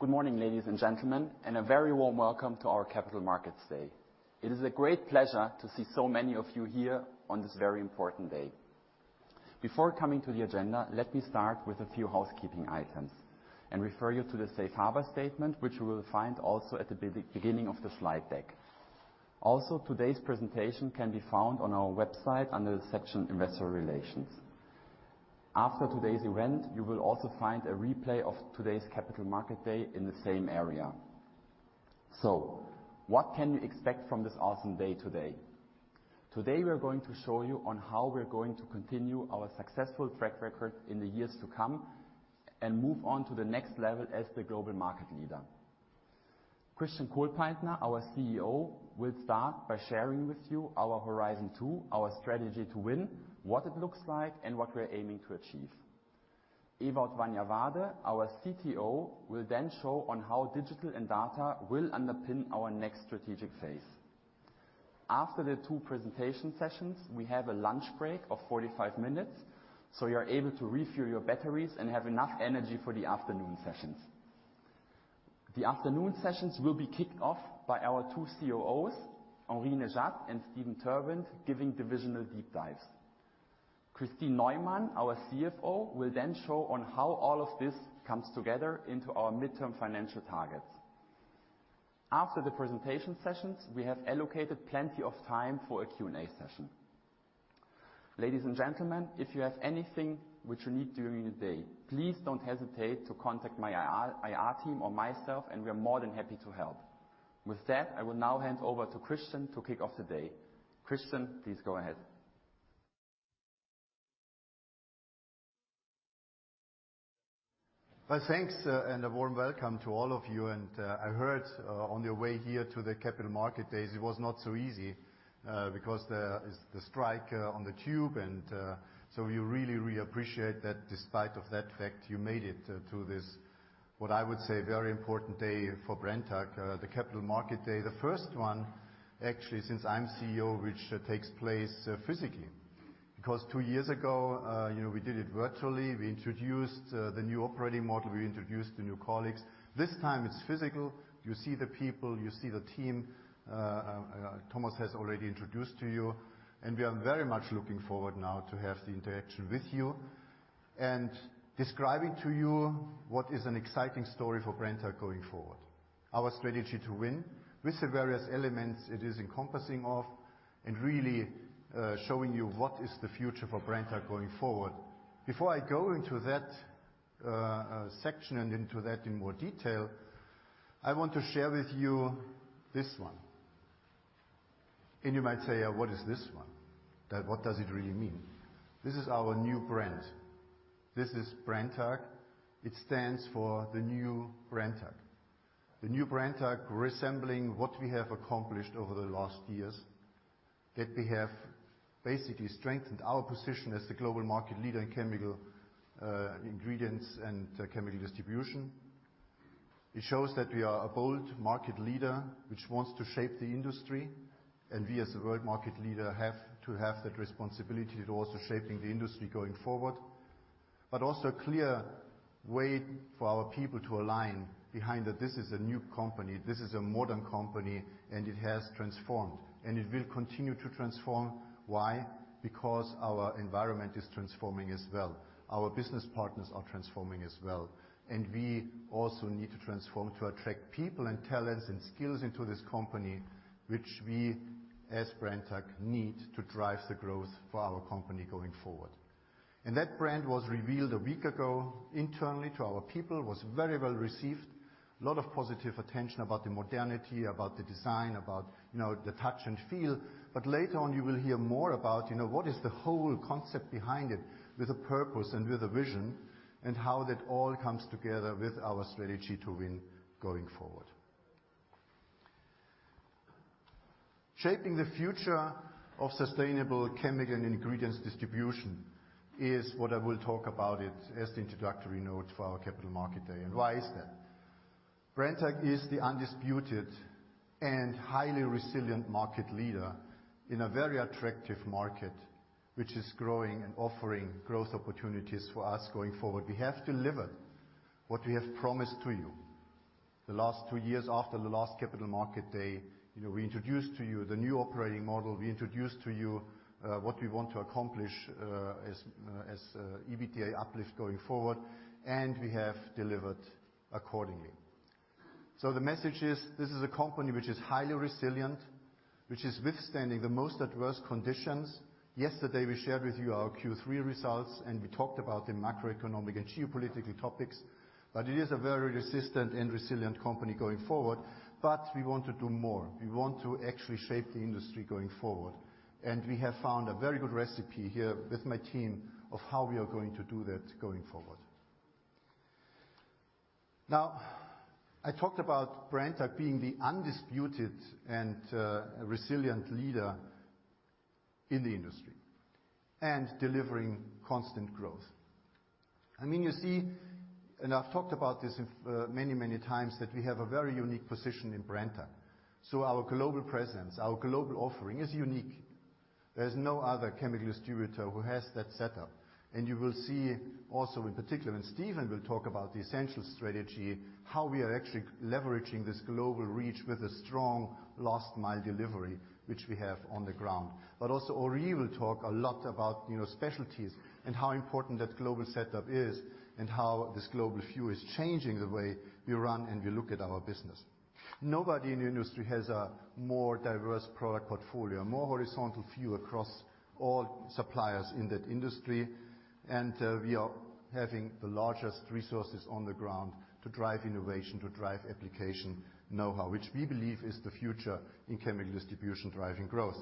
Good morning, ladies and gentlemen and a very warm welcome to our Capital Markets Day. It is a great pleasure to see so many of you here on this very important day. Before coming to the agenda, let me start with a few housekeeping items and refer you to the safe harbor statement, which you will find also at the beginning of the slide deck. Also, today's presentation can be found on our website under the section Investor Relations. After today's event, you will also find a replay of today's Capital Markets Day in the same area. What can you expect from this awesome day today? Today we're going to show you how we're going to continue our successful track record in the years to come and move on to the next level as the global market leader. Christian Kohlpaintner, our CEO, will start by sharing with you our Horizon 2, our strategy to win, what it looks like, and what we are aiming to achieve. Ewout van Jarwaarde, our CTO, will then show on how Digital and Data will underpin our next strategic phase. After the two presentation sessions, we have a lunch break of 45 minutes, so you're able to refuel your batteries and have enough energy for the afternoon sessions. The afternoon sessions will be kicked off by our two COOs, Henri Nejade and Steven Terwindt, giving divisional deep dives. Kristin Neumann, our CFO, will then show on how all of this comes together into our midterm financial targets. After the presentation sessions, we have allocated plenty of time for a Q&A session. Ladies and gentlemen, if you have anything which you need during the day, please don't hesitate to contact my IR team or myself, and we are more than happy to help. With that, I will now hand over to Christian to kick off the day. Christian, please go ahead. Well, thanks, and a warm welcome to all of you. I heard on your way here to the Capital Market Days, it was not so easy because there is the strike on the tube. We really really appreciate that despite of that fact, you made it to this, what I would say, very important day for Brenntag, the Capital Market Day. The first one actually, since I'm CEO, which takes place physically. Because two years ago, you know, we did it virtually. We introduced the new operating model. We introduced the new colleagues. This time it's physical. You see the people. You see the team, Thomas has already introduced to you. We are very much looking forward now to have the interaction with you and describing to you what is an exciting story for Brenntag going forward. Our strategy to win with the various elements it is encompassing of and really showing you what is the future for Brenntag going forward. Before I go into that section and into that in more detail, I want to share with you this one. You might say, "What is this one? What does it really mean?" This is our new brand. This is Brenntag. It stands for the new Brenntag. The new Brenntag resembling what we have accomplished over the last years, that we have basically strengthened our position as the global market leader in chemical ingredients and chemical distribution. It shows that we are a bold market leader which wants to shape the industry. We, as a world market leader, have to have that responsibility to also shape the industry going forward. A clear way for our people to align behind that this is a new company, this is a modern company, and it has transformed, and it will continue to transform. Why? Because our environment is transforming as well. Our business partners are transforming as well. We also need to transform to attract people and talents and skills into this company, which we, as Brenntag, need to drive the growth for our company going forward. That brand was revealed a week ago internally to our people. Was very well received. A lot of positive attention about the modernity, about the design, about, you know, the touch and feel. Later on you will hear more about, you know, what is the whole concept behind it with a purpose and with a vision, and how that all comes together with our strategy to win going forward. Shaping the future of sustainable chemical ingredients distribution is what I will talk about it as the introductory note for our Capital Market Day. Why is that? Brenntag is the undisputed and highly resilient market leader in a very attractive market which is growing and offering growth opportunities for us going forward. We have delivered what we have promised to you. The last two years after the last Capital Market Day, you know, we introduced to you the new operating model. We introduced to you what we want to accomplish as EBITDA uplift going forward, and we have delivered accordingly. The message is this is a company which is highly resilient, which is withstanding the most adverse conditions. Yesterday, we shared with you our Q3 results, and we talked about the macroeconomic and geopolitical topics, but it is a very resistant and resilient company going forward. We want to do more. We want to actually shape the industry going forward. We have found a very good recipe here with my team of how we are going to do that going forward. Now, I talked about Brenntag being the undisputed and, resilient leader in the industry and delivering constant growth. I mean, you see, and I've talked about this many, many times, that we have a very unique position in Brenntag. Our global presence, our global offering is unique. There's no other chemical distributor who has that setup. You will see also in particular when Steven will talk about the Essentials strategy, how we are actually leveraging this global reach with a strong last mile delivery, which we have on the ground. Also, Henri will talk a lot about, you know, specialties and how important that global setup is and how this global view is changing the way we run and we look at our business. Nobody in the industry has a more diverse product portfolio, more horizontal view across all suppliers in that industry. We are having the largest resources on the ground to drive innovation, to drive application know-how, which we believe is the future in chemical distribution driving growth.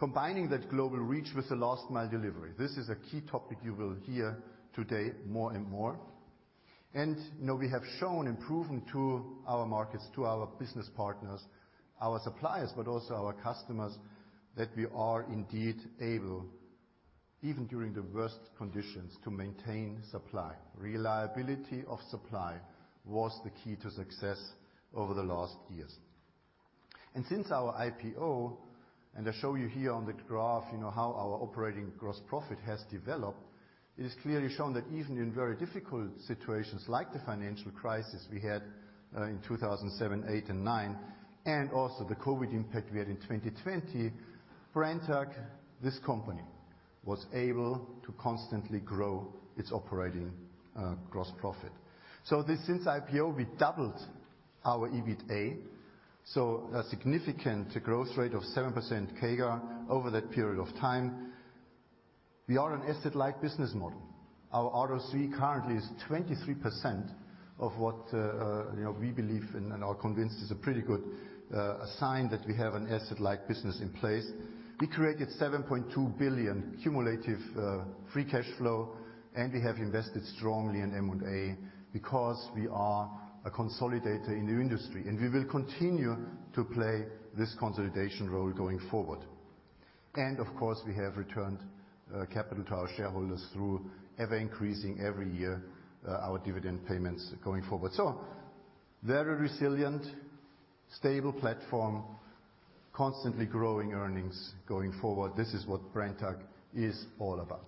Combining that global reach with the last mile delivery, this is a key topic you will hear today more and more. You know, we have shown and proven to our markets, to our business partners, our suppliers, but also our customers, that we are indeed able, even during the worst conditions, to maintain supply. Reliability of supply was the key to success over the last years. Since our IPO, and I show you here on the graph, you know, how our operating gross profit has developed, it has clearly shown that even in very difficult situations like the financial crisis we had in 2007, 2008, and 2009, and also the COVID impact we had in 2020, Brenntag, this company, was able to constantly grow its operating gross profit. Since IPO, we doubled our EBITDA, so a significant growth rate of 7% CAGR over that period of time. We are an asset-light business model. Our ROCE currently is 23% of what, you know, we believe and are convinced is a pretty good sign that we have an asset-light business in place. We created 7.2 billion cumulative free cash flow, and we have invested strongly in M&A because we are a consolidator in the industry, and we will continue to play this consolidation role going forward. Of course, we have returned capital to our shareholders through ever-increasing every year our dividend payments going forward. Very resilient, stable platform, constantly growing earnings going forward. This is what Brenntag is all about.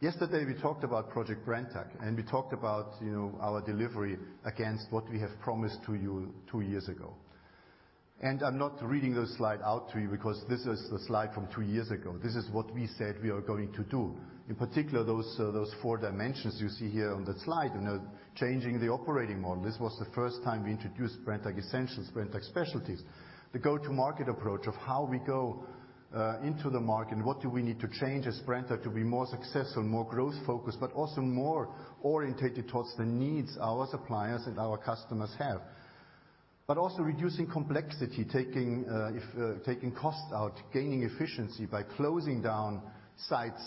Yesterday, we talked about Project Brenntag, and we talked about, you know, our delivery against what we have promised to you two years ago. I'm not reading this slide out to you because this is the slide from two years ago. This is what we said we are going to do. In particular, those four dimensions you see here on the slide, you know, changing the operating model. This was the first time we introduced Brenntag Essentials, Brenntag Specialties. The go-to-market approach of how we go into the market and what do we need to change as Brenntag to be more successful, more growth-focused, but also more orientated towards the needs our suppliers and our customers have. Also reducing complexity, taking costs out, gaining efficiency by closing down sites,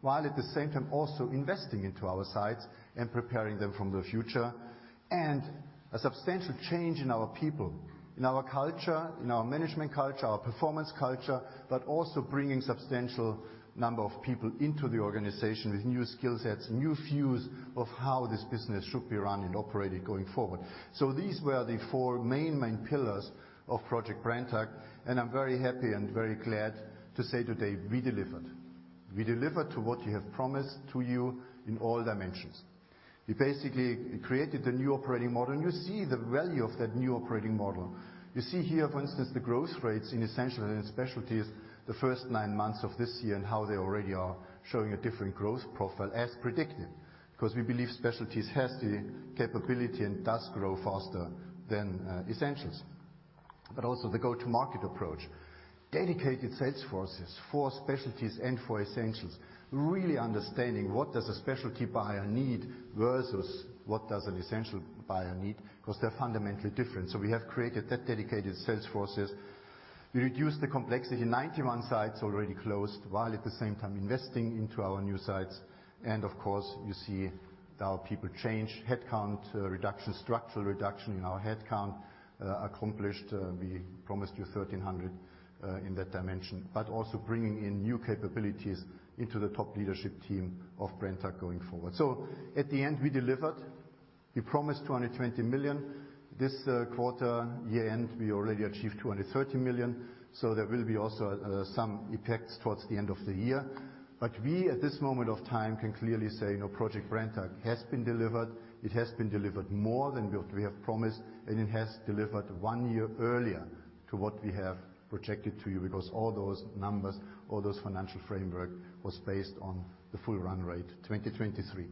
while at the same time also investing into our sites and preparing them for the future. A substantial change in our people, in our culture, in our management culture, our performance culture, but also bringing substantial number of people into the organization with new skill sets, new views of how this business should be run and operated going forward. These were the four main pillars of Project Brenntag, and I'm very happy and very glad to say today we delivered. We delivered to what we have promised to you in all dimensions. We basically created a new operating model, and you see the value of that new operating model. You see here, for instance, the growth rates in Essentials and in Specialties the first nine months of this year and how they already are showing a different growth profile as predicted. Because we believe Specialties has the capability and does grow faster than, Essentials. Also the go-to-market approach. Dedicated sales forces for Specialties and for Essentials, really understanding what does a Specialty buyer need versus what does an Essential buyer need, because they're fundamentally different. We have created that dedicated sales forces. We reduced the complexity. 91 sites already closed, while at the same time investing into our new sites. Of course, you see our people change. Headcount reduction, structural reduction in our headcount, accomplished. We promised you 1,300 in that dimension. Also bringing in new capabilities into the top leadership team of Brenntag going forward. At the end, we delivered. We promised 220 million. This quarter, year-end, we already achieved 230 million. There will be also some effects towards the end of the year. We, at this moment of time, can clearly say, you know, Project Brenntag has been delivered. It has been delivered more than what we have promised, and it has delivered 1 year earlier to what we have projected to you, because all those numbers, all those financial framework was based on the full run rate, 2023.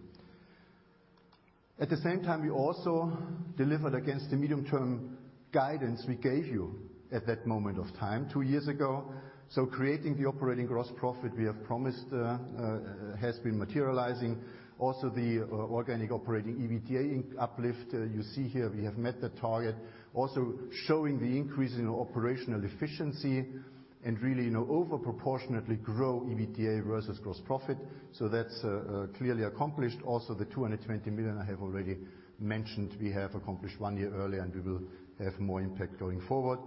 At the same time, we also delivered against the medium-term guidance we gave you at that moment of time two years ago. Creating the operating gross profit we have promised has been materializing. Also the organic operating EBITDA uplift, you see here we have met the target. Also showing the increase in operational efficiency and really, you know, over-proportionately grow EBITDA versus gross profit. That's clearly accomplished. Also the 220 million I have already mentioned we have accomplished 1 year earlier, and we will have more impact going forward.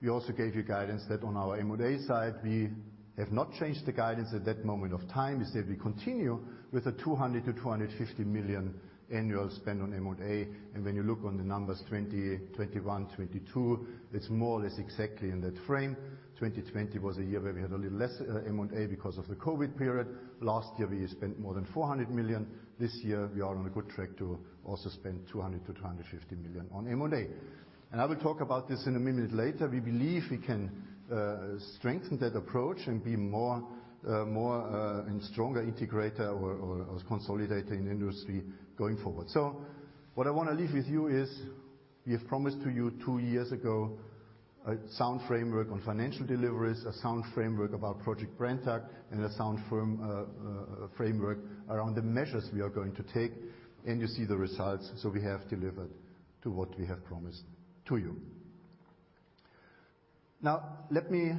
We also gave you guidance that on our M&A side, we have not changed the guidance at that moment of time. We said we continue with a 200 million-250 million annual spend on M&A. When you look on the numbers, 2020, 2021, 2022, it's more or less exactly in that frame. 2020 was a year where we had a little less M&A because of the COVID period. Last year, we spent more than 400 million. This year, we are on a good track to also spend 200 million-250 million on M&A. I will talk about this in a minute later. We believe we can strengthen that approach and be more and stronger integrator or as consolidator in the industry going forward. What I wanna leave with you is, we have promised to you two years ago a sound framework on financial deliveries, a sound framework about Project Brenntag, and a sound firm framework around the measures we are going to take, and you see the results. We have delivered to what we have promised to you. Now let me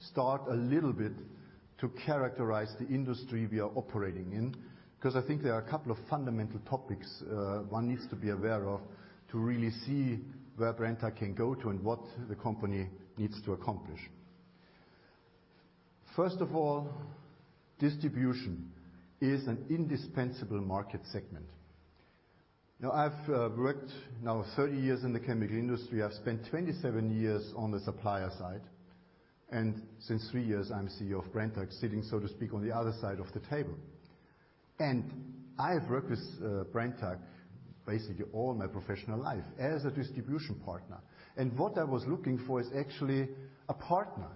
start a little bit to characterize the industry we are operating in, 'cause I think there are a couple of fundamental topics, one needs to be aware of to really see where Brenntag can go to and what the company needs to accomplish. First of all, distribution is an indispensable market segment. I've worked now 30 years in the chemical industry. I've spent 27 years on the supplier side, and since 3 years I'm CEO of Brenntag, sitting, so to speak, on the other side of the table. I have worked with Brenntag basically all my professional life as a distribution partner. What I was looking for is actually a partner,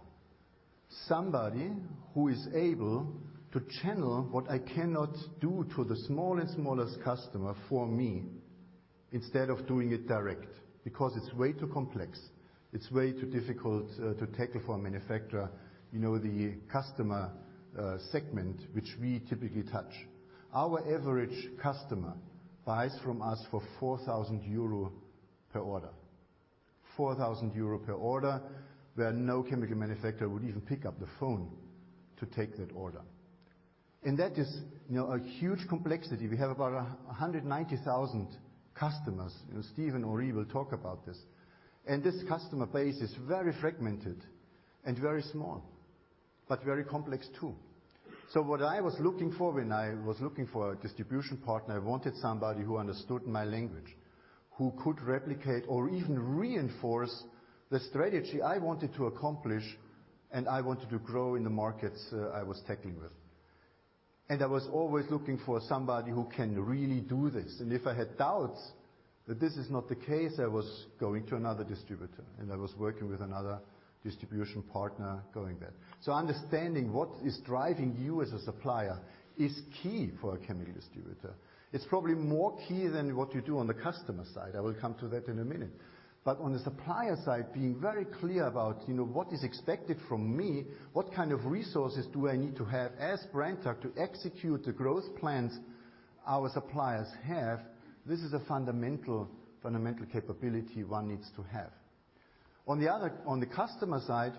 somebody who is able to channel what I cannot do to the small and smallest customer for me instead of doing it direct, because it's way too complex. It's way too difficult to tackle for a manufacturer, you know, the customer segment, which we typically touch. Our average customer buys from us for 4,000 euro per order. 4,000 euro per order, where no chemical manufacturer would even pick up the phone to take that order. That is, you know, a huge complexity. We have about 190,000 customers, and Steven Terwindt will talk about this. This customer base is very fragmented and very small, but very complex too. What I was looking for when I was looking for a distribution partner, I wanted somebody who understood my language, who could replicate or even reinforce the strategy I wanted to accomplish, and I wanted to grow in the markets, I was tackling with. I was always looking for somebody who can really do this. If I had doubts that this is not the case, I was going to another distributor, and I was working with another distribution partner going there. Understanding what is driving you as a supplier is key for a chemical distributor. It's probably more key than what you do on the customer side. I will come to that in a minute. On the supplier side, being very clear about, you know, what is expected from me, what kind of resources do I need to have as Brenntag to execute the growth plans our suppliers have, this is a fundamental capability one needs to have. On the customer side,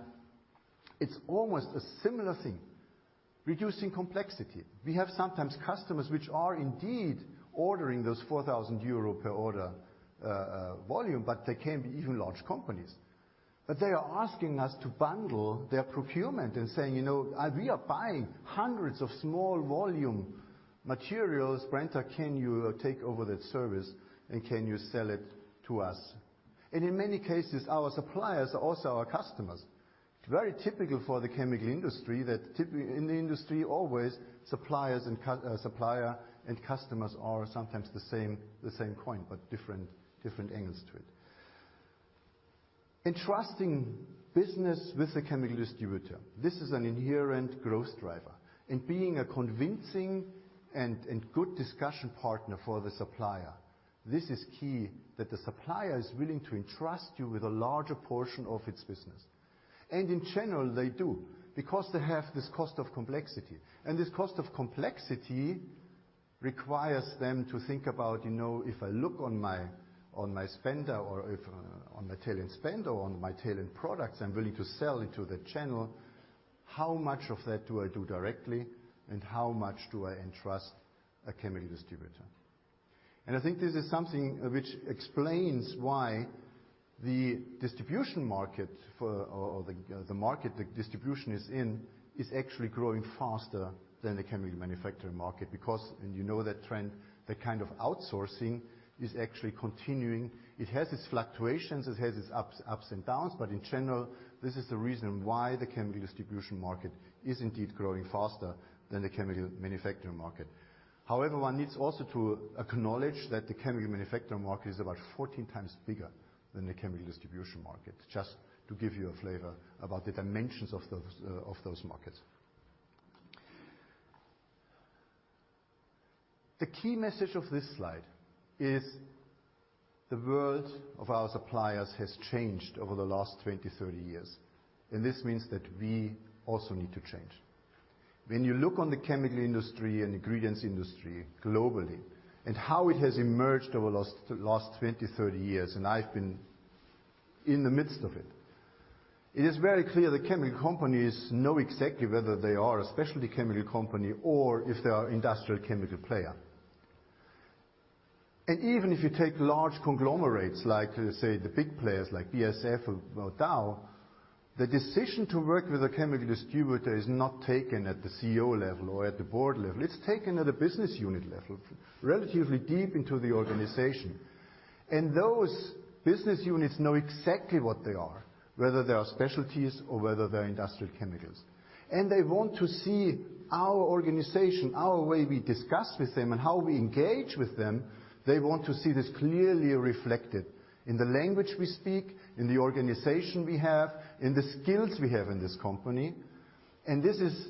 it's almost a similar thing, reducing complexity. We have sometimes customers which are indeed ordering those 4,000 euro per order volume, but they can be even large companies. They are asking us to bundle their procurement and saying, "You know, we are buying hundreds of small volume materials. Brenntag, can you take over that service, and can you sell it to us?" And in many cases, our suppliers are also our customers. It's very typical for the chemical industry that in the industry always, suppliers and customers are sometimes the same coin, but different angles to it. Entrusting business with a chemical distributor, this is an inherent growth driver. Being a convincing and good discussion partner for the supplier, this is key that the supplier is willing to entrust you with a larger portion of its business. In general, they do, because they have this cost of complexity. This cost of complexity requires them to think about, you know, if I look on my spender or if on my tail end spend or on my tail end products I'm willing to sell into the channel, how much of that do I do directly and how much do I entrust a chemical distributor? I think this is something which explains why the distribution market is actually growing faster than the chemical manufacturing market because you know that trend, the kind of outsourcing is actually continuing. It has its fluctuations, it has its ups and downs, but in general, this is the reason why the chemical distribution market is indeed growing faster than the chemical manufacturing market. However, one needs also to acknowledge that the chemical manufacturing market is about 14x bigger than the chemical distribution market, just to give you a flavor about the dimensions of those of those markets. The key message of this slide is the world of our suppliers has changed over the last 20-30 years, and this means that we also need to change. When you look on the chemical industry and ingredients industry globally and how it has emerged over the last 20, 30 years, and I've been in the midst of it is very clear the chemical companies know exactly whether they are a specialty chemical company or if they are industrial chemical player. Even if you take large conglomerates, like, say, the big players like BASF or Dow, the decision to work with a chemical distributor is not taken at the CEO level or at the board level. It's taken at a business unit level, relatively deep into the organization. Those business units know exactly what they are, whether they are specialties or whether they're industrial chemicals. They want to see our organization, our way we discuss with them and how we engage with them. They want to see this clearly reflected in the language we speak, in the organization we have, in the skills we have in this company. This is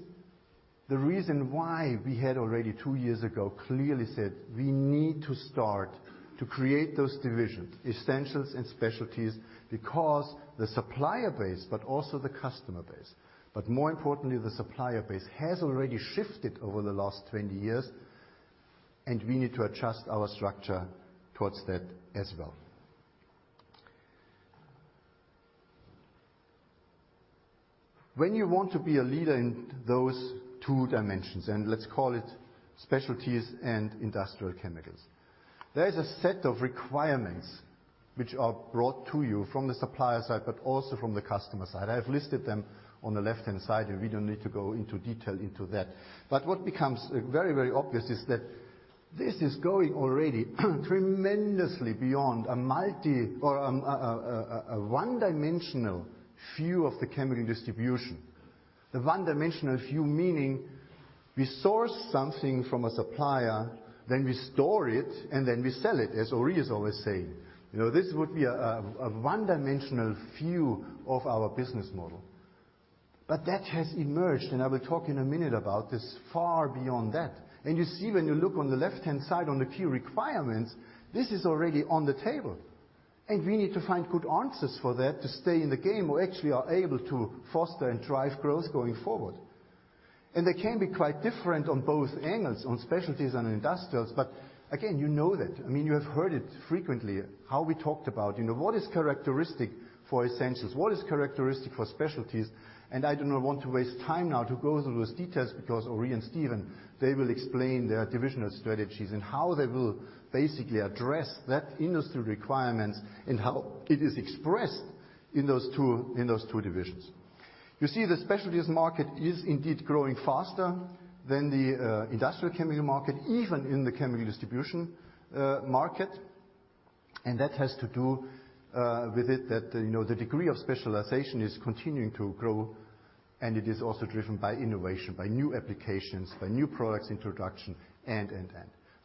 the reason why we had already two years ago clearly said, we need to start to create those divisions, Essentials and Specialties, because the supplier base, but also the customer base. More importantly, the supplier base has already shifted over the last 20 years, and we need to adjust our structure towards that as well. When you want to be a leader in those two dimensions, and let's call it specialties and industrial chemicals, there is a set of requirements which are brought to you from the supplier side, but also from the customer side. I have listed them on the left-hand side, and we don't need to go into detail into that. What becomes very, very obvious is that this is going already tremendously beyond a one-dimensional view of the chemical distribution. The one-dimensional view, meaning we source something from a supplier, then we store it, and then we sell it, as Henri Nejade is always saying. You know, this would be a one-dimensional view of our business model. That has emerged, and I will talk in a minute about this, far beyond that. You see when you look on the left-hand side on the key requirements, this is already on the table. We need to find good answers for that to stay in the game, or actually are able to foster and drive growth going forward. They can be quite different on both angles, on specialties and industrials. Again, you know that. I mean, you have heard it frequently, how we talked about, you know, what is characteristic for essentials, what is characteristic for specialties. I do not want to waste time now to go through those details because Henri Nejade and Steven Terwindt, they will explain their divisional strategies and how they will basically address that industry requirements and how it is expressed in those two divisions. You see the specialties market is indeed growing faster than the industrial chemical market, even in the chemical distribution market. That has to do with it that, you know, the degree of specialization is continuing to grow, and it is also driven by innovation, by new applications, by new products introduction.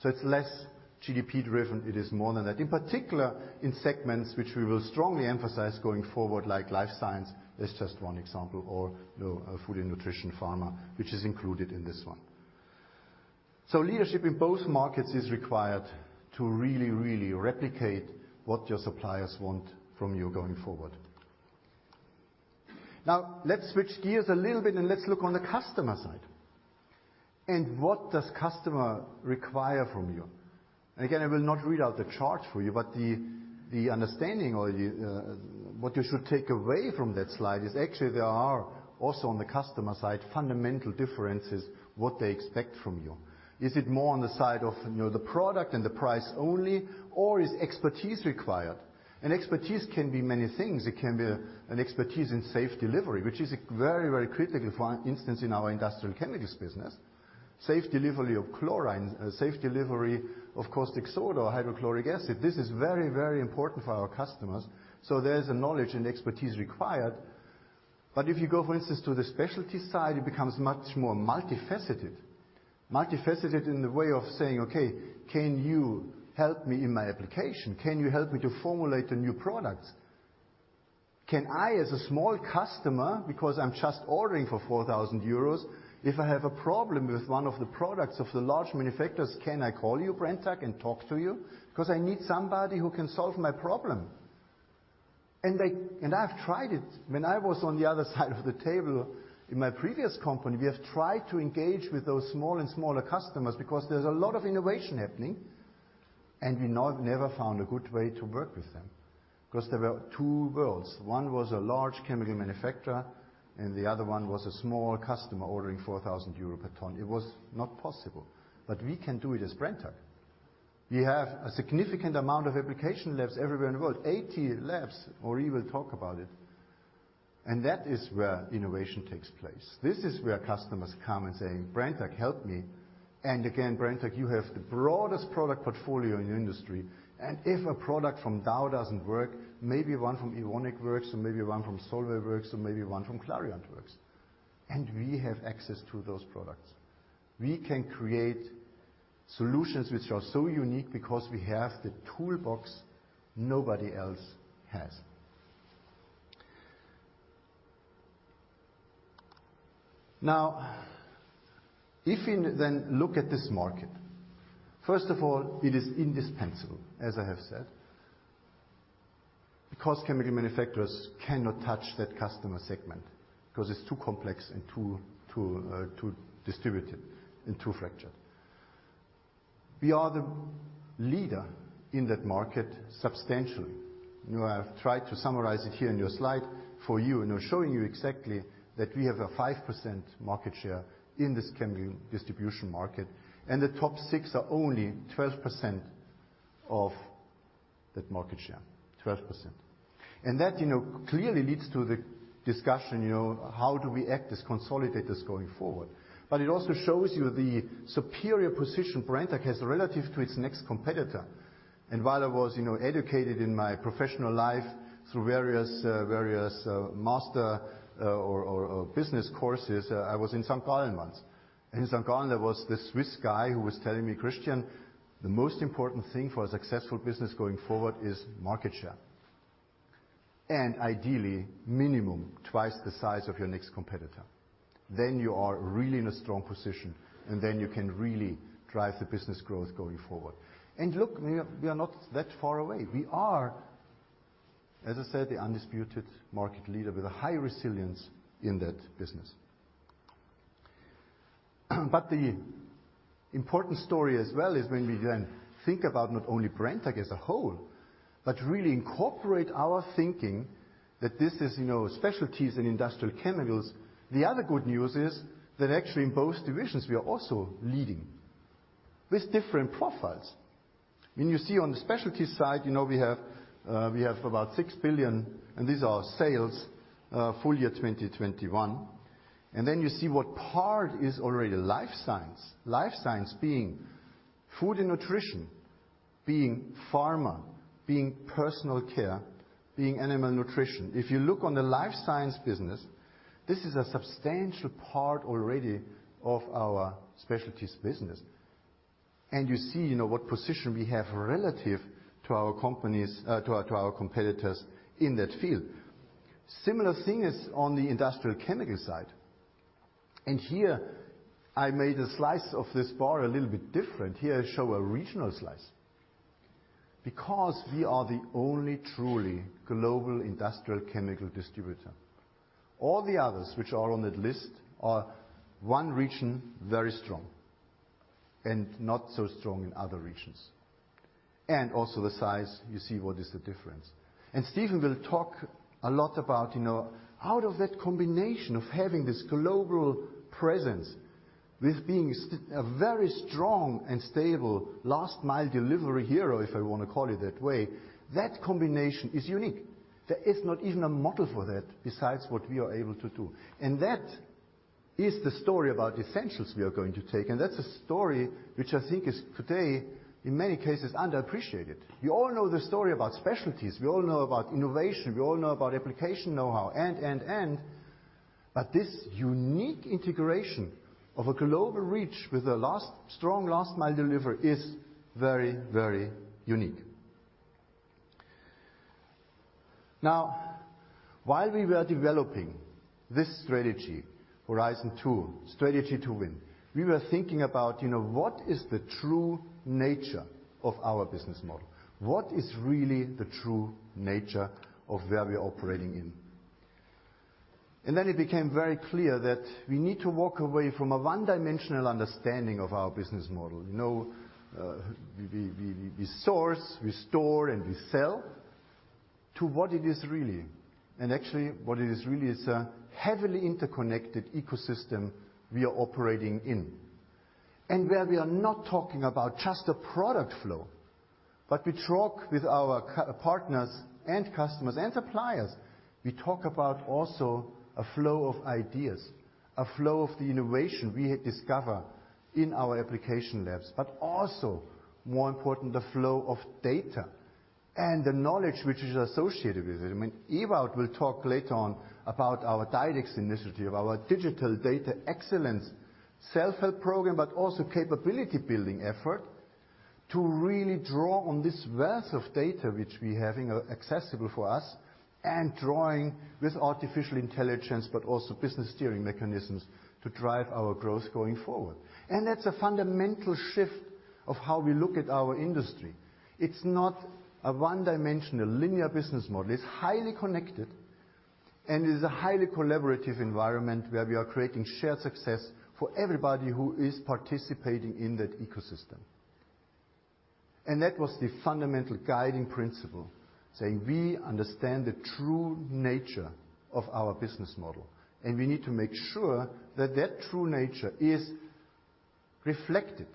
It's less GDP-driven. It is more than that. In particular, in segments which we will strongly emphasize going forward, like life science is just one example, or, you know, food and nutrition, pharma, which is included in this one. Leadership in both markets is required to really replicate what your suppliers want from you going forward. Now, let's switch gears a little bit, and let's look on the customer side. What does customer require from you? Again, I will not read out the chart for you, but the understanding or what you should take away from that slide is actually there are also on the customer side, fundamental differences, what they expect from you. Is it more on the side of, you know, the product and the price only, or is expertise required? Expertise can be many things. It can be an expertise in safe delivery, which is very, very critical, for instance, in our industrial chemicals business. Safe delivery of chlorine, safe delivery of caustic soda or hydrochloric acid. This is very, very important for our customers. There is a knowledge and expertise required. If you go, for instance, to the specialty side, it becomes much more multifaceted. Multifaceted in the way of saying, "Okay, can you help me in my application? Can you help me to formulate a new product? Can I, as a small customer, because I'm just ordering for 4,000 euros, if I have a problem with one of the products of the large manufacturers, can I call you, Brenntag, and talk to you? Because I need somebody who can solve my problem." I've tried it. When I was on the other side of the table in my previous company, we have tried to engage with those small and smaller customers because there's a lot of innovation happening, and we know I've never found a good way to work with them because there were two worlds. One was a large chemical manufacturer, and the other one was a small customer ordering 4,000 euro per ton. It was not possible. We can do it as Brenntag. We have a significant amount of application labs everywhere in the world. 80 labs, Henri Nejade will talk about it. That is where innovation takes place. This is where customers come and say, "Brenntag, help me." Again, Brenntag, you have the broadest product portfolio in the industry. If a product from Dow doesn't work, maybe one from Evonik works, or maybe one from Solvay works, or maybe one from Clariant works. We have access to those products. We can create solutions which are so unique because we have the toolbox nobody else has. Now, if you then look at this market, first of all, it is indispensable, as I have said. Because chemical manufacturers cannot touch that customer segment because it's too complex and too distributed and too fractured. We are the leader in that market substantially. You have tried to summarize it here in your slide for you and showing you exactly that we have a 5% market share in this chemical distribution market, and the top six are only 12% of that market share. 12%. That, you know, clearly leads to the discussion, you know, how do we act as consolidators going forward? It also shows you the superior position Brenntag has relative to its next competitor. While I was, you know, educated in my professional life through various master or business courses, I was in St. Gallen once. In St. Gallen, there was this Swiss guy who was telling me, "Christian, the most important thing for a successful business going forward is market share. And ideally, minimum twice the size of your next competitor. Then you are really in a strong position, and then you can really drive the business growth going forward." Look, we are not that far away. We are, as I said, the undisputed market leader with a high resilience in that business. The important story as well is when we then think about not only Brenntag as a whole, but really incorporate our thinking that this is, you know, specialties in industrial chemicals. The other good news is that actually in both divisions, we are also leading with different profiles. When you see on the specialties side, you know, we have about 6 billion, and these are sales full year 2021. And then you see what part is already life science. Life science being food and nutrition, being pharma, being personal care, being animal nutrition. If you look on the life science business, this is a substantial part already of our specialties business. And you see, you know, what position we have relative to our competitors in that field. Similar thing is on the industrial chemical side. Here I made a slice of this bar a little bit different. Here I show a regional slice. Because we are the only truly global industrial chemical distributor. All the others which are on that list are one region, very strong, and not so strong in other regions. Also the size, you see what is the difference. Steven will talk a lot about, you know, out of that combination of having this global presence with being a very strong and stable last-mile delivery hero, if I wanna call it that way, that combination is unique. There is not even a model for that besides what we are able to do. That is the story about Essentials we are going to take, and that's a story which I think is today, in many cases, underappreciated. You all know the story about Specialties. We all know about innovation. We all know about application know-how, and. But this unique integration of a global reach with a strong last-mile delivery is very, very unique. Now, while we were developing this strategy, Horizon 2, Strategy to Win, we were thinking about, you know, what is the true nature of our business model? What is really the true nature of where we're operating in? Then it became very clear that we need to walk away from a one-dimensional understanding of our business model. You know, we source, we store, and we sell to what it is really. Actually, what it is really is a heavily interconnected ecosystem we are operating in. Where we are not talking about just a product flow, but we talk with our partners and customers and suppliers. We talk about also a flow of ideas, a flow of the innovation we discover in our application labs. Also, more important, the flow of data and the knowledge which is associated with it. I mean, Ewout will talk later on about our DiDEX initiative, our Digital, Data and Excellence self-help program, but also capability-building effort to really draw on this wealth of data which we have, you know, accessible for us, and drawing with artificial intelligence, but also business steering mechanisms to drive our growth going forward. That's a fundamental shift of how we look at our industry. It's not a one-dimensional linear business model. It's highly connected, and it is a highly collaborative environment where we are creating shared success for everybody who is participating in that ecosystem. That was the fundamental guiding principle, saying we understand the true nature of our business model, and we need to make sure that that true nature is reflected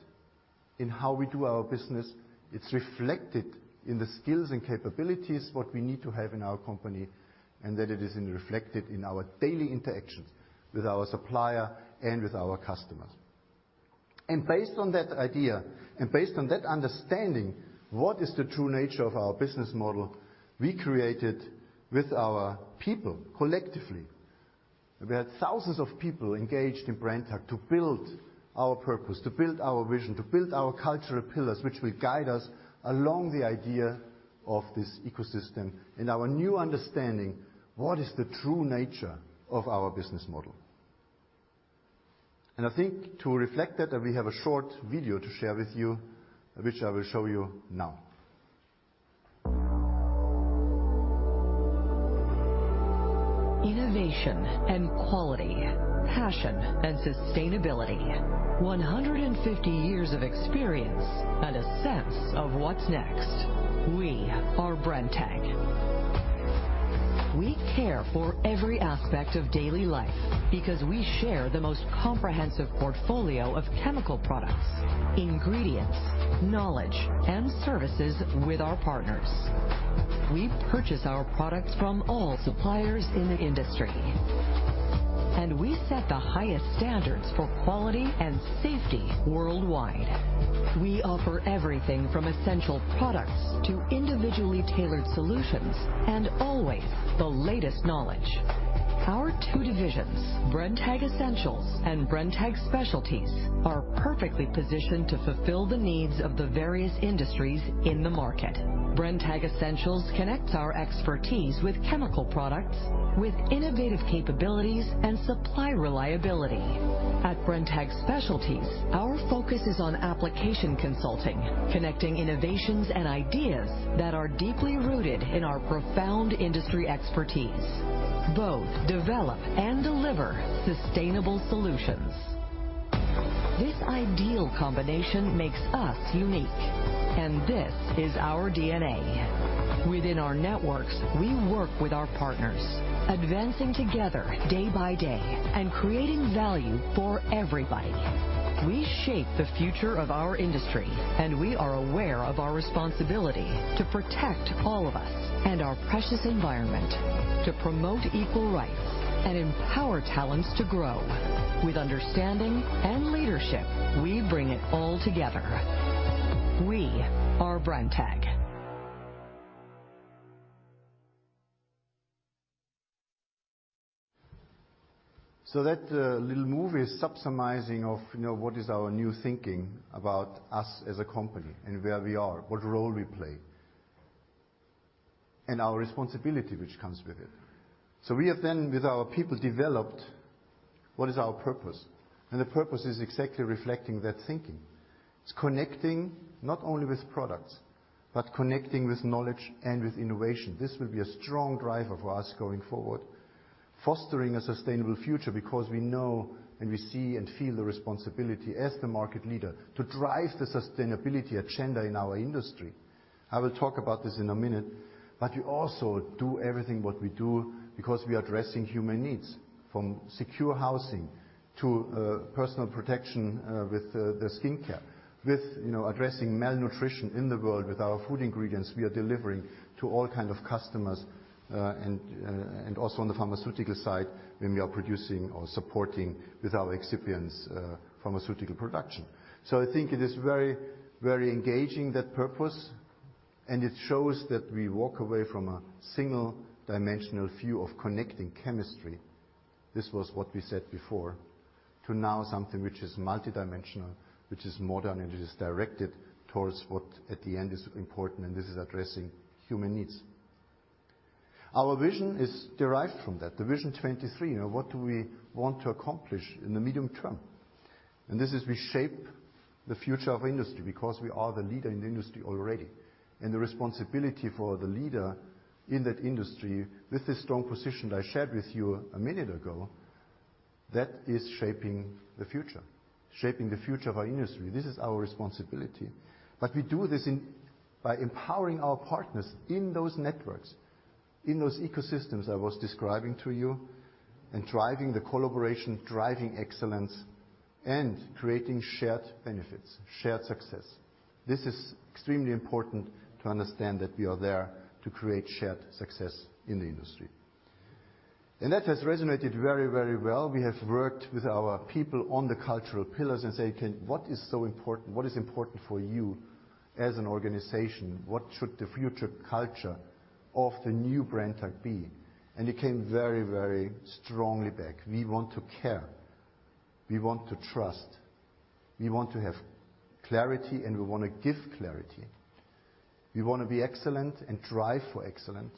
in how we do our business. It's reflected in the skills and capabilities that we need to have in our company, and that it is reflected in our daily interactions with our supplier and with our customers. Based on that idea, and based on that understanding of what is the true nature of our business model, we created with our people collectively. We had thousands of people engaged in Brenntag to build our purpose, to build our vision, to build our cultural pillars, which will guide us along the idea of this ecosystem and our new understanding of what is the true nature of our business model. I think to reflect that, we have a short video to share with you, which I will show you now. Innovation and quality, passion and sustainability. 150 years of experience and a sense of what's next. We are Brenntag. We care for every aspect of daily life because we share the most comprehensive portfolio of chemical products, ingredients, knowledge, and services with our partners. We purchase our products from all suppliers in the industry, and we set the highest standards for quality and safety worldwide. We offer everything from essential products to individually tailored solutions and always the latest knowledge. Our two divisions, Brenntag Essentials and Brenntag Specialties, are perfectly positioned to fulfill the needs of the various industries in the market. Brenntag Essentials connects our expertise with chemical products, with innovative capabilities, and supply reliability. At Brenntag Specialties, our focus is on application consulting, connecting innovations and ideas that are deeply rooted in our profound industry expertise. Both develop and deliver sustainable solutions. This ideal combination makes us unique, and this is our DNA. Within our networks, we work with our partners, advancing together day by day and creating value for everybody. We shape the future of our industry, and we are aware of our responsibility to protect all of us and our precious environment, to promote equal rights and empower talents to grow. With understanding and leadership, we bring it all together. We are Brenntag. That little movie is summarizing of, you know, what is our new thinking about us as a company and where we are, what role we play, and our responsibility which comes with it. We have then, with our people, developed what is our purpose. The purpose is exactly reflecting that thinking. It's connecting not only with products, but connecting with knowledge and with innovation. This will be a strong driver for us going forward. Fostering a sustainable future because we know and we see and feel the responsibility as the market leader to drive the sustainability agenda in our industry. I will talk about this in a minute, but we also do everything what we do because we are addressing human needs. From secure housing to personal protection with the skincare. With you know, addressing malnutrition in the world with our food ingredients we are delivering to all kind of customers. And also on the pharmaceutical side, when we are producing or supporting with our excipients, pharmaceutical production. I think it is very, very engaging, that purpose, and it shows that we walk away from a single-dimensional view of connecting chemistry. This was what we said before. To now something which is multidimensional, which is modern, and it is directed towards what at the end is important, and this is addressing human needs. Our vision is derived from that. The [Vision 23], you know, what do we want to accomplish in the medium term? This is we shape the future of industry because we are the leader in the industry already. The responsibility for the leader in that industry with the strong position that I shared with you a minute ago, that is shaping the future. Shaping the future of our industry. This is our responsibility. We do this by empowering our partners in those networks, in those ecosystems I was describing to you, and driving the collaboration, driving excellence, and creating shared benefits, shared success. This is extremely important to understand that we are there to create shared success in the industry. That has resonated very, very well. We have worked with our people on the cultural pillars and saying, "What is so important? What is important for you as an organization? What should the future culture of the new Brenntag be?" It came very, very strongly back. We want to care. We want to trust. We want to have clarity, and we wanna give clarity. We wanna be excellent and strive for excellence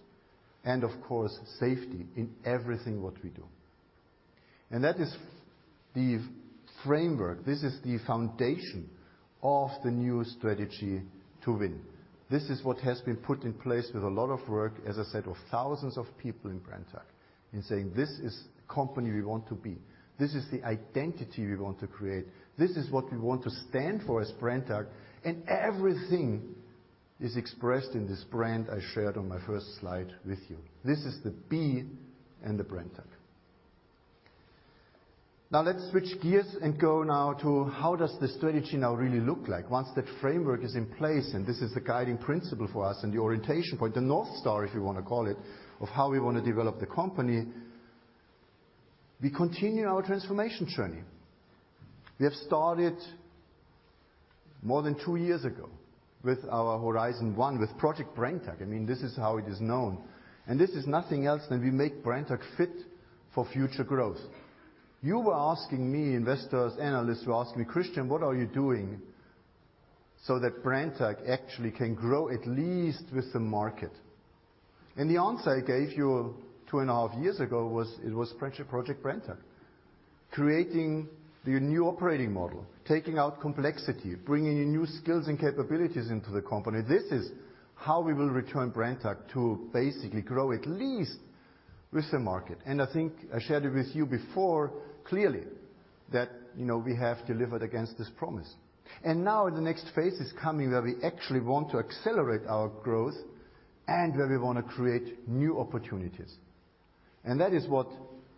and, of course, safety in everything that we do. That is the framework. This is the foundation of the new strategy to win. This is what has been put in place with a lot of work, as I said, of thousands of people in Brenntag. In saying, "This is the company we want to be. This is the identity we want to create. This is what we want to stand for as Brenntag." Everything is expressed in this brand I shared on my first slide with you. This is the B and the Brenntag. Now let's switch gears and go now to how does the strategy now really look like? Once that framework is in place, and this is the guiding principle for us and the orientation point, the North Star, if you wanna call it, of how we wanna develop the company, we continue our transformation journey. We have started more than two years ago with our Horizon 1, with Project Brenntag. I mean, this is how it is known. This is nothing else than we make Brenntag fit for future growth. You were asking me, Investors, Analysts were asking me, "Christian, what are you doing so that Brenntag actually can grow at least with the market?" The answer I gave you 2.5 years ago was, it was Project Brenntag. Creating the new operating model, taking out complexity, bringing in new skills and capabilities into the company. This is how we will return Brenntag to basically grow at least with the market. I think I shared it with you before, clearly, that, you know, we have delivered against this promise. Now the next phase is coming where we actually want to accelerate our growth and where we wanna create new opportunities. That is what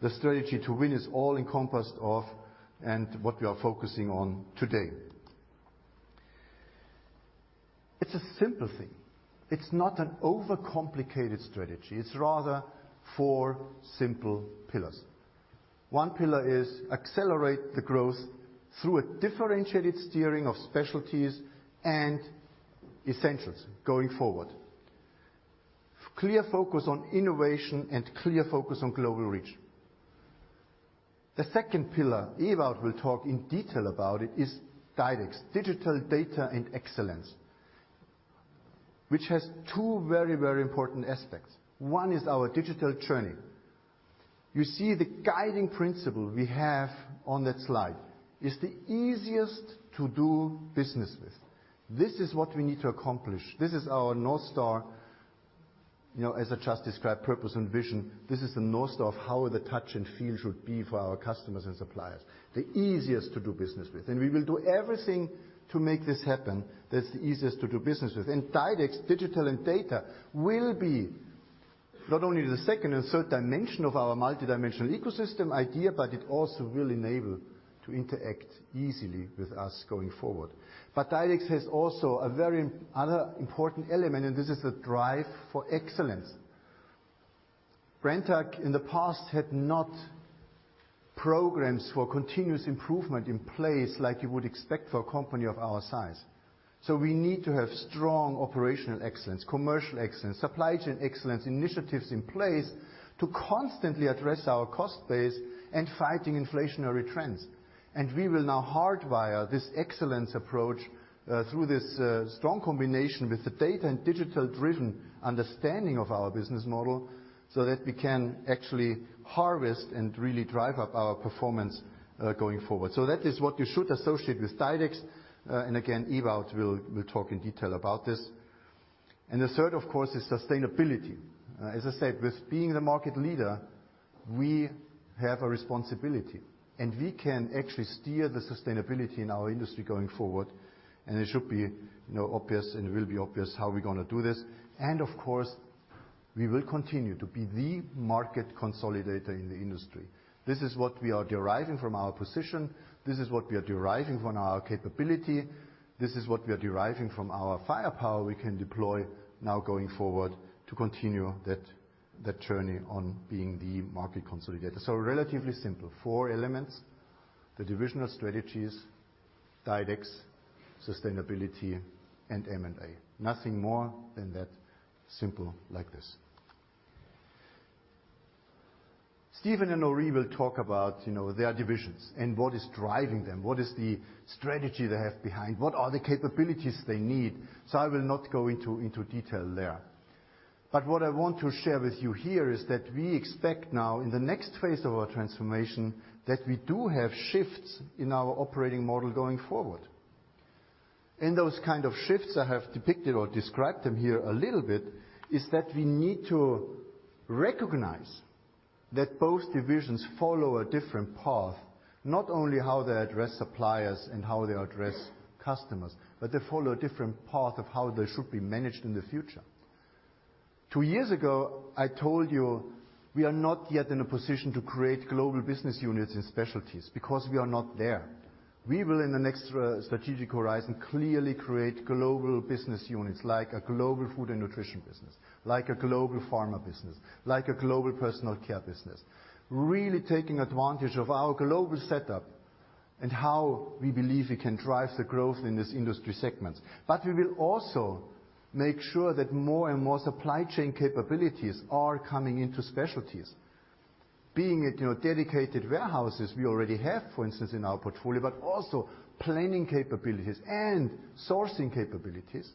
the strategy to win is all encompassed of and what we are focusing on today. It's a simple thing. It's not an overcomplicated strategy. It's rather four simple pillars. One pillar is accelerate the growth through a differentiated steering of specialties and essentials going forward. Clear focus on innovation and clear focus on global reach. The second pillar, Ewout will talk in detail about it, is DiDEX, Digital, Data, and Excellence, which has two very, very important aspects. One is our digital journey. You see the guiding principle we have on that slide is the easiest to do business with. This is what we need to accomplish. This is our North Star, you know, as I just described, purpose and vision. This is the North Star of how the touch and feel should be for our customers and suppliers. The easiest to do business with. We will do everything to make this happen, that's the easiest to do business with. DiDEX, Digital and Data, will be not only the second and third dimension of our multidimensional ecosystem idea, but it also will enable to interact easily with us going forward. DiDEX has also another very important element, and this is the drive for excellence. Brenntag in the past had no programs for continuous improvement in place like you would expect for a company of our size. We need to have strong operational excellence, commercial excellence, supply chain excellence initiatives in place to constantly address our cost base and fighting inflationary trends. We will now hardwire this excellence approach through this strong combination with the Data and Digital-driven understanding of our business model so that we can actually harvest and really drive up our performance going forward. That is what you should associate with DiDEX. And again, Ewout will talk in detail about this. The third, of course, is sustainability. As I said, with being the market leader, we have a responsibility, and we can actually steer the sustainability in our industry going forward, and it should be, you know, obvious and will be obvious how we're gonna do this. We will continue to be the market consolidator in the industry. This is what we are deriving from our position. This is what we are deriving from our capability. This is what we are deriving from our firepower we can deploy now going forward to continue that journey on being the market consolidator. Relatively simple. Four elements, the divisional strategies, DiDEX, sustainability and M&A. Nothing more than that. Simple like this. Steven and Henri will talk about, you know, their divisions and what is driving them, what is the strategy they have behind, what are the capabilities they need. I will not go into into detail there. What I want to share with you here is that we expect now in the next phase of our transformation, that we do have shifts in our operating model going forward. Those kind of shifts I have depicted or described them here a little bit. It is that we need to recognize that both divisions follow a different path, not only how they address suppliers and how they address customers, but they follow a different path of how they should be managed in the future. Two years ago, I told you we are not yet in a position to create global business units in specialties because we are not there. We will in the next strategic horizon clearly create global business units like a global food and nutrition business, like a global pharma business, like a global personal care business, really taking advantage of our global setup and how we believe we can drive the growth in this industry segments. But we will also make sure that more and more supply chain capabilities are coming into specialties. Being at your dedicated warehouses we already have, for instance, in our portfolio, but also planning capabilities and sourcing capabilities.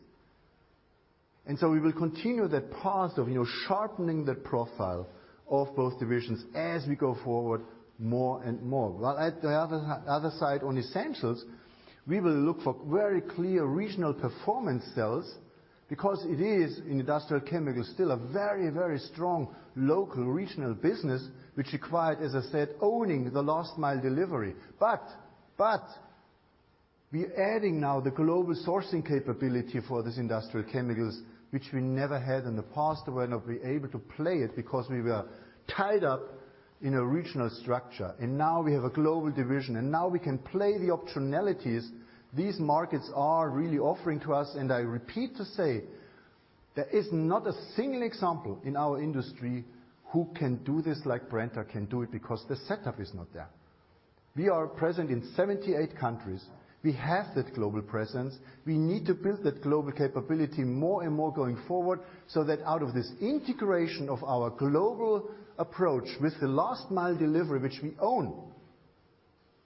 We will continue that path of, you know, sharpening the profile of both divisions as we go forward more and more. Well, at the other side on Essentials, we will look for very clear regional performance cells because it is in industrial chemicals, still a very strong local regional business which required, as I said, owning the last mile delivery. We're adding now the global sourcing capability for this industrial chemicals which we never had in the past. We were not be able to play it because we were tied up in a regional structure. Now we have a global division and now we can play the optionalities these markets are really offering to us. I repeat to say there is not a single example in our industry who can do this like Brenntag can do it because the setup is not there. We are present in 78 countries. We have that global presence. We need to build that global capability more and more going forward, so that out of this integration of our global approach with the last mile delivery which we own.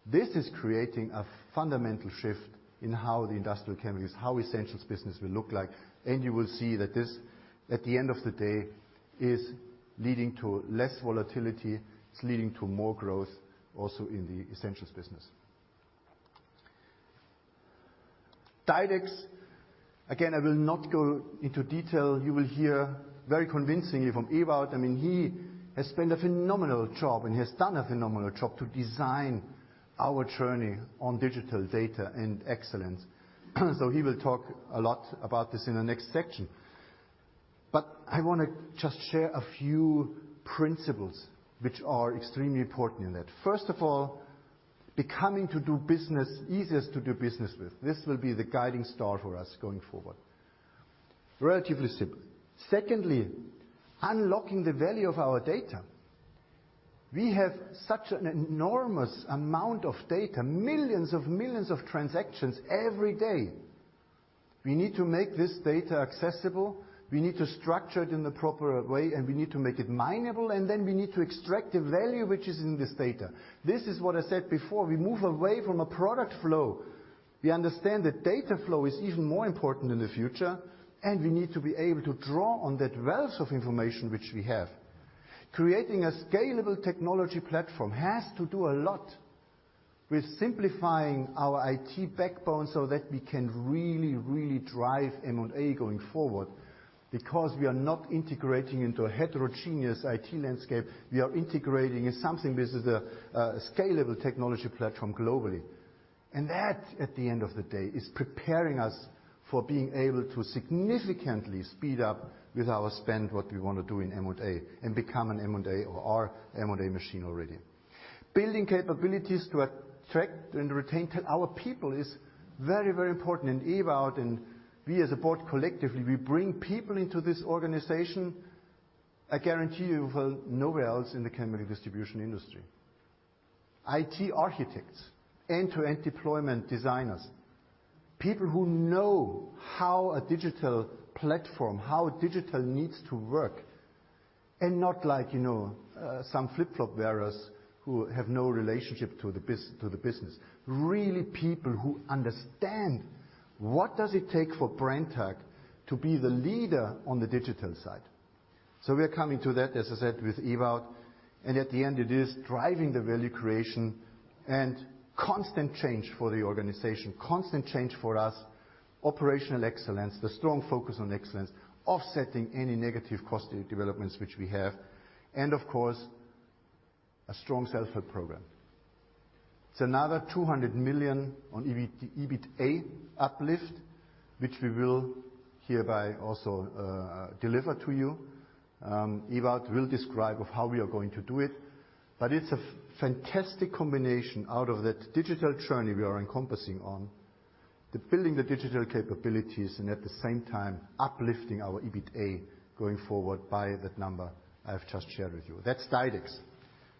This is creating a fundamental shift in how the industrial chemicals, how Essentials business will look like. You will see that this, at the end of the day, is leading to less volatility, it's leading to more growth also in the Essentials business. DiDEX. Again, I will not go into detail. You will hear very convincingly from Ewout. I mean, he has done a phenomenal job to design our journey on Digital, Data and Excellence. He will talk a lot about this in the next section. I wanna just share a few principles which are extremely important in that. First of all, becoming the easiest to do business with. This will be the guiding star for us going forward. Relatively simple. Secondly, unlocking the value of our data. We have such an enormous amount of data, millions of millions of transactions every day. We need to make this data accessible, we need to structure it in the proper way, and we need to make it mineable, and then we need to extract the value which is in this data. This is what I said before. We move away from a product flow. We understand that data flow is even more important in the future, and we need to be able to draw on that wealth of information which we have. Creating a scalable technology platform has to do a lot with simplifying our IT backbone so that we can really, really drive M&A going forward. Because we are not integrating into a heterogeneous IT landscape, we are integrating in something which is a scalable technology platform globally. That, at the end of the day, is preparing us for being able to significantly speed up with our spend, what we wanna do in M&A and become an M&A warrior, an M&A machine already. Building capabilities to attract and retain our people is very, very important. Ewout and we as a board collectively, we bring people into this organization. I guarantee you for nowhere else in the chemical distribution industry. IT architects, end-to-end deployment designers, people who know how a digital platform, how digital needs to work, and not like, you know, some flip-flop wearers who have no relationship to the business. Really people who understand what does it take for Brenntag to be the leader on the digital side. We are coming to that, as I said, with Ewout. At the end, it is driving the value creation and constant change for the organization, constant change for us, operational excellence, the strong focus on excellence, offsetting any negative cost developments which we have and, of course, a strong self-help program. It's another 200 million on EBITDA uplift, which we will hereby also deliver to you. Ewout will describe of how we are going to do it. It's a fantastic combination out of that digital journey we are encompassing on, the building the digital capabilities and at the same time uplifting our EBITDA going forward by that number I've just shared with you. That's DiDEX.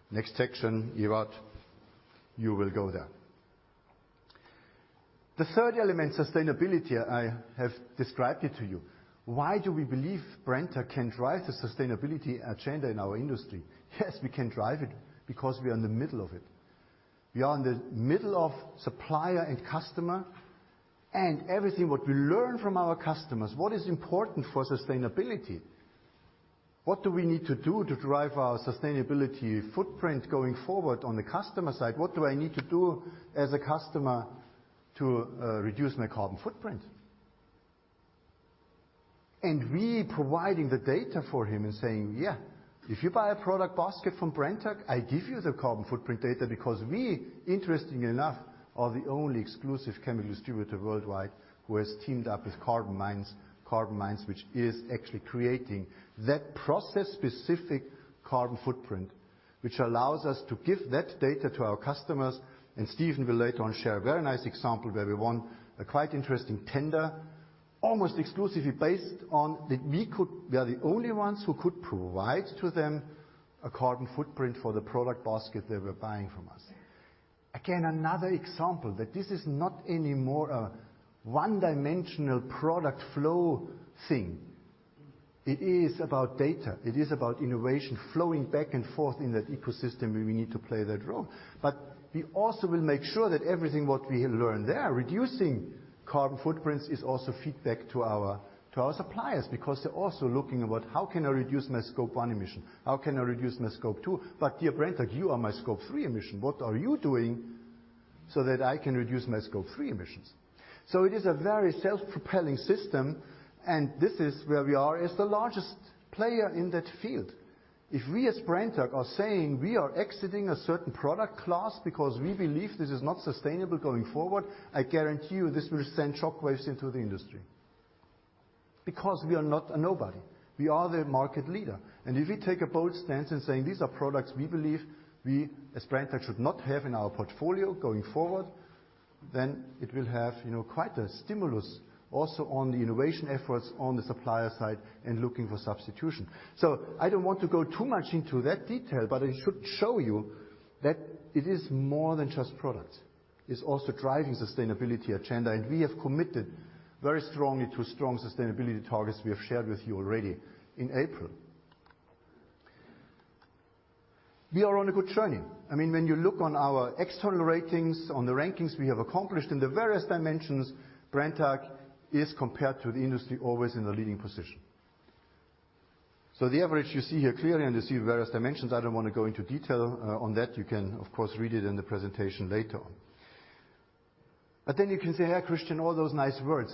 Next section, Ewout, you will go there. The third element, sustainability, I have described it to you. Why do we believe Brenntag can drive the sustainability agenda in our industry? Yes, we can drive it because we are in the middle of it. We are in the middle of supplier and customer and everything what we learn from our customers, what is important for sustainability? What do we need to do to drive our sustainability footprint going forward on the customer side? What do I need to do as a customer to reduce my carbon footprint? We providing the data for him and saying, "Yeah, if you buy a product basket from Brenntag, I give you the carbon footprint data," because we, interestingly enough, are the only exclusive chemical distributor worldwide who has teamed up with Carbon Minds. Carbon Minds, which is actually creating that process-specific carbon footprint, which allows us to give that data to our customers. Steven will later on share a very nice example where we won a quite interesting tender, almost exclusively based on that we are the only ones who could provide to them a carbon footprint for the product basket they were buying from us. Again, another example that this is not anymore a one-dimensional product flow thing. It is about data. It is about innovation flowing back and forth in that ecosystem, and we need to play that role. We also will make sure that everything what we learn there, reducing carbon footprints is also feedback to our suppliers, because they're also looking about how can I reduce my Scope 1 emission? How can I reduce my Scope 2? Dear Brenntag, you are my Scope 3 emission. What are you doing so that I can reduce my Scope 3 emissions? It is a very self-propelling system, and this is where we are as the largest player in that field. If we as Brenntag are saying we are exiting a certain product class because we believe this is not sustainable going forward, I guarantee you this will send shock waves into the industry. We are not a nobody. We are the market leader. If we take a bold stance in saying, "These are products we believe we as Brenntag should not have in our portfolio going forward," then it will have, you know, quite a stimulus also on the innovation efforts on the supplier side and looking for substitution. I don't want to go too much into that detail, but it should show you that it is more than just products. It's also driving sustainability agenda, and we have committed very strongly to strong sustainability targets we have shared with you already in April. We are on a good journey. I mean, when you look on our external ratings, on the rankings we have accomplished in the various dimensions, Brenntag is compared to the industry always in the leading position. The average you see here clearly, and you see various dimensions. I don't wanna go into detail on that. You can, of course, read it in the presentation later on. You can say, "Hey, Christian, all those nice words,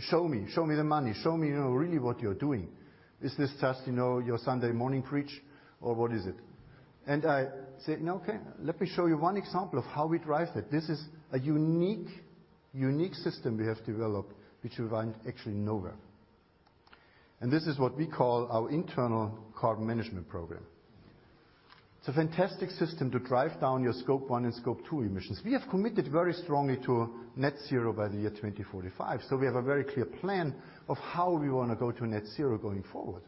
show me. Show me the money. Show me, you know, really what you're doing. Is this just, you know, your Sunday morning preach, or what is it?" I say, "No. Okay, let me show you one example of how we drive that." This is a unique system we have developed, which you find actually nowhere. This is what we call our internal carbon management program. It's a fantastic system to drive down your Scope 1 and Scope 2 emissions. We have committed very strongly to Net Zero by the year 2045, so we have a very clear plan of how we wanna go to Net Zero going forward.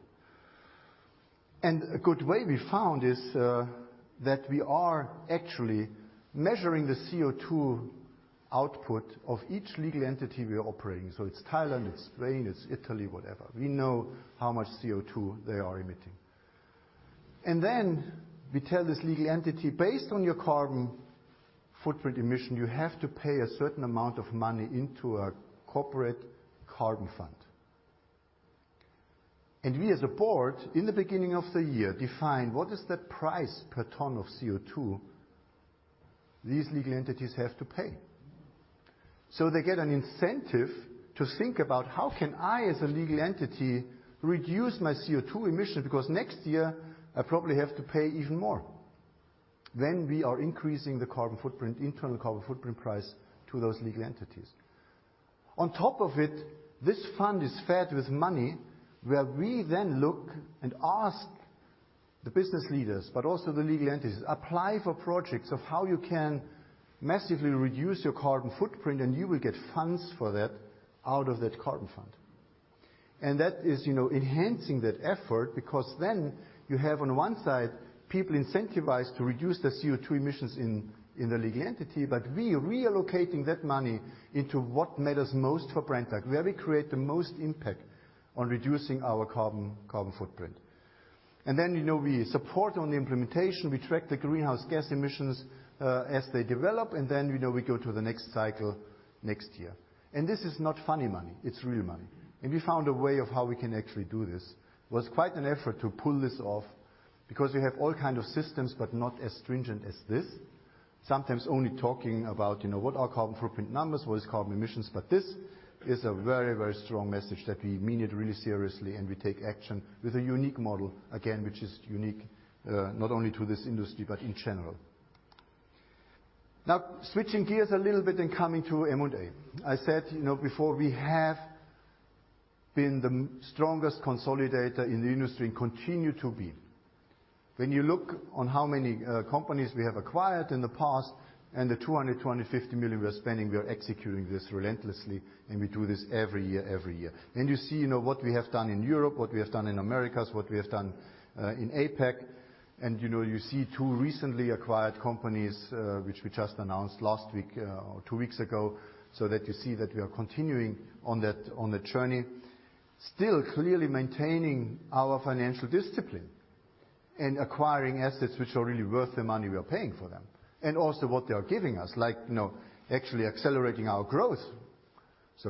A good way we found is that we are actually measuring the CO2 output of each legal entity we are operating. It's Thailand, it's Spain, it's Italy, whatever. We know how much CO2 they are emitting. We tell this legal entity, "Based on your carbon footprint emission, you have to pay a certain amount of money into a corporate carbon fund." We as a board, in the beginning of the year, define what is the price per ton of CO2 these legal entities have to pay. They get an incentive to think about, "How can I as a legal entity reduce my CO2 emission, because next year I probably have to pay even more?" We are increasing the carbon footprint, internal carbon footprint price to those legal entities. On top of it, this fund is fed with money, where we then look and ask the business leaders, but also the legal entities, "Apply for projects of how you can massively reduce your carbon footprint, and you will get funds for that out of that carbon fund." That is, you know, enhancing that effort, because then you have on one side people incentivized to reduce their CO2 emissions in the legal entity. We are relocating that money into what matters most for Brenntag, where we create the most impact on reducing our carbon footprint. You know, we support on the implementation. We track the greenhouse gas emissions as they develop, and then, you know, we go to the next cycle next year. This is not funny money. It's real money. We found a way of how we can actually do this. It was quite an effort to pull this off, because we have all kind of systems, but not as stringent as this. Sometimes only talking about, you know, what are carbon footprint numbers? What is carbon emissions? This is a very, very strong message that we mean it really seriously, and we take action with a unique model, again, which is unique, not only to this industry, but in general. Now, switching gears a little bit and coming to M&A. I said, you know, before we have been the strongest consolidator in the industry and continue to be. When you look at how many companies we have acquired in the past and the 225 million we are spending, we are executing this relentlessly, and we do this every year. You see, you know, what we have done in Europe, what we have done in Americas, what we have done in APAC. You know, you see two recently acquired companies, which we just announced last week or two weeks ago, so that you see that we are continuing on that journey. Still clearly maintaining our financial discipline and acquiring assets which are really worth the money we are paying for them and also what they are giving us, like, you know, actually accelerating our growth.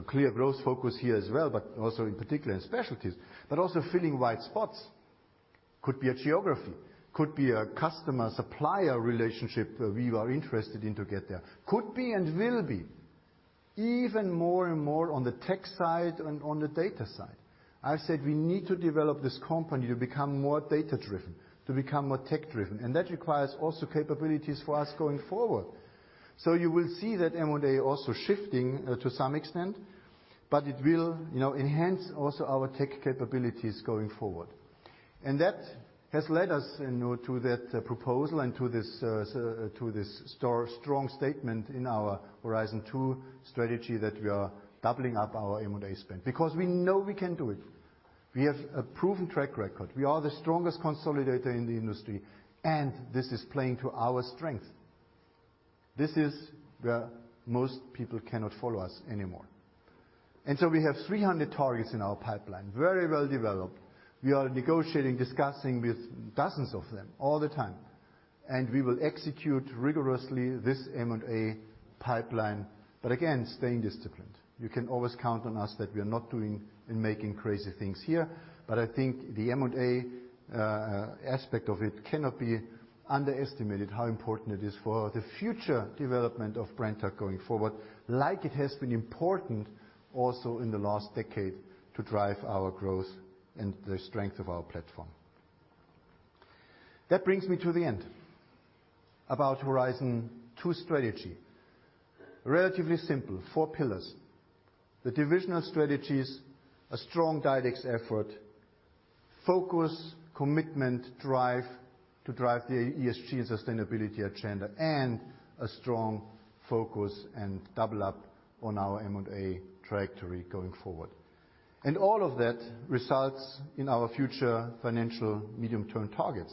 Clear growth focus here as well, but also in particular in specialties. Also filling white spots. Could be a geography. Could be a customer-supplier relationship that we are interested in to get there. Could be and will be even more and more on the tech side and on the data side. I said we need to develop this company to become more data-driven, to become more tech-driven, and that requires also capabilities for us going forward. You will see that M&A also shifting to some extent, but it will, you know, enhance also our tech capabilities going forward. That has led us, you know, to that proposal and to this strong statement in our Horizon 2 strategy that we are doubling up our M&A spend because we know we can do it. We have a proven track record. We are the strongest consolidator in the industry, and this is playing to our strength. This is where most people cannot follow us anymore. We have 300 targets in our pipeline, very well developed. We are negotiating, discussing with dozens of them all the time. We will execute rigorously this M&A pipeline, but again, staying disciplined. You can always count on us that we are not doing and making crazy things here. I think the M&A aspect of it cannot be underestimated, how important it is for the future development of Brenntag going forward, like it has been important also in the last decade to drive our growth and the strength of our platform. That brings me to the end about Horizon 2 strategy. Relatively simple, 4 pillars. The divisional strategies, a strong DiDEX effort, focus, commitment, drive to drive the ESG and sustainability agenda, and a strong focus and double up on our M&A trajectory going forward. All of that results in our future financial medium-term targets.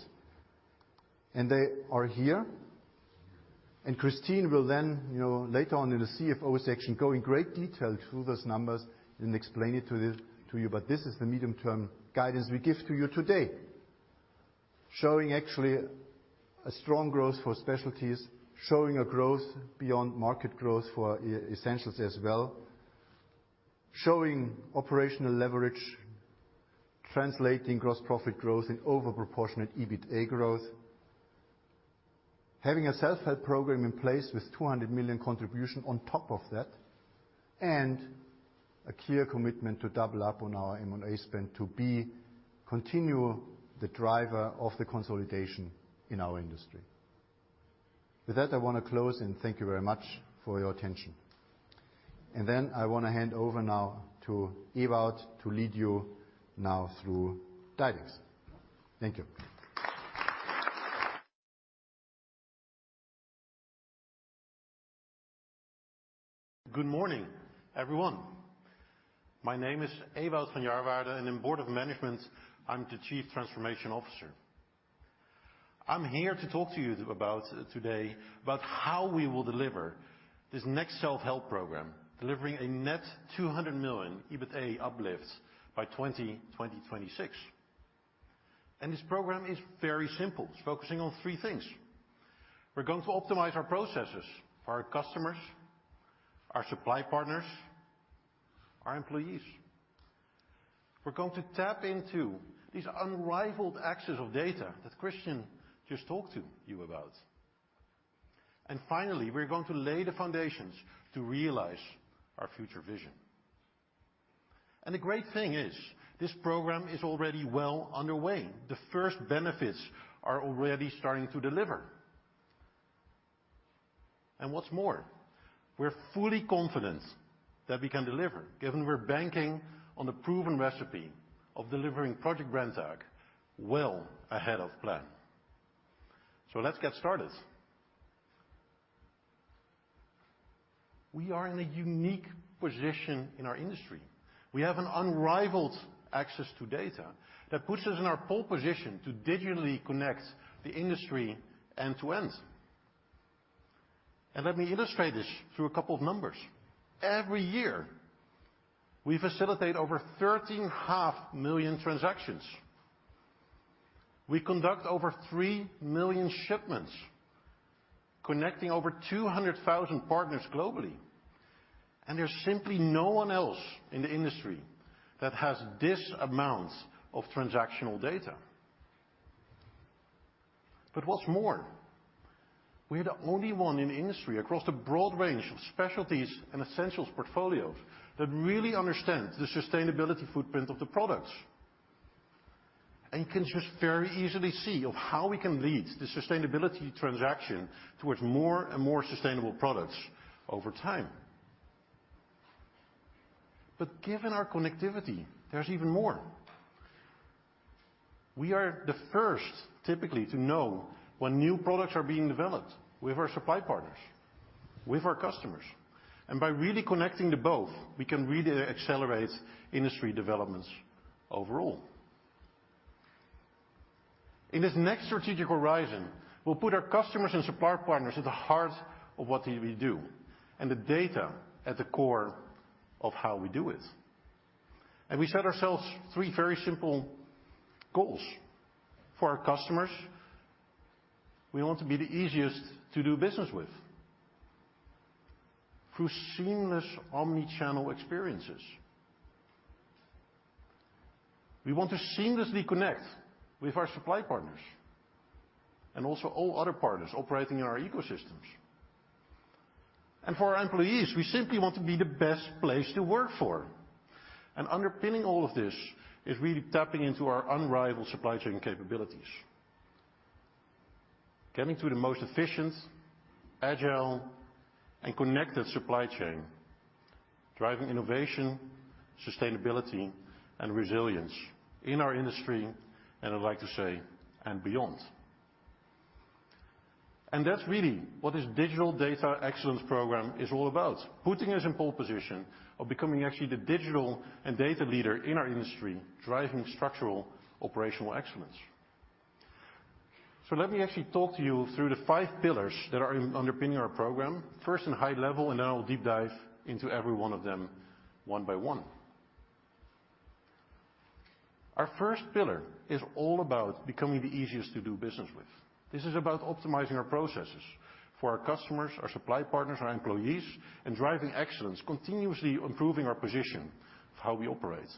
They are here. Kristin will then, you know, later on in the CFO section, go in great detail through those numbers and explain it to the, to you. This is the medium-term guidance we give to you today. Showing actually a strong growth for Specialties, showing a growth beyond market growth for Essentials as well, showing operational leverage, translating gross profit growth and over-proportionate EBITDA growth. Having a self-help program in place with 200 million contribution on top of that, and a clear commitment to double up on our M&A spend to continue the driver of the consolidation in our industry. With that, I wanna close and thank you very much for your attention. Then I wanna hand over now to Ewout to lead you now through guidance. Thank you. Good morning, everyone. My name is Ewout van Jarwaarde, and in Board of Management, I'm the Chief Transformation Officer. I'm here to talk to you today about how we will deliver this next self-help program, delivering a net 200 million EBITA uplift by 2026. This program is very simple. It's focusing on three things. We're going to optimize our processes for our customers, our supply partners, our employees. We're going to tap into these unrivaled access to data that Christian just talked to you about. Finally, we're going to lay the foundations to realize our future vision. The great thing is, this program is already well underway. The first benefits are already starting to deliver. What's more, we're fully confident that we can deliver, given we're banking on the proven recipe of delivering Project Brenntag well ahead of plan. Let's get started. We are in a unique position in our industry. We have an unrivaled access to data that puts us in our pole position to digitally connect the industry end to end. Let me illustrate this through a couple of numbers. Every year, we facilitate over 13.5 million transactions. We conduct over 3 million shipments, connecting over 200,000 partners globally. There's simply no one else in the industry that has this amount of transactional data. What's more, we're the only one in the industry across the broad range of Specialties and Essentials portfolios that really understands the sustainability footprint of the products. You can just very easily see how we can lead the sustainability transaction towards more and more sustainable products over time. Given our connectivity, there's even more. We are the first, typically, to know when new products are being developed with our supply partners, with our customers. By really connecting the both, we can really accelerate industry developments overall. In this next strategic horizon, we'll put our customers and supply partners at the heart of what we do, and the data at the core of how we do it. We set ourselves three very simple goals. For our customers, we want to be the easiest to do business with through seamless omnichannel experiences. We want to seamlessly connect with our supply partners and also all other partners operating in our ecosystems. For our employees, we simply want to be the best place to work for. Underpinning all of this is really tapping into our unrivaled supply chain capabilities. Getting to the most efficient, agile, and connected supply chain, driving innovation, sustainability, and resilience in our industry, and I'd like to say, and beyond. That's really what this Digital, Data and Excellence program is all about, putting us in pole position of becoming actually the Digital and Data leader in our industry, driving structural operational excellence. Let me actually talk to you through the five pillars that are underpinning our program. First in high level, and then I will deep dive into every one of them one by one. Our first pillar is all about becoming the easiest to do business with. This is about optimizing our processes for our customers, our supply partners, our employees, and driving excellence, continuously improving our position of how we operate.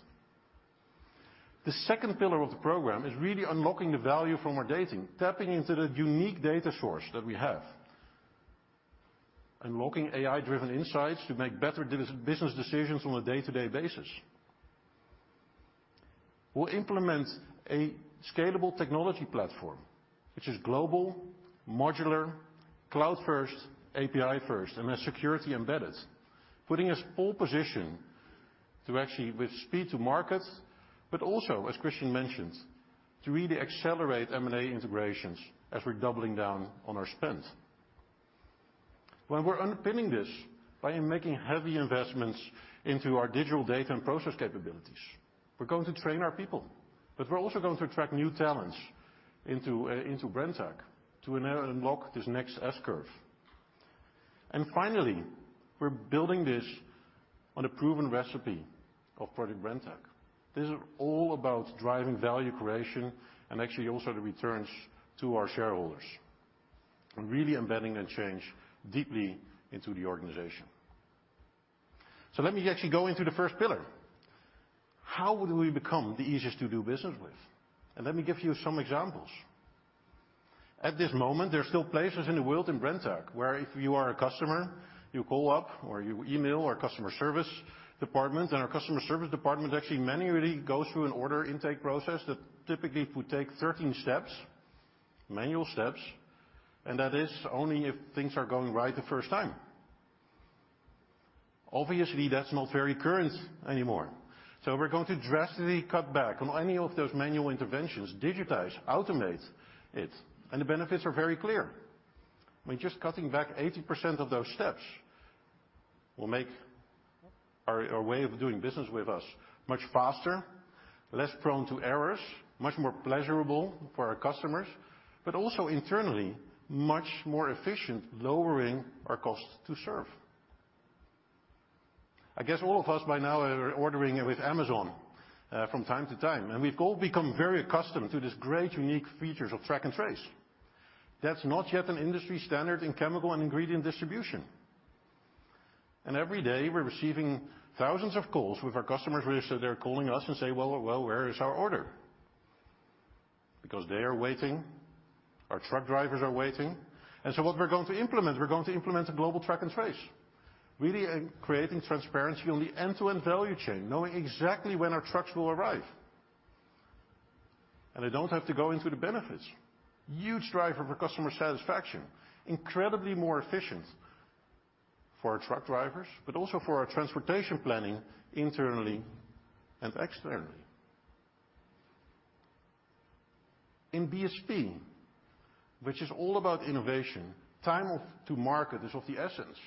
The second pillar of the program is really unlocking the value from our data, tapping into the unique data source that we have. Unlocking AI-driven insights to make better business decisions on a day-to-day basis. We'll implement a scalable technology platform which is global, modular, cloud first, API first, and has security embedded, putting us pole position to actually with speed to market, but also, as Christian mentioned, to really accelerate M&A integrations as we're doubling down on our spend. When we're underpinning this by making heavy investments into our digital data and process capabilities, we're going to train our people, but we're also going to attract new talents into Brenntag to unlock this next S-curve. Finally, we're building this on a proven recipe of Project Brenntag. This is all about driving value creation and actually also the returns to our shareholders, and really embedding that change deeply into the organization. Let me actually go into the first pillar. How do we become the easiest to do business with? Let me give you some examples. At this moment, there are still places in the world in Brenntag, where if you are a customer, you call up or you email our customer service department, and our customer service department actually manually goes through an order intake process that typically would take 13 steps, manual steps, and that is only if things are going right the first time. Obviously, that's not very current anymore. We're going to drastically cut back on any of those manual interventions, digitize, automate it, and the benefits are very clear. By just cutting back 80% of those steps will make our way of doing business with us much faster, less prone to errors, much more pleasurable for our customers, but also internally much more efficient, lowering our cost to serve. I guess all of us by now are ordering with Amazon from time to time, and we've all become very accustomed to this great unique features of Track and Trace. That's not yet an industry standard in chemical and ingredient distribution. Every day, we're receiving thousands of calls with our customers where they're calling us and say, "Well, where is our order?" Because they are waiting, our truck drivers are waiting. What we're going to implement a global Track and Trace, really creating transparency on the end-to-end value chain, knowing exactly when our trucks will arrive. I don't have to go into the benefits. Huge driver for customer satisfaction, incredibly more efficient for our truck drivers, but also for our transportation planning internally and externally. In BSP, which is all about innovation, time to market is of the essence.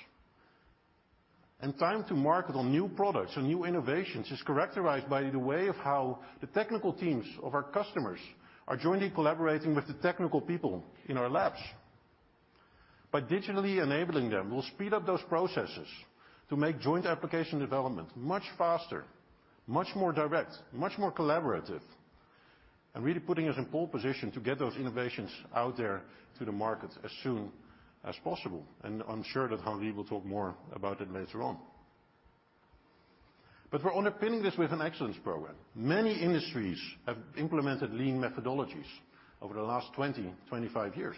Time to market on new products and new innovations is characterized by the way of how the technical teams of our customers are jointly collaborating with the technical people in our labs. By digitally enabling them, we'll speed up those processes to make joint application development much faster, much more direct, much more collaborative, and really putting us in pole position to get those innovations out there to the market as soon as possible. I'm sure that Henri will talk more about it later on. We're underpinning this with an excellence program. Many industries have implemented lean methodologies over the last 20-25 years.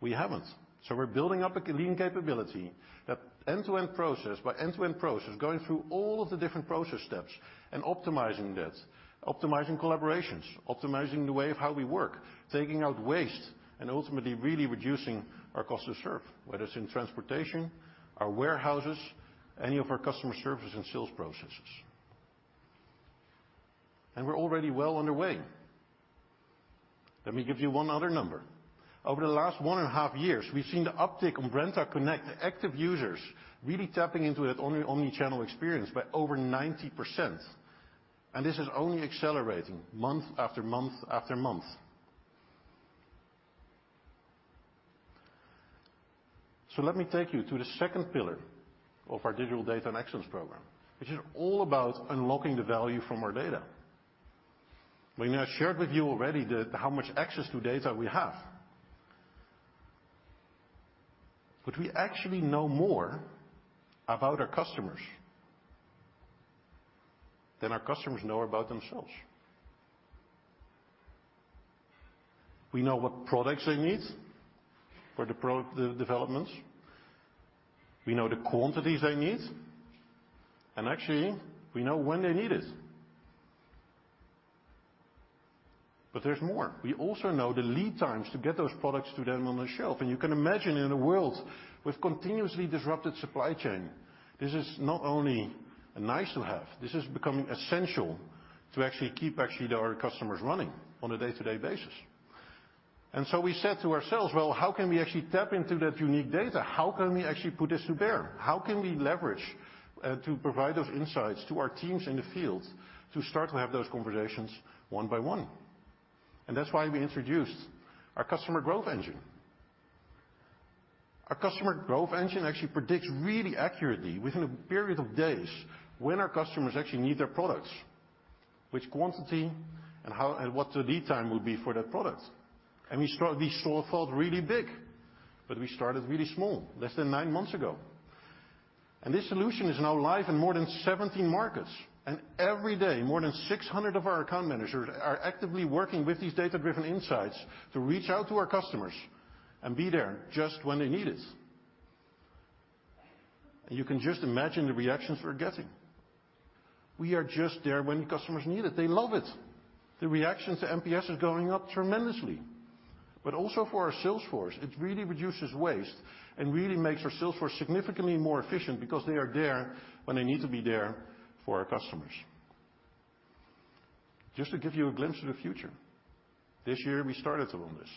We haven't. We're building up a lean capability. That end-to-end process by end-to-end process, going through all of the different process steps and optimizing that, optimizing collaborations, optimizing the way of how we work, taking out waste, and ultimately really reducing our cost to serve, whether it's in transportation, our warehouses, any of our customer service and sales processes. We're already well underway. Let me give you one other number. Over the last 1.5 years, we've seen the uptick on Brenntag Connect, the active users really tapping into that omnichannel experience by over 90%. This is only accelerating month after month after month. Let me take you to the second pillar of our Digital, Data and Excellence program, which is all about unlocking the value from our data. We may have shared with you already the how much access to data we have. We actually know more about our customers than our customers know about themselves. We know what products they need for the developments. We know the quantities they need. Actually, we know when they need it. There's more. We also know the lead times to get those products to them on the shelf. You can imagine in a world with continuously disrupted supply chain, this is not only nice to have, this is becoming essential to actually keep our customers running on a day-to-day basis. We said to ourselves, "Well, how can we actually tap into that unique data? How can we actually put this to bear? How can we leverage to provide those insights to our teams in the field to start to have those conversations one by one?" That's why we introduced our Customer Growth Engine. Our Customer Growth Engine actually predicts really accurately within a period of days when our customers actually need their products, which quantity, and what the lead time will be for that product. This all felt really big, but we started really small less than nine months ago. This solution is now live in more than 70 markets. Every day, more than 600 of our account managers are actively working with these data-driven insights to reach out to our customers and be there just when they need it. You can just imagine the reactions we're getting. We are just there when customers need it. They love it. The reaction to NPS is going up tremendously. Also for our sales force, it really reduces waste and really makes our sales force significantly more efficient because they are there when they need to be there for our customers. Just to give you a glimpse of the future, this year we started to own this.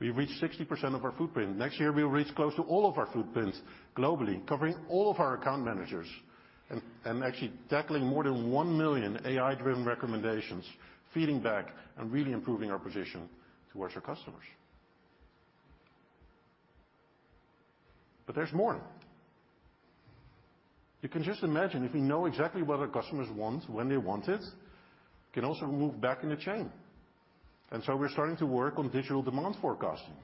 We reached 60% of our footprint. Next year, we'll reach close to all of our footprints globally, covering all of our account managers and actually tackling more than 1 million AI-driven recommendations, feeding back and really improving our position towards our customers. There's more. You can just imagine if we know exactly what our customers want, when they want it, can also move back in the chain. We're starting to work on digital demand forecasting.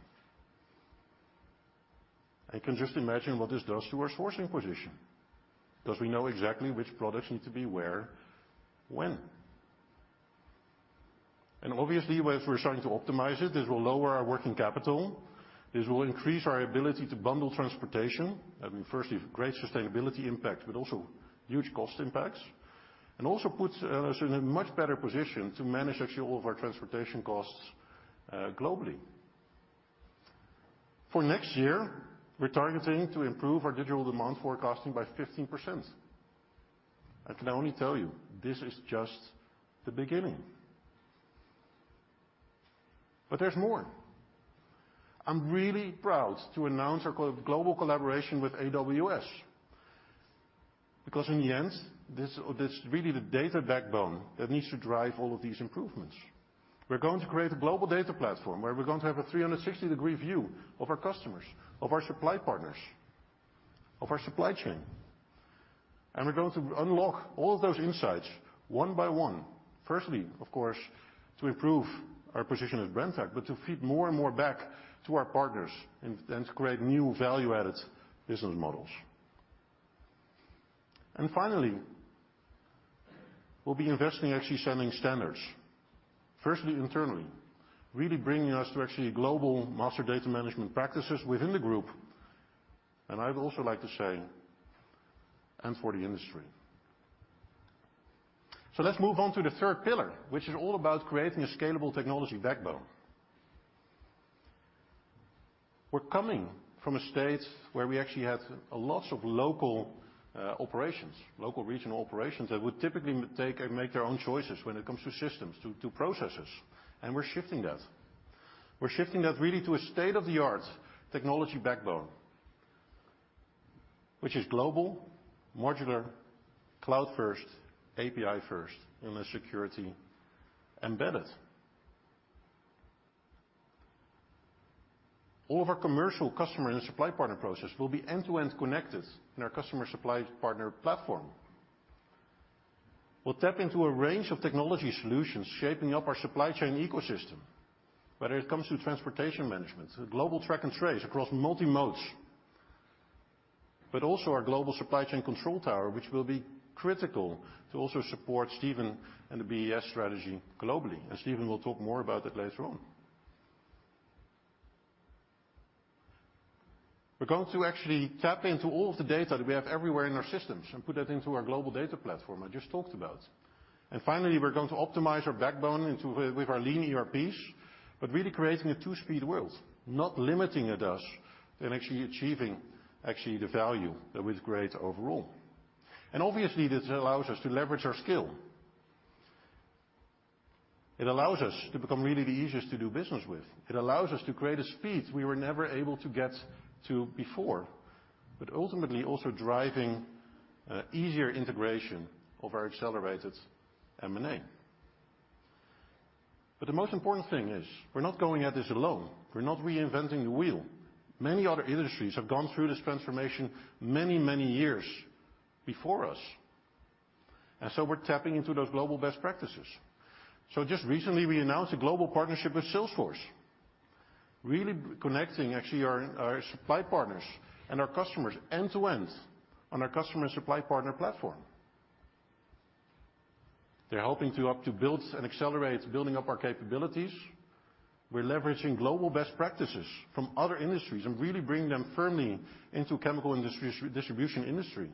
You can just imagine what this does to our sourcing position 'cause we know exactly which products need to be where, when. Obviously, as we're starting to optimize it, this will lower our working capital, this will increase our ability to bundle transportation. I mean, firstly, great sustainability impact, but also huge cost impacts. Also puts us in a much better position to manage actually all of our transportation costs, globally. For next year, we're targeting to improve our digital demand forecasting by 15%. I can only tell you this is just the beginning. There's more. I'm really proud to announce our global collaboration with AWS, because in the end, this really the data backbone that needs to drive all of these improvements. We're going to create a global data platform where we're going to have a 360-degree view of our customers, of our supply partners, of our supply chain. We're going to unlock all of those insights one by one. Firstly, of course, to improve our position as Brenntag, but to feed more and more back to our partners and to create new value-added business models. Finally, we'll be investing actually setting standards. Firstly, internally, really bringing us to actually global master data management practices within the group. I'd also like to say, and for the industry. Let's move on to the third pillar, which is all about creating a scalable technology backbone. We're coming from a state where we actually had a lot of local operations, local regional operations that would typically make their own choices when it comes to systems, to processes, and we're shifting that. We're shifting that really to a state-of-the-art technology backbone, which is global, modular, cloud first, API first, and the security embedded. All of our commercial customer and supply partner process will be end-to-end connected in our customer supply partner platform. We'll tap into a range of technology solutions, shaping up our supply chain ecosystem, whether it comes to transportation management, global Track and Trace across multi-modes, but also our global supply chain control tower, which will be critical to also support Steven and the BES strategy globally. Steven will talk more about that later on. We're going to actually tap into all of the data that we have everywhere in our systems and put that into our global data platform I just talked about. Finally, we're going to optimize our backbone IT with our lean ERPs, but really creating a two-speed world, not limiting it to us and actually achieving the value that we've created overall. Obviously, this allows us to leverage our skill. It allows us to become really the easiest to do business with. It allows us to create a speed we were never able to get to before, but ultimately also driving easier integration of our accelerated M&A. The most important thing is we're not going at this alone. We're not reinventing the wheel. Many other industries have gone through this transformation many, many years before us. We're tapping into those global best practices. Just recently, we announced a global partnership with Salesforce, really connecting actually our supply partners and our customers end-to-end on our customer supply partner platform. They're helping to build and accelerate building up our capabilities. We're leveraging global best practices from other industries and really bring them firmly into chemical distribution industry.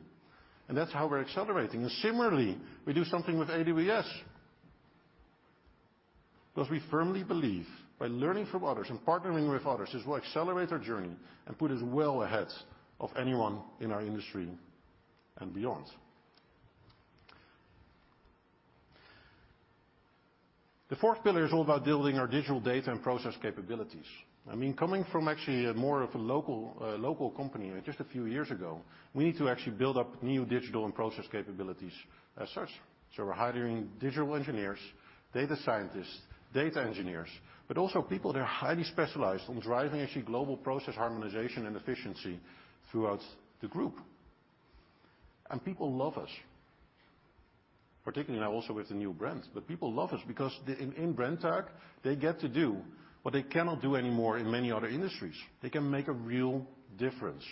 That's how we're accelerating. Similarly, we do something with AWS. Because we firmly believe by learning from others and partnering with others, this will accelerate our journey and put us well ahead of anyone in our industry and beyond. The fourth pillar is all about building our digital data and process capabilities. I mean, coming from actually more of a local company just a few years ago, we need to actually build up new digital and process capabilities as such. We're hiring digital engineers, data scientists, data engineers, but also people that are highly specialized on driving actually global process harmonization and efficiency throughout the group. People love us, particularly now also with the new brand. People love us because in Brenntag, they get to do what they cannot do anymore in many other industries. They can make a real difference.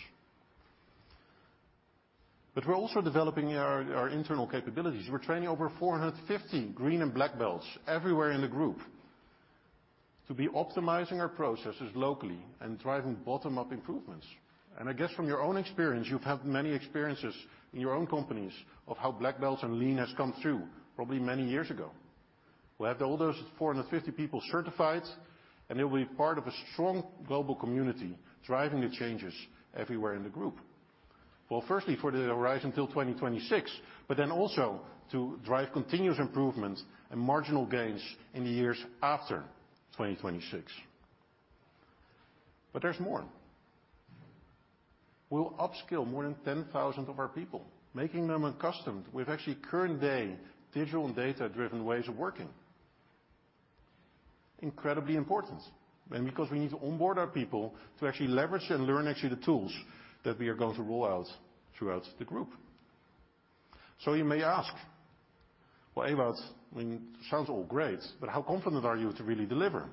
We're also developing our internal capabilities. We're training over 450 Green and Black Belts everywhere in the group to be optimizing our processes locally and driving bottom-up improvements. I guess from your own experience, you've had many experiences in your own companies of how Black Belts and Lean has come through probably many years ago. We'll have all those 450 people certified, and they'll be part of a strong global community driving the changes everywhere in the group. Well, firstly, for the horizon till 2026, but then also to drive continuous improvement and marginal gains in the years after 2026. There's more. We'll upskill more than 10,000 of our people, making them accustomed with actually current day Digital and Data-driven ways of working. Incredibly important, and because we need to onboard our people to actually leverage and learn actually the tools that we are going to roll out throughout the group. You may ask, "Well, Ewout, I mean, sounds all great, but how confident are you to really deliver?"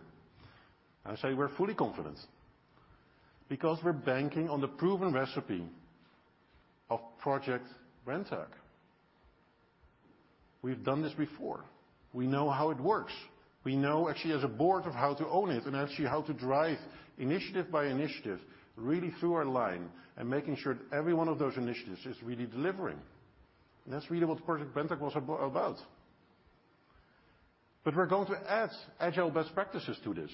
I say we're fully confident because we're banking on the proven recipe of Project Brenntag. We've done this before. We know how it works. We know actually as a board of how to own it, and actually how to drive initiative by initiative really through our line and making sure that every one of those initiatives is really delivering. That's really what Project Brenntag was about. We're going to add agile best practices to this.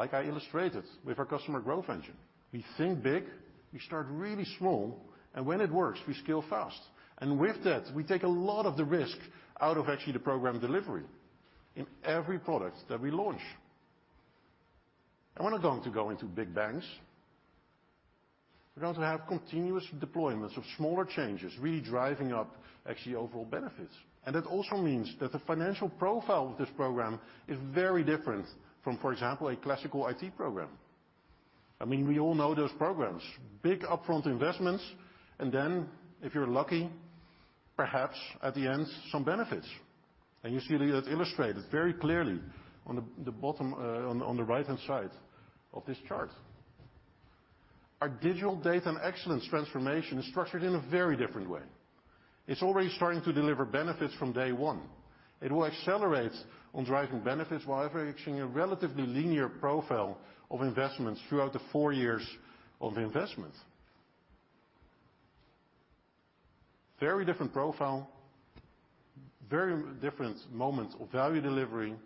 Like I illustrated with our Customer Growth Engine, we think big, we start really small, and when it works, we scale fast. With that, we take a lot of the risk out of actually the program delivery in every product that we launch. We're not going to go into big bangs. We're going to have continuous deployments of smaller changes, really driving up actually overall benefits. It also means that the financial profile of this program is very different from, for example, a classical IT program. I mean, we all know those programs. Big upfront investments, and then if you're lucky, perhaps at the end, some benefits. You see that illustrated very clearly on the bottom, on the right-hand side of this chart. Our Digital, Data, and Excellence transformation is structured in a very different way. It's already starting to deliver benefits from day one. It will accelerate on driving benefits while averaging a relatively linear profile of investments throughout the four years of investment. Very different profile, very different moments of value delivering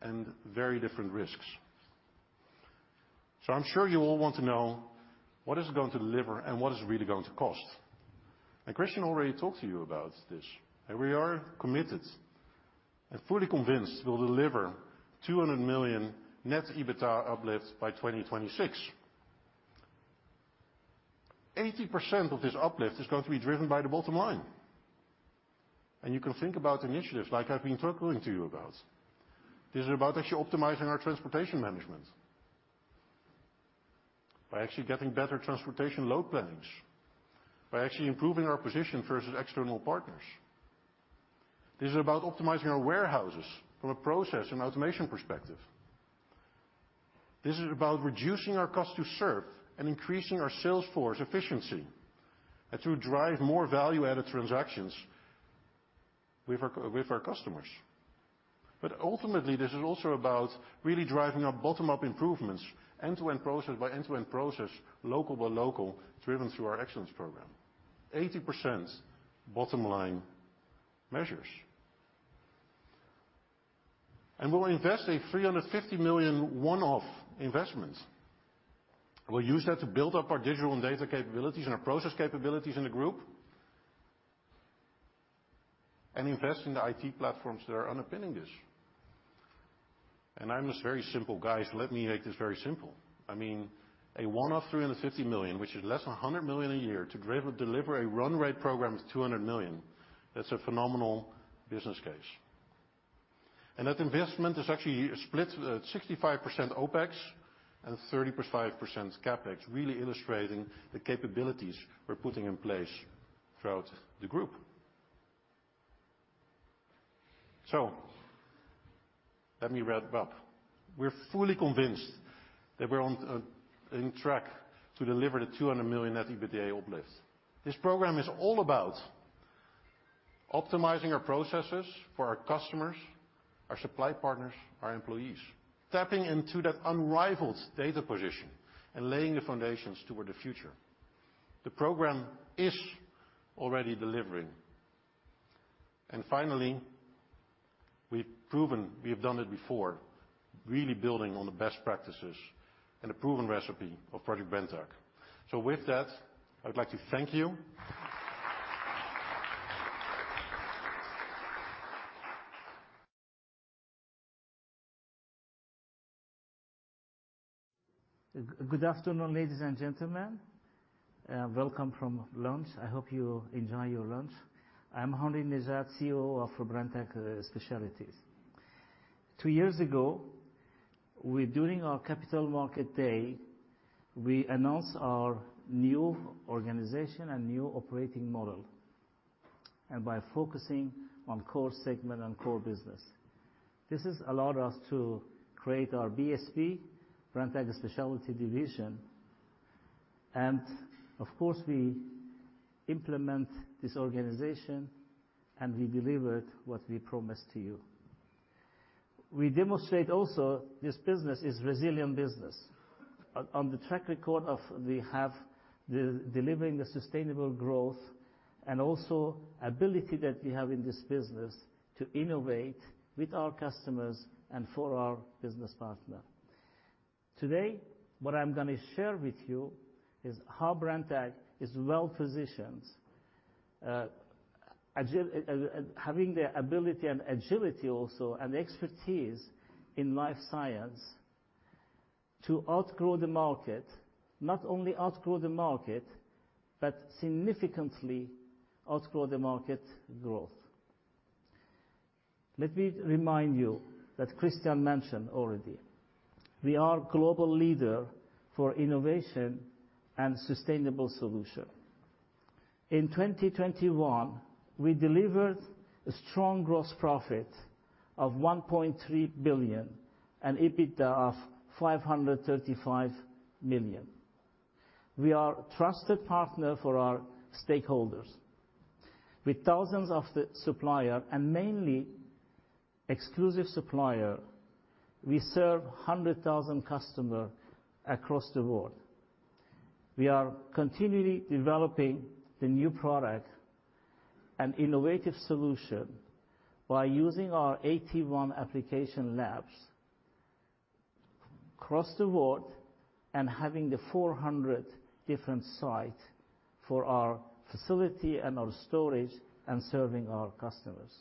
and very different risks. I'm sure you all want to know what is it going to deliver and what is it really going to cost. Christian already talked to you about this. We are committed and fully convinced we'll deliver 200 million Net EBITDA uplift by 2026. 80% of this uplift is going to be driven by the bottom line. You can think about initiatives like I've been talking to you about. This is about actually optimizing our transportation management by actually getting better transportation load plannings, by actually improving our position versus external partners. This is about optimizing our warehouses from a process and automation perspective. This is about reducing our cost to serve and increasing our sales force efficiency and to drive more value-added transactions with our customers. Ultimately, this is also about really driving up bottom-up improvements, end-to-end process by end-to-end process, local by local, driven through our excellence program. 80% bottom line measures. We'll invest 350 million one-off investment. We'll use that to build up our Digital and Data capabilities and our process capabilities in the group and invest in the IT platforms that are underpinning this. I'm just very simple. Guys, let me make this very simple. I mean, a one-off 350 million, which is less than 100 million a year, to drive or deliver a run rate program of 200 million, that's a phenomenal business case. That investment is actually split 65% OpEx and 35% CapEx, really illustrating the capabilities we're putting in place throughout the group. Let me wrap up. We're fully convinced that we're on track to deliver the 200 million Net EBITDA uplift. This program is all about optimizing our processes for our customers, our supply partners, our employees. Tapping into that unrivaled data position and laying the foundations toward the future. The program is already delivering. Finally, we've proven we have done it before, really building on the best practices and the proven recipe of Project Brenntag. With that, I would like to thank you. Good afternoon, ladies and gentlemen. Welcome from lunch. I hope you enjoy your lunch. I'm Henri Nejade, COO of Brenntag Specialties. Two years ago, we're doing our capital market day, we announced our new organization and new operating model, and by focusing on core segment and core business. This has allowed us to create our BSP, Brenntag Specialties division. Of course, we implement this organization, and we delivered what we promised to you. We demonstrate also this business is resilient business. On the track record of we have the delivering the sustainable growth and also ability that we have in this business to innovate with our customers and for our business partner. Today, what I'm gonna share with you is how Brenntag is well-positioned as having the ability and agility also and expertise in life science to outgrow the market. Not only outgrow the market, but significantly outgrow the market growth. Let me remind you that Christian mentioned already, we are global leader for innovation and sustainable solution. In 2021, we delivered a strong gross profit of 1.3 billion and EBITDA of 535 million. We are a trusted partner for our stakeholders. With thousands of the supplier and mainly exclusive supplier, we serve 100,000 customer across the world. We are continually developing the new product and innovative solution by using our 81 application labs across the world and having the 400 different site for our facility and our storage and serving our customers.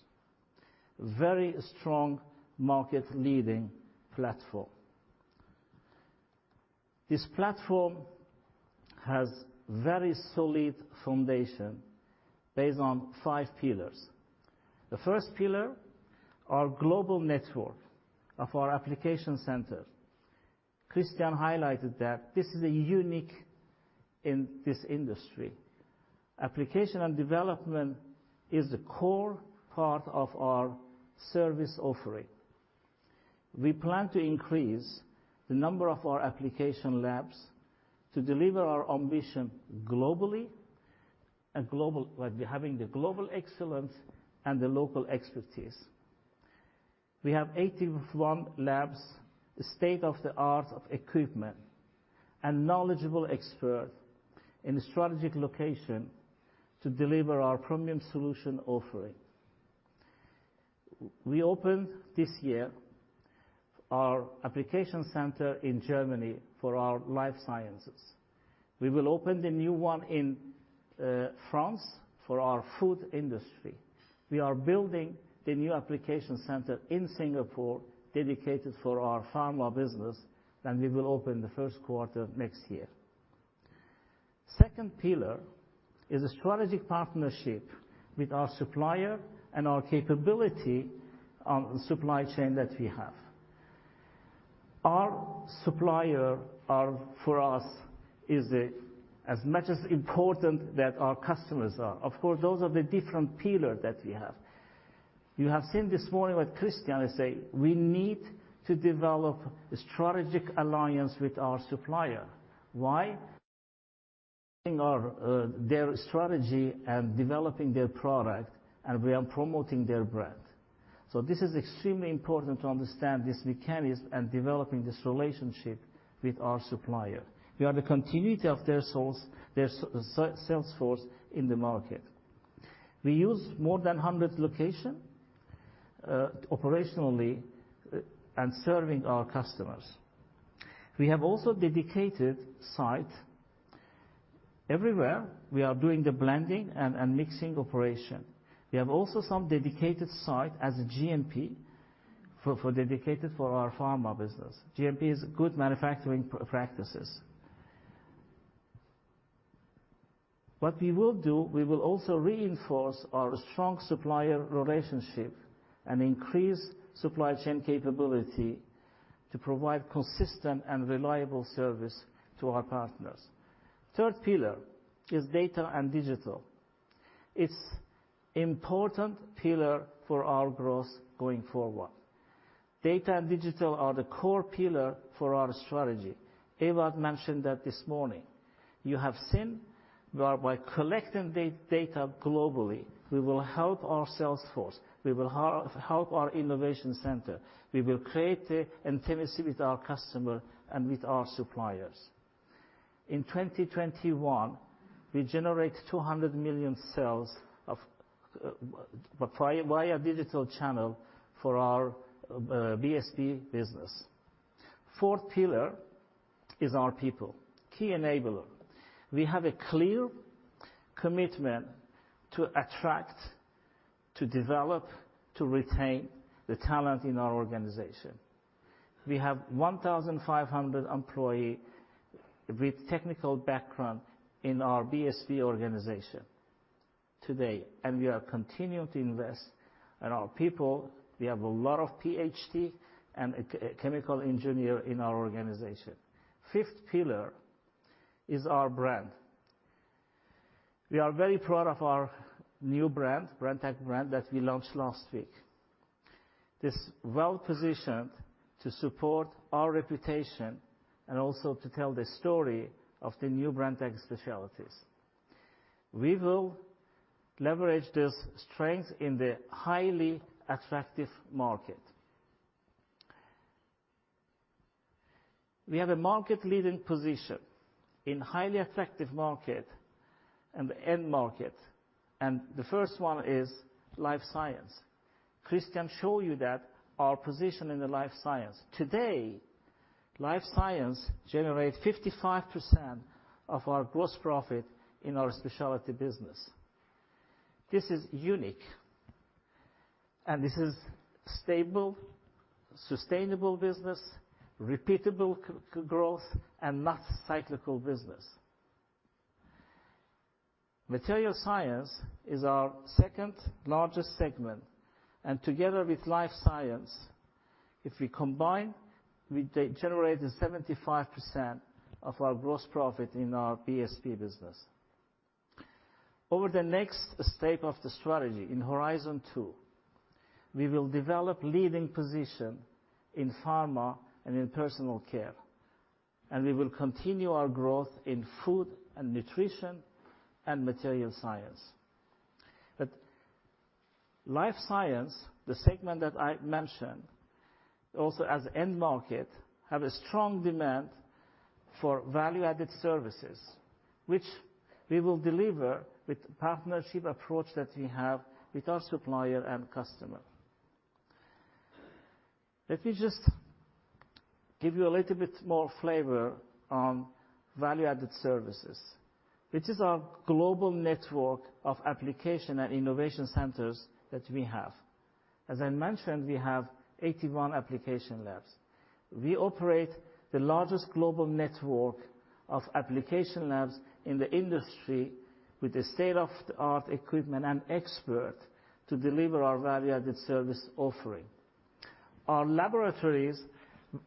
Very strong market leading platform. This platform has very solid foundation based on five pillars. The first pillar, our global network of our application center. Christian highlighted that this is a unique in this industry. Applications and development is the core part of our service offering. We plan to increase the number of our application labs to deliver our ambition globally by having the global excellence and the local expertise. We have 81 labs, state-of-the-art equipment and knowledgeable experts in strategic locations to deliver our premium solution offering. We opened this year our application center in Germany for our life sciences. We will open the new one in France for our food industry. We are building the new application center in Singapore, dedicated for our pharma business, and we will open the first quarter of next year. Second pillar is a strategic partnership with our suppliers and our capability on supply chain that we have. Our suppliers are for us as important as our customers are. Of course, those are the different pillars that we have. You have seen this morning what Christian Kohlpaintner says, we need to develop a strategic alliance with our supplier. Why? In their strategy and developing their product, and we are promoting their brand. This is extremely important to understand this mechanism and developing this relationship with our supplier. We are the continuity of their source, their sales force in the market. We use more than 100 locations operationally and serving our customers. We have also dedicated sites. Everywhere, we are doing the blending and mixing operation. We have also some dedicated sites as GMP for dedicated for our pharma business. GMP is Good Manufacturing Practices. What we will do, we will also reinforce our strong supplier relationship and increase supply chain capability to provide consistent and reliable service to our partners. Third pillar is Data and Digital. It's important pillar for our growth going forward. Data and Digital are the core pillar for our strategy. Ewout van Jarwaarde mentioned that this morning. You have seen where by collecting data globally, we will help our sales force, we will help our innovation center, we will create intimacy with our customer and with our suppliers. In 2021, we generate EUR 200 million sales via digital channel for our BSP business. Fourth pillar is our people. Key enabler. We have a clear commitment to attract, to develop, to retain the talent in our organization. We have 1,500 employee with technical background in our BSP organization today, and we are continuing to invest in our people. We have a lot of PhD and chemical engineer in our organization. Fifth pillar is our brand. We are very proud of our new brand, Brenntag brand, that we launched last week. This well-positioned to support our reputation and also to tell the story of the new Brenntag Specialties. We will leverage this strength in the highly attractive market. We have a market-leading position in highly attractive market and the end market, and the first one is life science. Christian show you that our position in the life science. Today, life science generate 55% of our gross profit in our specialty business. This is unique, and this is stable, sustainable business, repeatable growth, and not cyclical business. Material science is our second-largest segment, and together with life science, if we combine, we generate 75% of our gross profit in our BSP business. Over the next step of the strategy in Horizon 2, we will develop leading position in pharma and in personal care, and we will continue our growth in food and nutrition and material science. Life science, the segment that I mentioned, also as end market, have a strong demand for value-added services, which we will deliver with partnership approach that we have with our supplier and customer. Let me just give you a little bit more flavor on value-added services. It is our global network of application and innovation centers that we have. As I mentioned, we have 81 application labs. We operate the largest global network of application labs in the industry with state-of-the-art equipment and expert to deliver our value-added service offering. Our laboratories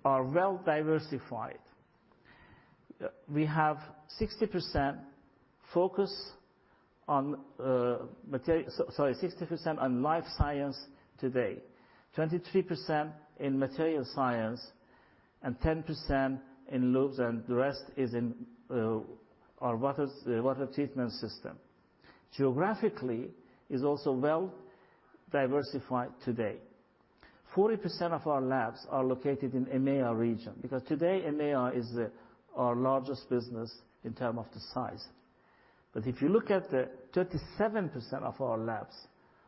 are well-diversified. We have 60% focus on life science today, 23% in material science, and 10% in lubes, and the rest is in our waters, water treatment system. Geographically is also well-diversified today. 40% of our labs are located in EMEA region, because today, EMEA is our largest business in terms of the size. If you look at the 37% of our labs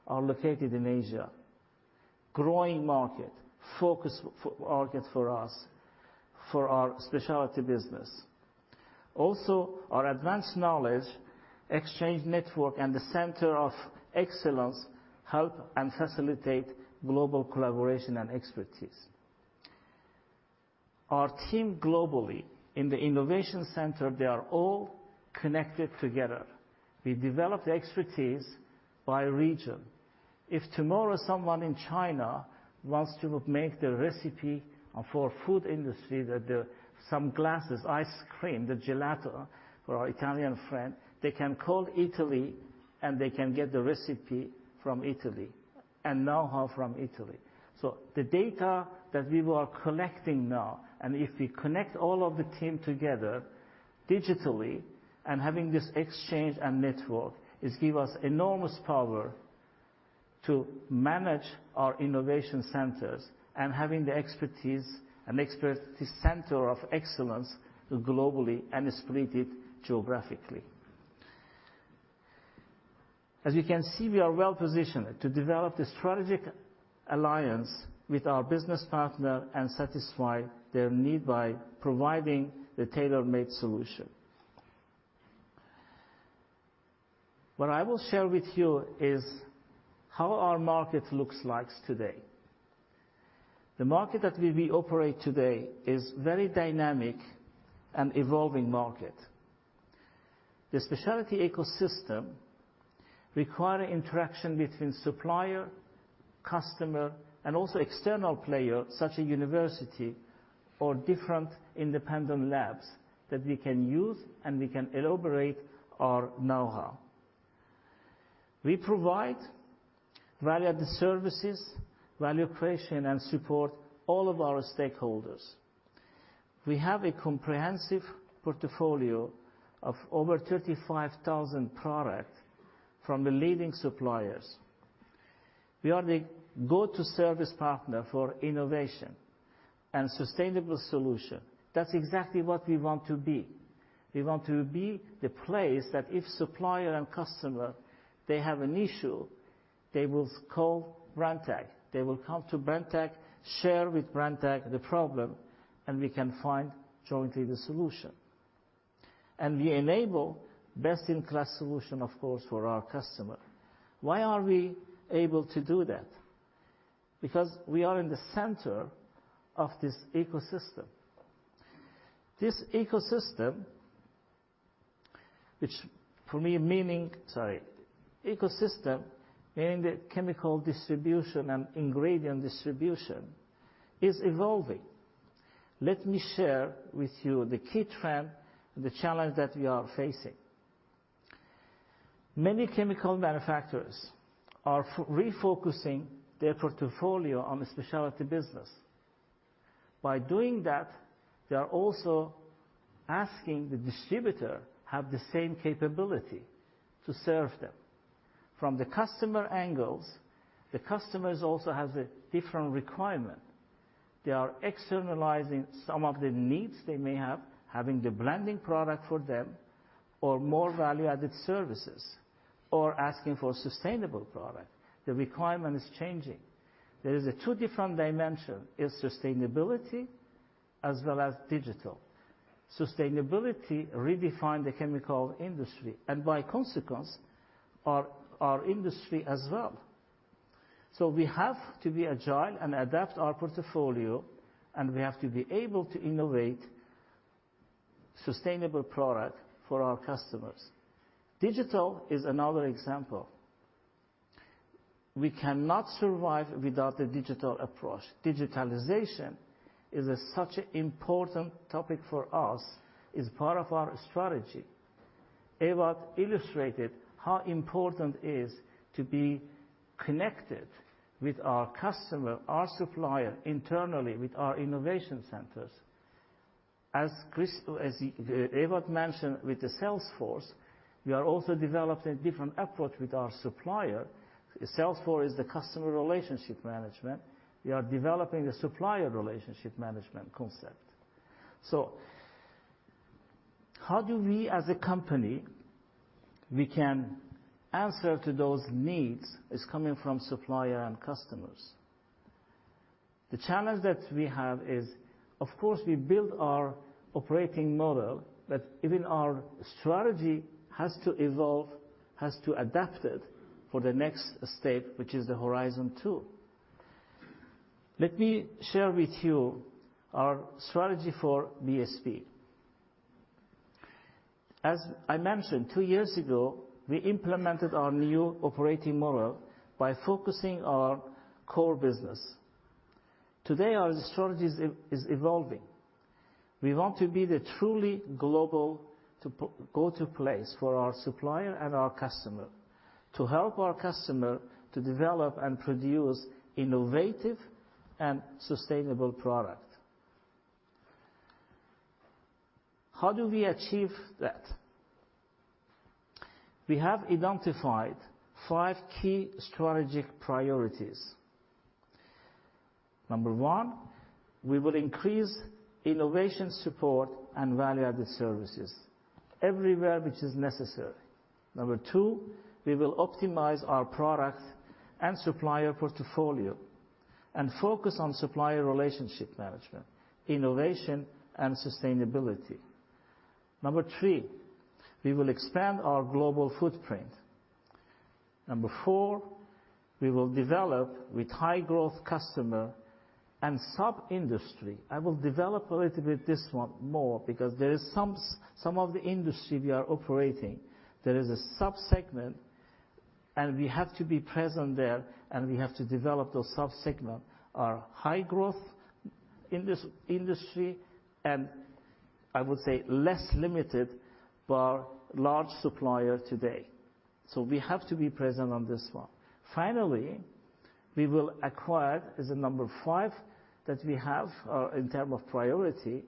are located in Asia, growing market, focus for, are good for us, for our specialty business. Also, our advanced knowledge exchange network and the center of excellence help and facilitate global collaboration and expertise. Our team globally in the innovation center, they are all connected together. We develop the expertise by region. If tomorrow someone in China wants to make the recipe for food industry ice cream, the gelato for our Italian friend, they can call Italy, and they can get the recipe from Italy and know-how from Italy. The data that we are collecting now, and if we connect all of the team together digitally and having this exchange and network, is give us enormous power to manage our innovation centers and having the expertise and expert center of excellence globally and is split it geographically. As you can see, we are well-positioned to develop the strategic alliance with our business partner and satisfy their need by providing the tailor-made solution. What I will share with you is how our market looks like today. The market that we operate today is very dynamic and evolving market. The specialty ecosystem require interaction between supplier, customer, and also external player, such as university or different independent labs that we can use and we can elaborate our know-how. We provide value-added services, value creation, and support all of our stakeholders. We have a comprehensive portfolio of over 35,000 product from the leading suppliers. We are the go-to service partner for innovation and sustainable solution. That's exactly what we want to be. We want to be the place that if supplier and customer, they have an issue, they will call Brenntag. They will come to Brenntag, share with Brenntag the problem, and we can find jointly the solution. We enable best-in-class solution, of course, for our customer. Why are we able to do that? Because we are in the center of this ecosystem. This ecosystem. Ecosystem, meaning the chemical distribution and ingredient distribution, is evolving. Let me share with you the key trend, the challenge that we are facing. Many chemical manufacturers are refocusing their portfolio on the specialty business. By doing that, they are also asking the distributor have the same capability to serve them. From the customer angles, the customers also has a different requirement. They are externalizing some of the needs they may have, having the blending product for them, or more value-added services, or asking for sustainable product. The requirement is changing. There is a two different dimension. It's Sustainability as well as Digital. Sustainability redefined the chemical industry, and by consequence, our industry as well. We have to be agile and adapt our portfolio, and we have to be able to innovate sustainable product for our customers. Digital is another example. We cannot survive without the digital approach. Digitalization is a such important topic for us, is part of our strategy. Ewout van Jarwaarde illustrated how important is to be connected with our customer, our supplier internally with our innovation centers. As Ewout van Jarwaarde mentioned with Salesforce, we are also developing different approach with our supplier. Salesforce is the customer relationship management. We are developing a supplier relationship management concept. How do we as a company, we can answer to those needs, is coming from supplier and customers. The challenge that we have is, of course, we build our operating model, but even our strategy has to evolve, has to adapt it for the next state, which is the Horizon 2. Let me share with you our strategy for BSP. As I mentioned, two years ago, we implemented our new operating model by focusing our core business. Today, our strategy is evolving. We want to be the truly global go-to place for our supplier and our customer, to help our customer to develop and produce innovative and sustainable product. How do we achieve that? We have identified 5 key strategic priorities. Number 1, we will increase innovation support and value-added services everywhere which is necessary. Number 2, we will optimize our product and supplier portfolio and focus on supplier relationship management, innovation and sustainability. Number 3, we will expand our global footprint. Number 4, we will develop with high growth customer and sub-industry. I will develop a little bit this one more because there is some of the industry we are operating, there is a sub-segment, and we have to be present there, and we have to develop those sub-segment. Our high growth industry and, I would say, less limited for large supplier today. We have to be present on this one. Finally, we will acquire, as a number five that we have, in terms of priority,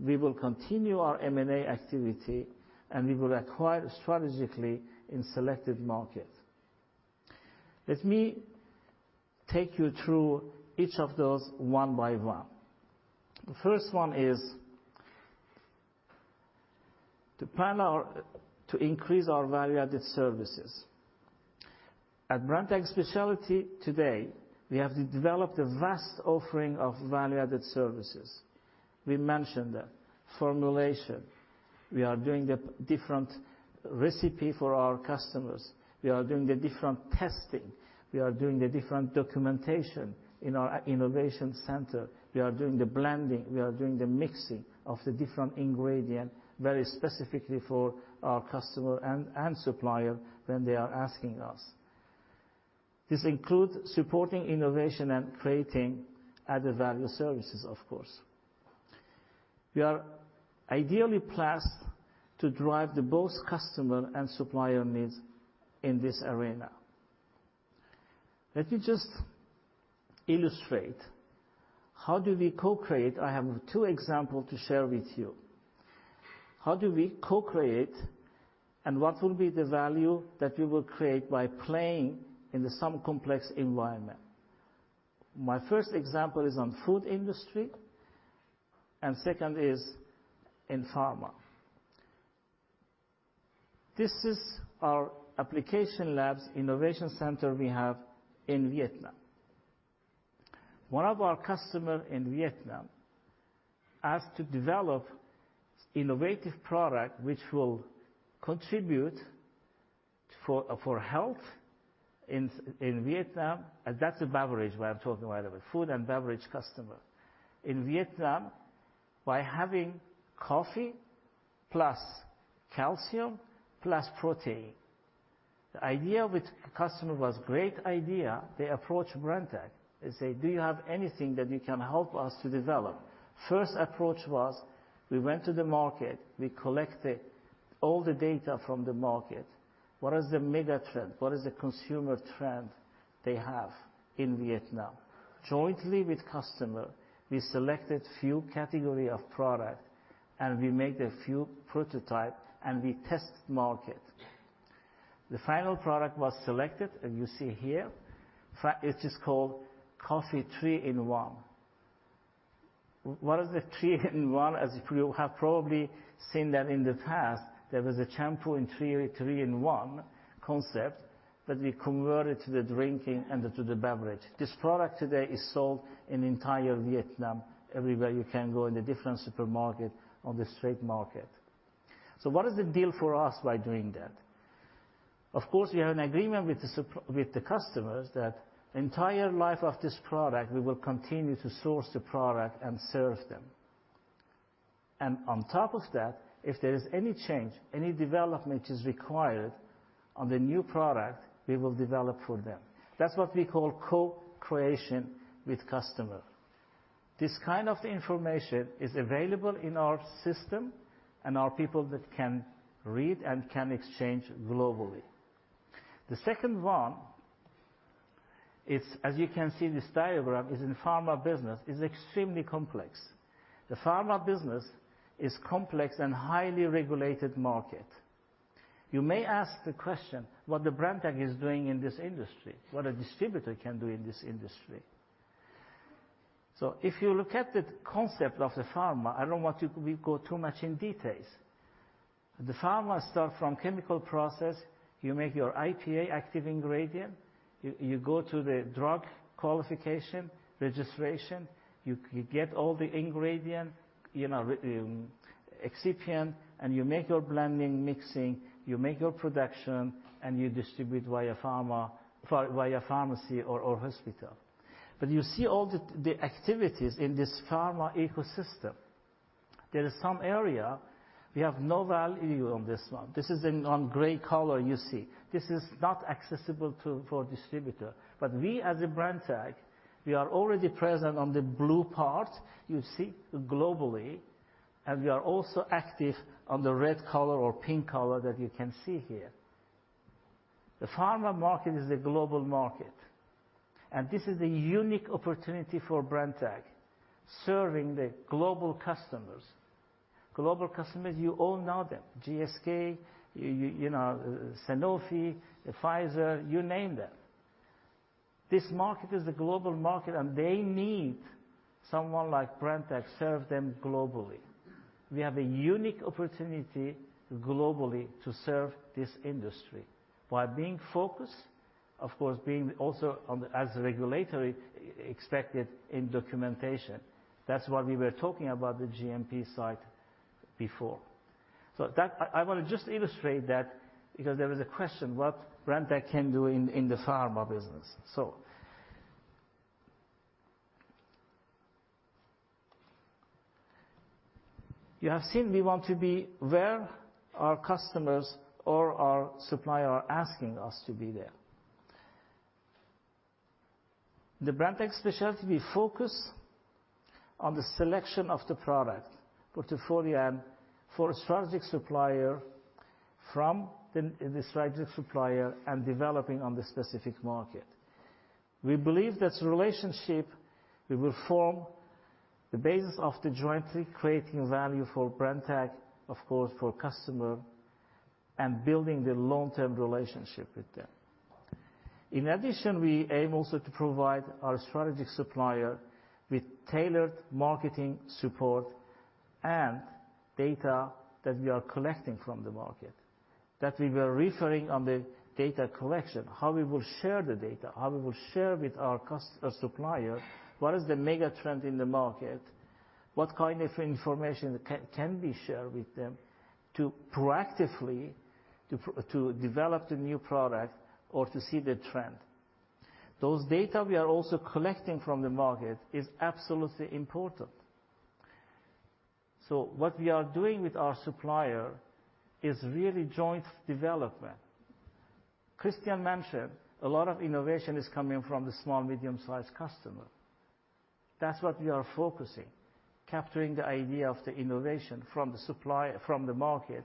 we will continue our M&A activity, and we will acquire strategically in selected markets. Let me take you through each of those one by one. The first one is to increase our value-added services. At Brenntag Specialties today, we have developed a vast offering of value-added services. We mentioned that. Formulation. We are doing the different recipe for our customers. We are doing the different testing. We are doing the different documentation in our innovation center. We are doing the blending. We are doing the mixing of the different ingredient very specifically for our customer and supplier when they are asking us. This includes supporting innovation and creating added value services, of course. We are ideally placed to drive both customer and supplier needs in this arena. Let me just illustrate how we co-create. I have two examples to share with you. How do we co-create, and what will be the value that we will create by playing in some complex environment? My first example is on food industry, and second is in pharma. This is our application labs innovation center we have in Vietnam. One of our customers in Vietnam asked to develop innovative product which will contribute for health in Vietnam. That's a beverage what I'm talking about. Food and beverage customer. In Vietnam, by having coffee plus calcium plus protein. The idea with customer was great idea. They approach Brenntag. They say, "Do you have anything that you can help us to develop?" First approach was we went to the market, we collected all the data from the market. What is the mega trend? What is the consumer trend they have in Vietnam? Jointly with customer, we selected few category of product and we make a few prototype, and we test market. The final product was selected, and you see here. It is called Coffee 3-in-1. What is the 3-in-1? As you have probably seen that in the past, there was a shampoo in 3-in-1 concept, but we converted to the drinking and to the beverage. This product today is sold in entire Vietnam. Everywhere you can go in the different supermarket, on the street market. What is the deal for us by doing that? Of course, we have an agreement with the customers that entire life of this product, we will continue to source the product and serve them. On top of that, if there is any change, any development is required on the new product, we will develop for them. That's what we call co-creation with customer. This kind of information is available in our system, and our people that can read and can exchange globally. The second one is, as you can see this diagram, is in pharma business, is extremely complex. The pharma business is complex and highly regulated market. You may ask the question, what the Brenntag is doing in this industry? What a distributor can do in this industry? If you look at the concept of the pharma, I don't want to go too much in details. The pharma start from chemical process. You make your API active ingredient. You go to the drug [qualification], registration. You get all the ingredient, you know, excipient, and you make your blending, mixing. You make your production, and you distribute via pharmacy or hospital. You see all the activities in this pharma ecosystem. There is some area we have no value on this one. This is in gray color you see. This is not accessible for distributor. We as Brenntag, we are already present on the blue part, you see, globally, and we are also active on the red color or pink color that you can see here. The pharma market is a global market, and this is a unique opportunity for Brenntag, serving the global customers. Global customers, you all know them. GSK, you know, Sanofi, Pfizer, you name them. This market is a global market, and they need someone like Brenntag to serve them globally. We have a unique opportunity globally to serve this industry by being focused, of course, being also on the, as regulatory expected in documentation. That's why we were talking about the GMP site before. I wanna just illustrate that because there was a question, what Brenntag can do in the pharma business. You have seen we want to be where our customers or our supplier are asking us to be there. The Brenntag Specialties focus on the selection of the product portfolio for a strategic supplier from the strategic supplier and developing on the specific market. We believe that relationship we will form the basis of the jointly creating value for Brenntag, of course for customer, and building the long-term relationship with them. In addition, we aim also to provide our strategic supplier with tailored marketing support and data that we are collecting from the market, that we were referring to the data collection, how we will share the data, how we will share with our supplier what is the mega trend in the market, what kind of information can we share with them to proactively develop the new product or to see the trend. Those data we are also collecting from the market is absolutely important. What we are doing with our supplier is really joint development. Christian mentioned a lot of innovation is coming from the small medium-sized customer. That's what we are focusing, capturing the idea of the innovation from the supplier, from the market,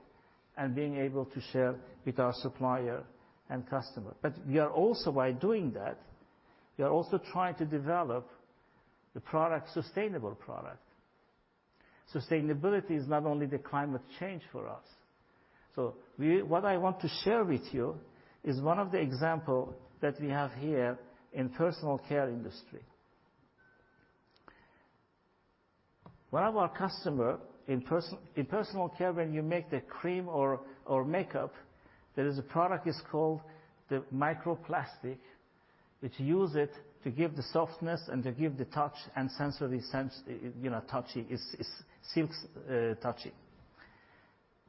and being able to share with our supplier and customer. We are also by doing that trying to develop the product, sustainable product. Sustainability is not only the climate change for us. What I want to share with you is one of the example that we have here in personal care industry. One of our customer in personal care, when you make the cream or makeup, there is a product is called the microplastic, which use it to give the softness and to give the touch and sensory sense, you know, touchy. It's silky touchy.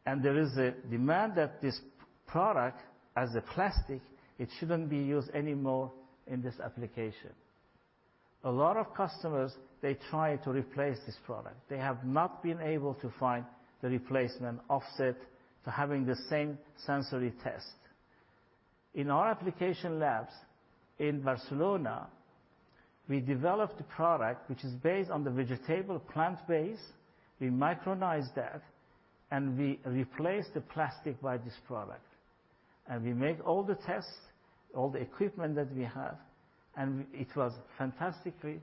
There is a demand that this product, as a plastic, it shouldn't be used anymore in this application. A lot of customers, they try to replace this product. They have not been able to find a replacement that offers the same sensory test. In our application labs in Barcelona, we developed a product which is based on the vegetable plant base. We micronize that. We replace the plastic by this product. We make all the tests, all the equipment that we have, and it was fantastically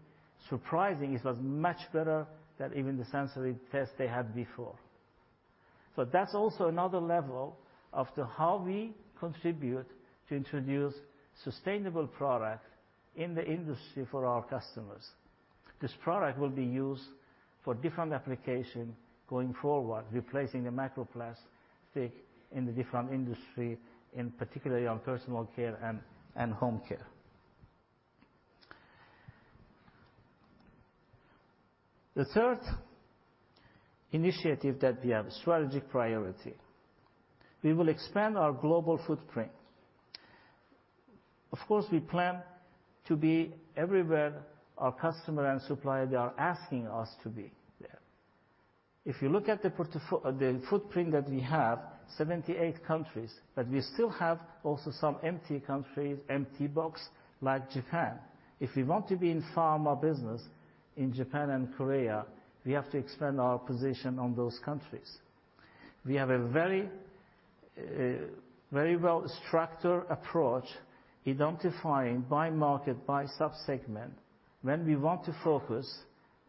surprising. It was much better than even the sensory test they had before. That's also another level of the how we contribute to introduce sustainable product in the industry for our customers. This product will be used for different application going forward, replacing the microplastic in the different industry, in particular on personal care and home care. The third initiative that we have strategic priority, we will expand our global footprint. Of course, we plan to be everywhere our customer and supplier, they are asking us to be there. If you look at the footprint that we have, 78 countries, but we still have also some empty countries, empty box like Japan. If we want to be in pharma business in Japan and Korea, we have to expand our position on those countries. We have a very, very well-structured approach, identifying by market, by sub-segment, where we want to focus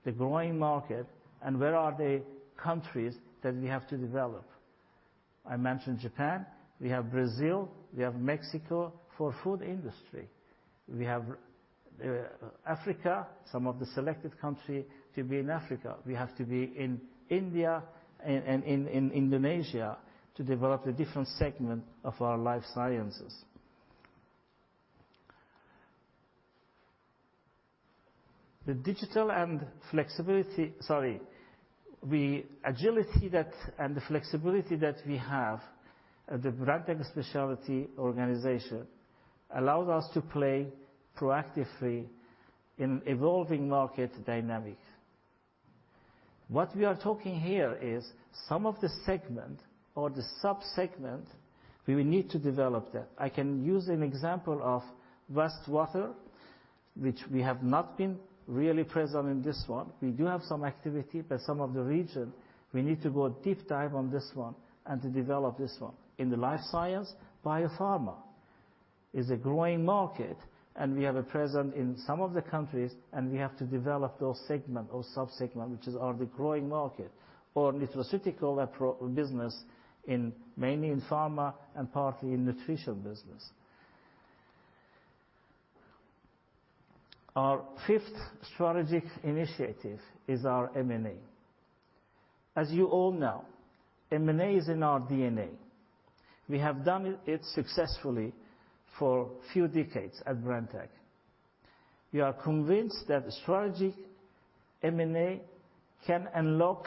the growing market and where are the countries that we have to develop. I mentioned Japan, we have Brazil, we have Mexico for food industry. We have Africa, some of the selected country to be in Africa. We have to be in India and in Indonesia to develop the different segment of our life sciences. The agility that, and the flexibility that we have at the Brenntag Specialties organization allows us to play proactively in evolving market dynamics. What we are talking here is some of the segment or the sub-segment, we will need to develop that. I can use an example of waste water, which we have not been really present in this one. We do have some activity, but in some of the regions, we need to go deep dive on this one and to develop this one. In the life sciences, biopharma is a growing market, and we have a presence in some of the countries, and we have to develop those segment or sub-segment, which is the growing market or nutraceutical pharma business mainly in pharma and partly in nutrition business. Our fifth strategic initiative is our M&A. As you all know, M&A is in our DNA. We have done it successfully for few decades at Brenntag. We are convinced that strategic M&A can unlock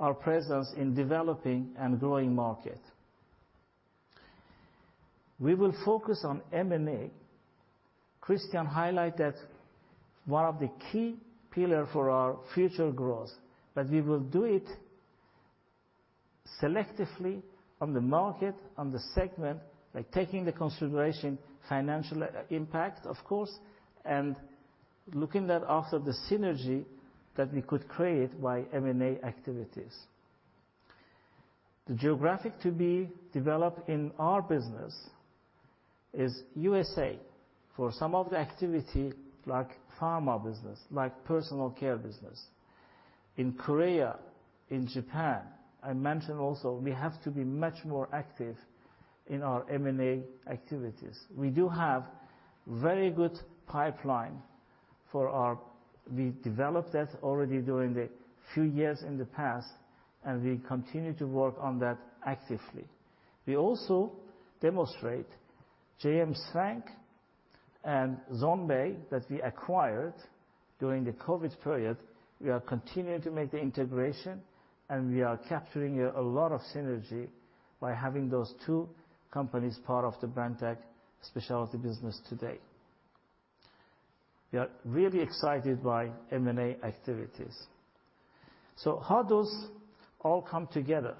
our presence in developing and growing market. We will focus on M&A. Christian highlighted one of the key pillars for our future growth, but we will do it selectively on the market, on the segment, by taking into consideration financial impact of course, and looking to the synergy that we could create by M&A activities. The geographies to be developed in our business are U.S. for some of the activities like pharma business, like personal care business. In Korea, in Japan, I mentioned, we also have to be much more active in our M&A activities. We do have very good pipeline for our M&A. We developed that already during the past few years, and we continue to work on that actively. We also demonstrate JM Swank and Zhongbai that we acquired during the COVID period. We are continuing to make the integration, and we are capturing a lot of synergy by having those two companies part of the Brenntag Specialties business today. We are really excited by M&A activities. How those all come together?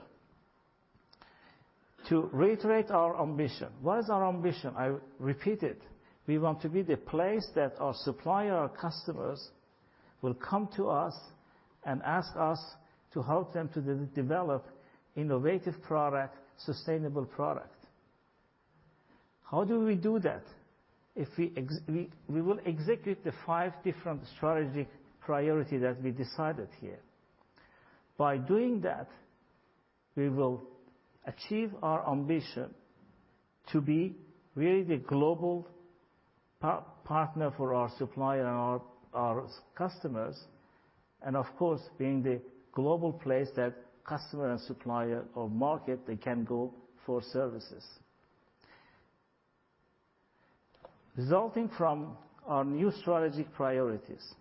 To reiterate our ambition. What is our ambition? I repeat it. We want to be the place that our supplier, customers will come to us and ask us to help them to develop innovative product, sustainable product. How do we do that? We will execute the five different strategic priority that we decided here. By doing that, we will achieve our ambition to be really the global partner for our supplier and our customers, and of course, being the global place that customer and supplier or market, they can go for services. Resulting from our new strategic priorities,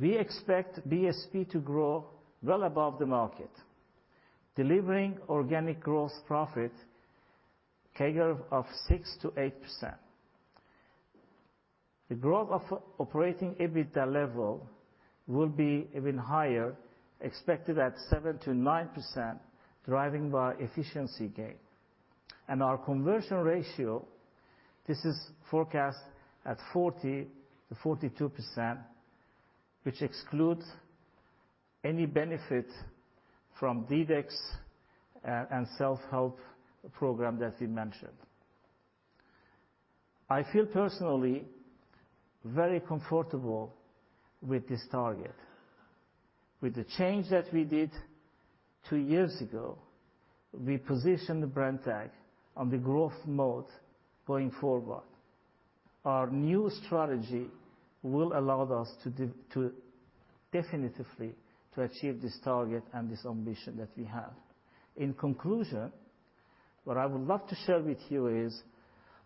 we expect BSP to grow well above the market, delivering organic growth profit CAGR of 6%-8%. The growth of operating EBITDA level will be even higher, expected at 7%-9%, driving by efficiency gain. Our conversion ratio, this is forecast at 40%-42%, which excludes any benefit from DiDEX and self-help program that we mentioned. I feel personally very comfortable with this target. With the change that we did two years ago, we positioned the Brenntag on the growth mode going forward. Our new strategy will allow us to definitively to achieve this target and this ambition that we have. In conclusion, what I would love to share with you is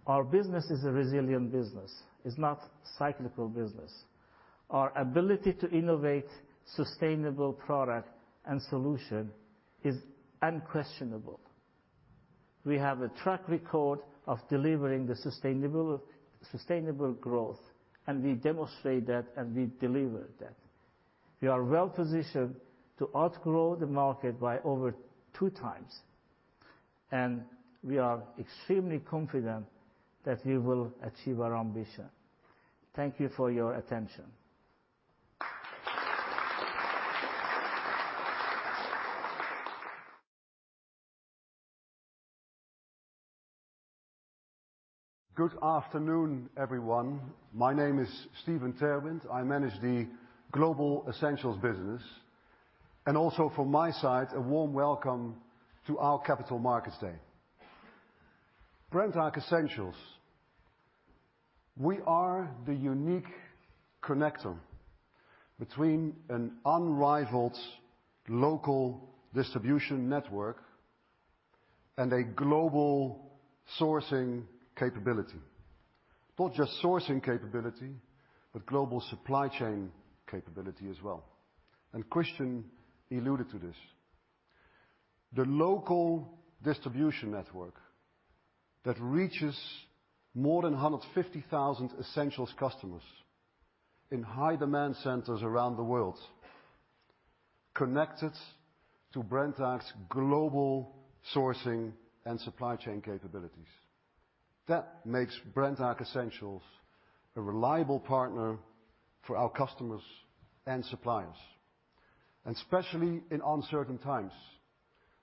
our business is a resilient business, is not cyclical business. Our ability to innovate sustainable product and solution is unquestionable. We have a track record of delivering the sustainable growth, and we demonstrate that, and we deliver that. We are well-positioned to outgrow the market by over 2x, and we are extremely confident that we will achieve our ambition. Thank you for your attention. Good afternoon, everyone. My name is Steven Terwindt. I manage the Global Essentials Business. Also from my side, a warm welcome to our Capital Markets Day. Brenntag Essentials, we are the unique connector between an unrivaled local distribution network and a global sourcing capability. Not just sourcing capability, but global supply chain capability as well. Christian alluded to this. The local distribution network that reaches more than 150,000 Essentials customers in high demand centers around the world connected to Brenntag's global sourcing and supply chain capabilities. That makes Brenntag Essentials a reliable partner for our customers and suppliers. Especially in uncertain times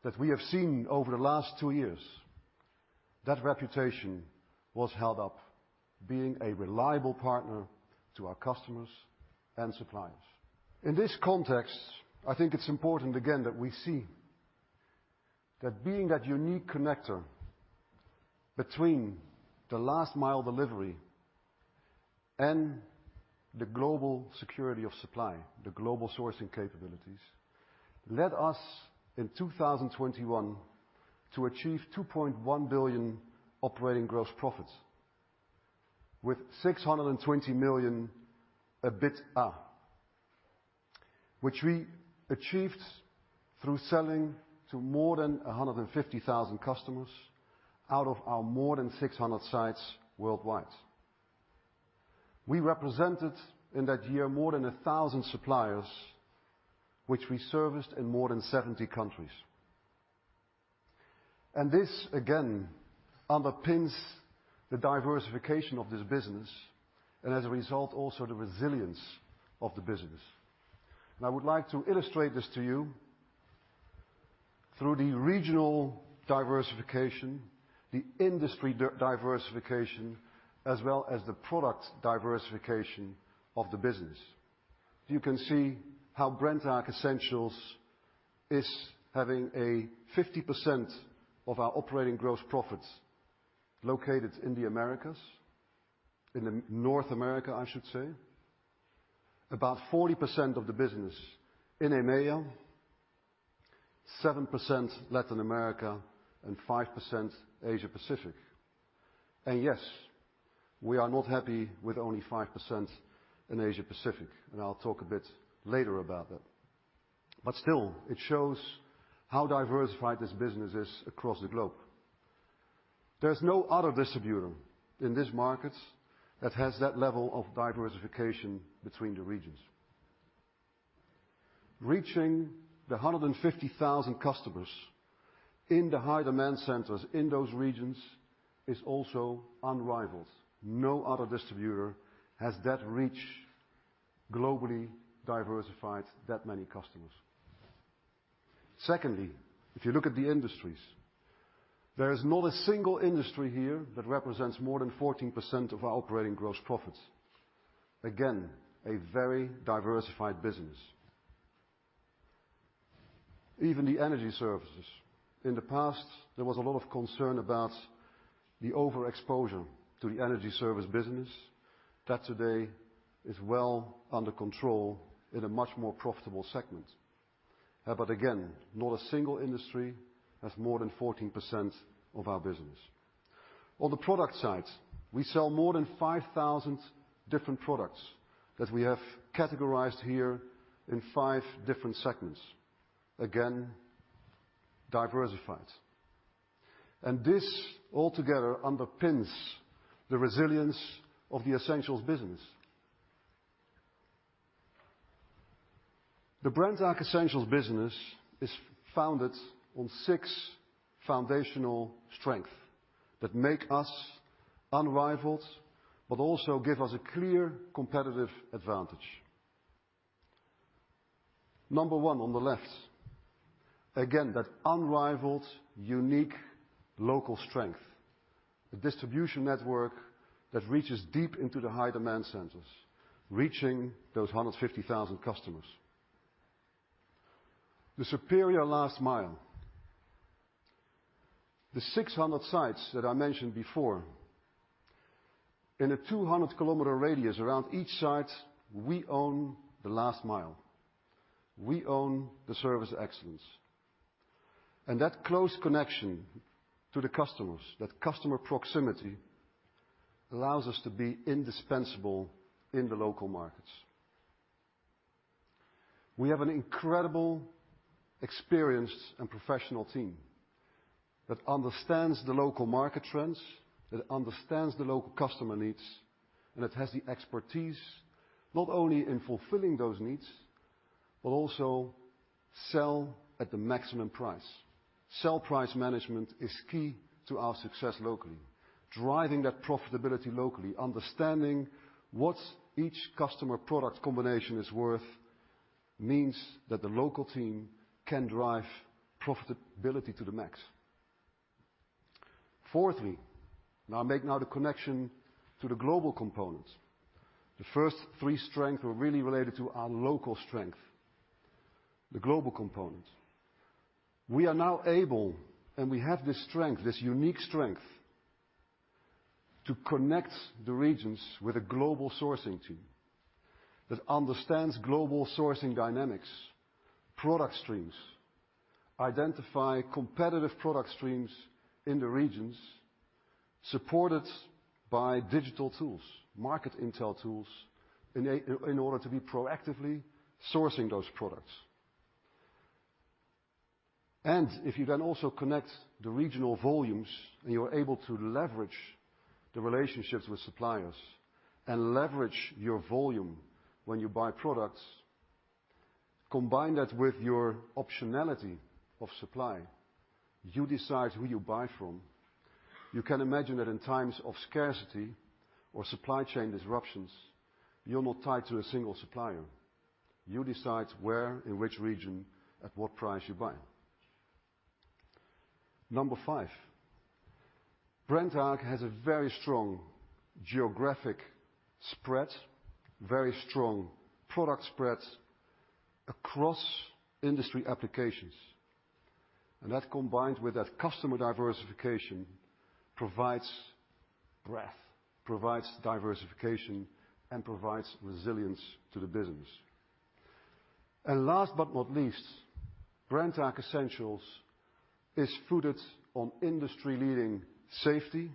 that we have seen over the last two years, that reputation was held up being a reliable partner to our customers and suppliers. In this context, I think it's important again that we see that being that unique connector between the last mile delivery and the global security of supply, the global sourcing capabilities, led us in 2021 to achieve 2.1 billion operating gross profits with 620 million EBITDA, which we achieved through selling to more than 150,000 customers out of our more than 600 sites worldwide. We represented in that year, more than 1,000 suppliers, which we serviced in more than 70 countries. This, again, underpins the diversification of this business and as a result, also the resilience of the business. I would like to illustrate this to you through the regional diversification, the industry diversification, as well as the product diversification of the business. You can see how Brenntag Essentials is having a 50% of our operating gross profits located in the Americas. In North America, I should say. About 40% of the business in EMEA, 7% Latin America, and 5% Asia-Pacific. Yes, we are not happy with only 5% in Asia-Pacific, and I'll talk a bit later about that. Still, it shows how diversified this business is across the globe. There's no other distributor in this market that has that level of diversification between the regions. Reaching the 150,000 customers in the high demand centers in those regions is also unrivaled. No other distributor has that reach, globally diversified that many customers. Secondly, if you look at the industries, there is not a single industry here that represents more than 14% of our operating gross profits. Again, a very diversified business. Even the energy services. In the past, there was a lot of concern about the overexposure to the energy service business that today is well under control in a much more profitable segment. But again, not a single industry has more than 14% of our business. On the product side, we sell more than 5,000 different products that we have categorized here in five different segments. Again, diversified. This altogether underpins the resilience of the Essentials business. The Brenntag Essentials business is founded on six foundational strength that make us unrivaled but also give us a clear competitive advantage. Number 1 on the left, again, that unrivaled unique local strength, the distribution network that reaches deep into the high demand centers, reaching those 150,000 customers. The superior last mile. The 600 sites that I mentioned before. In a 200 km radius around each site, we own the last mile. We own the service excellence. That close connection to the customers, that customer proximity, allows us to be indispensable in the local markets. We have an incredible, experienced, and professional team that understands the local market trends, that understands the local customer needs, and it has the expertise not only in fulfilling those needs, but also sell at the maximum price. Sell price management is key to our success locally. Driving that profitability locally, understanding what each customer product combination is worth means that the local team can drive profitability to the max. Fourthly, now I make the connection to the global component. The first three strengths were really related to our local strength. The global component. We are now able, and we have this strength, this unique strength, to connect the regions with a global sourcing team that understands global sourcing dynamics, product streams, identify competitive product streams in the regions, supported by digital tools, market intel tools in order to be proactively sourcing those products. If you then also connect the regional volumes, and you're able to leverage the relationships with suppliers and leverage your volume when you buy products, combine that with your optionality of supply, you decide who you buy from. You can imagine that in times of scarcity or supply chain disruptions, you're not tied to a single supplier. You decide where, in which region, at what price you buy. Number five, Brenntag has a very strong geographic spread, very strong product spread across industry applications. That combined with that customer diversification provides breadth, provides diversification, and provides resilience to the business. Last but not least, Brenntag Essentials is rooted on industry-leading safety,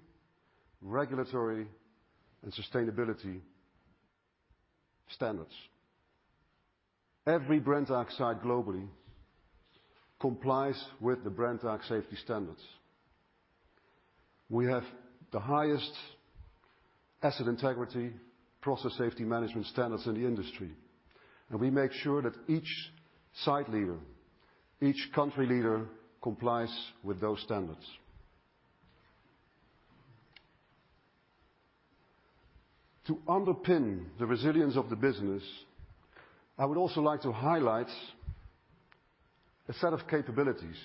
regulatory, and sustainability standards. Every Brenntag site globally complies with the Brenntag safety standards. We have the highest asset integrity, process safety management standards in the industry. We make sure that each site leader, each country leader complies with those standards. To underpin the resilience of the business, I would also like to highlight a set of capabilities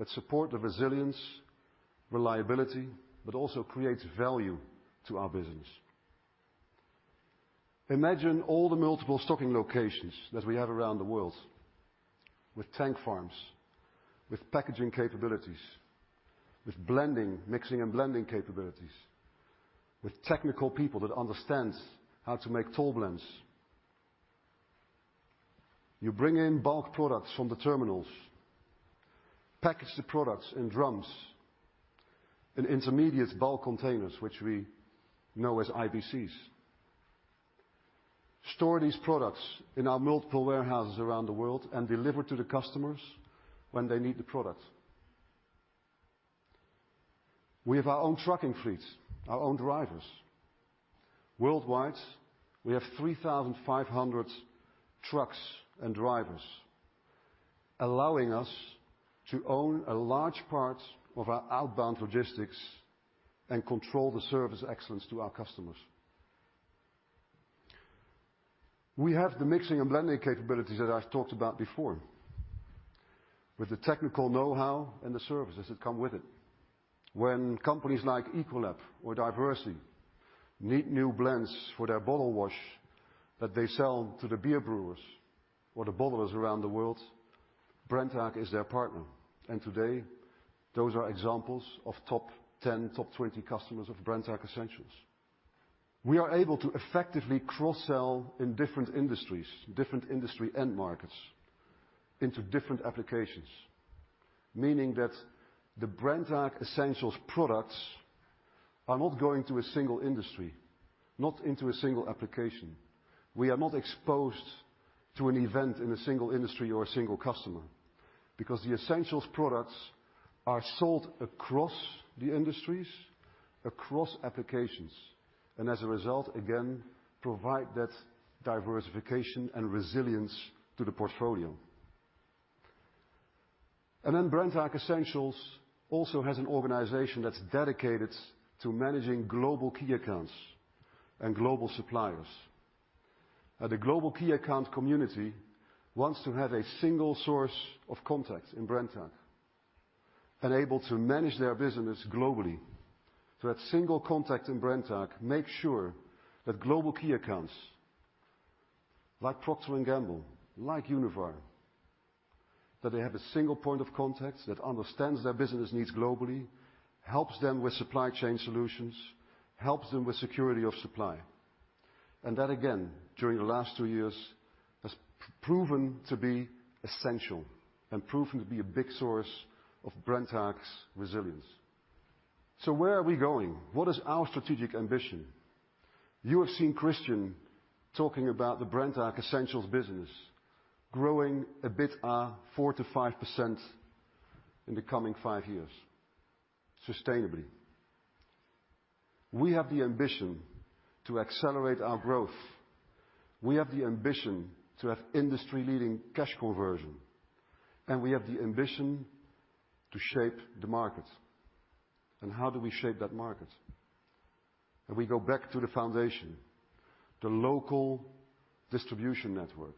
that support the resilience, reliability, but also creates value to our business. Imagine all the multiple stocking locations that we have around the world with tank farms, with packaging capabilities, with blending, mixing and blending capabilities, with technical people that understand how to make toll blends. You bring in bulk products from the terminals, package the products in drums, in intermediate bulk containers, which we know as IBCs. Store these products in our multiple warehouses around the world and deliver to the customers when they need the product. We have our own trucking fleets, our own drivers. Worldwide, we have 3,500 trucks and drivers, allowing us to own a large part of our outbound logistics and control the service excellence to our customers. We have the mixing and blending capabilities that I've talked about before, with the technical know-how and the services that come with it. When companies like Ecolab or Diversey need new blends for their bottle wash that they sell to the beer brewers or the bottlers around the world, Brenntag is their partner. Today, those are examples of top 10, top 20 customers of Brenntag Essentials. We are able to effectively cross-sell in different industries, different industry end markets into different applications. Meaning that the Brenntag Essentials products are not going to a single industry, not into a single application. We are not exposed to an event in a single industry or a single customer. The Essentials products are sold across the industries, across applications. As a result, again, provide that diversification and resilience to the portfolio. Brenntag Essentials also has an organization that's dedicated to managing global key accounts and global suppliers. Now the global key account community wants to have a single source of contact in Brenntag and able to manage their business globally. To have single contact in Brenntag, make sure that global key accounts, like Procter & Gamble, like Unilever, that they have a single point of contact that understands their business needs globally, helps them with supply chain solutions, helps them with security of supply. That again, during the last two years, has proven to be essential and proven to be a big source of Brenntag's resilience. Where are we going? What is our strategic ambition? You have seen Christian talking about the Brenntag Essentials business growing a bit, 4%-5% in the coming five years, sustainably. We have the ambition to accelerate our growth. We have the ambition to have industry-leading cash conversion, and we have the ambition to shape the market. How do we shape that market? We go back to the foundation, the local distribution network,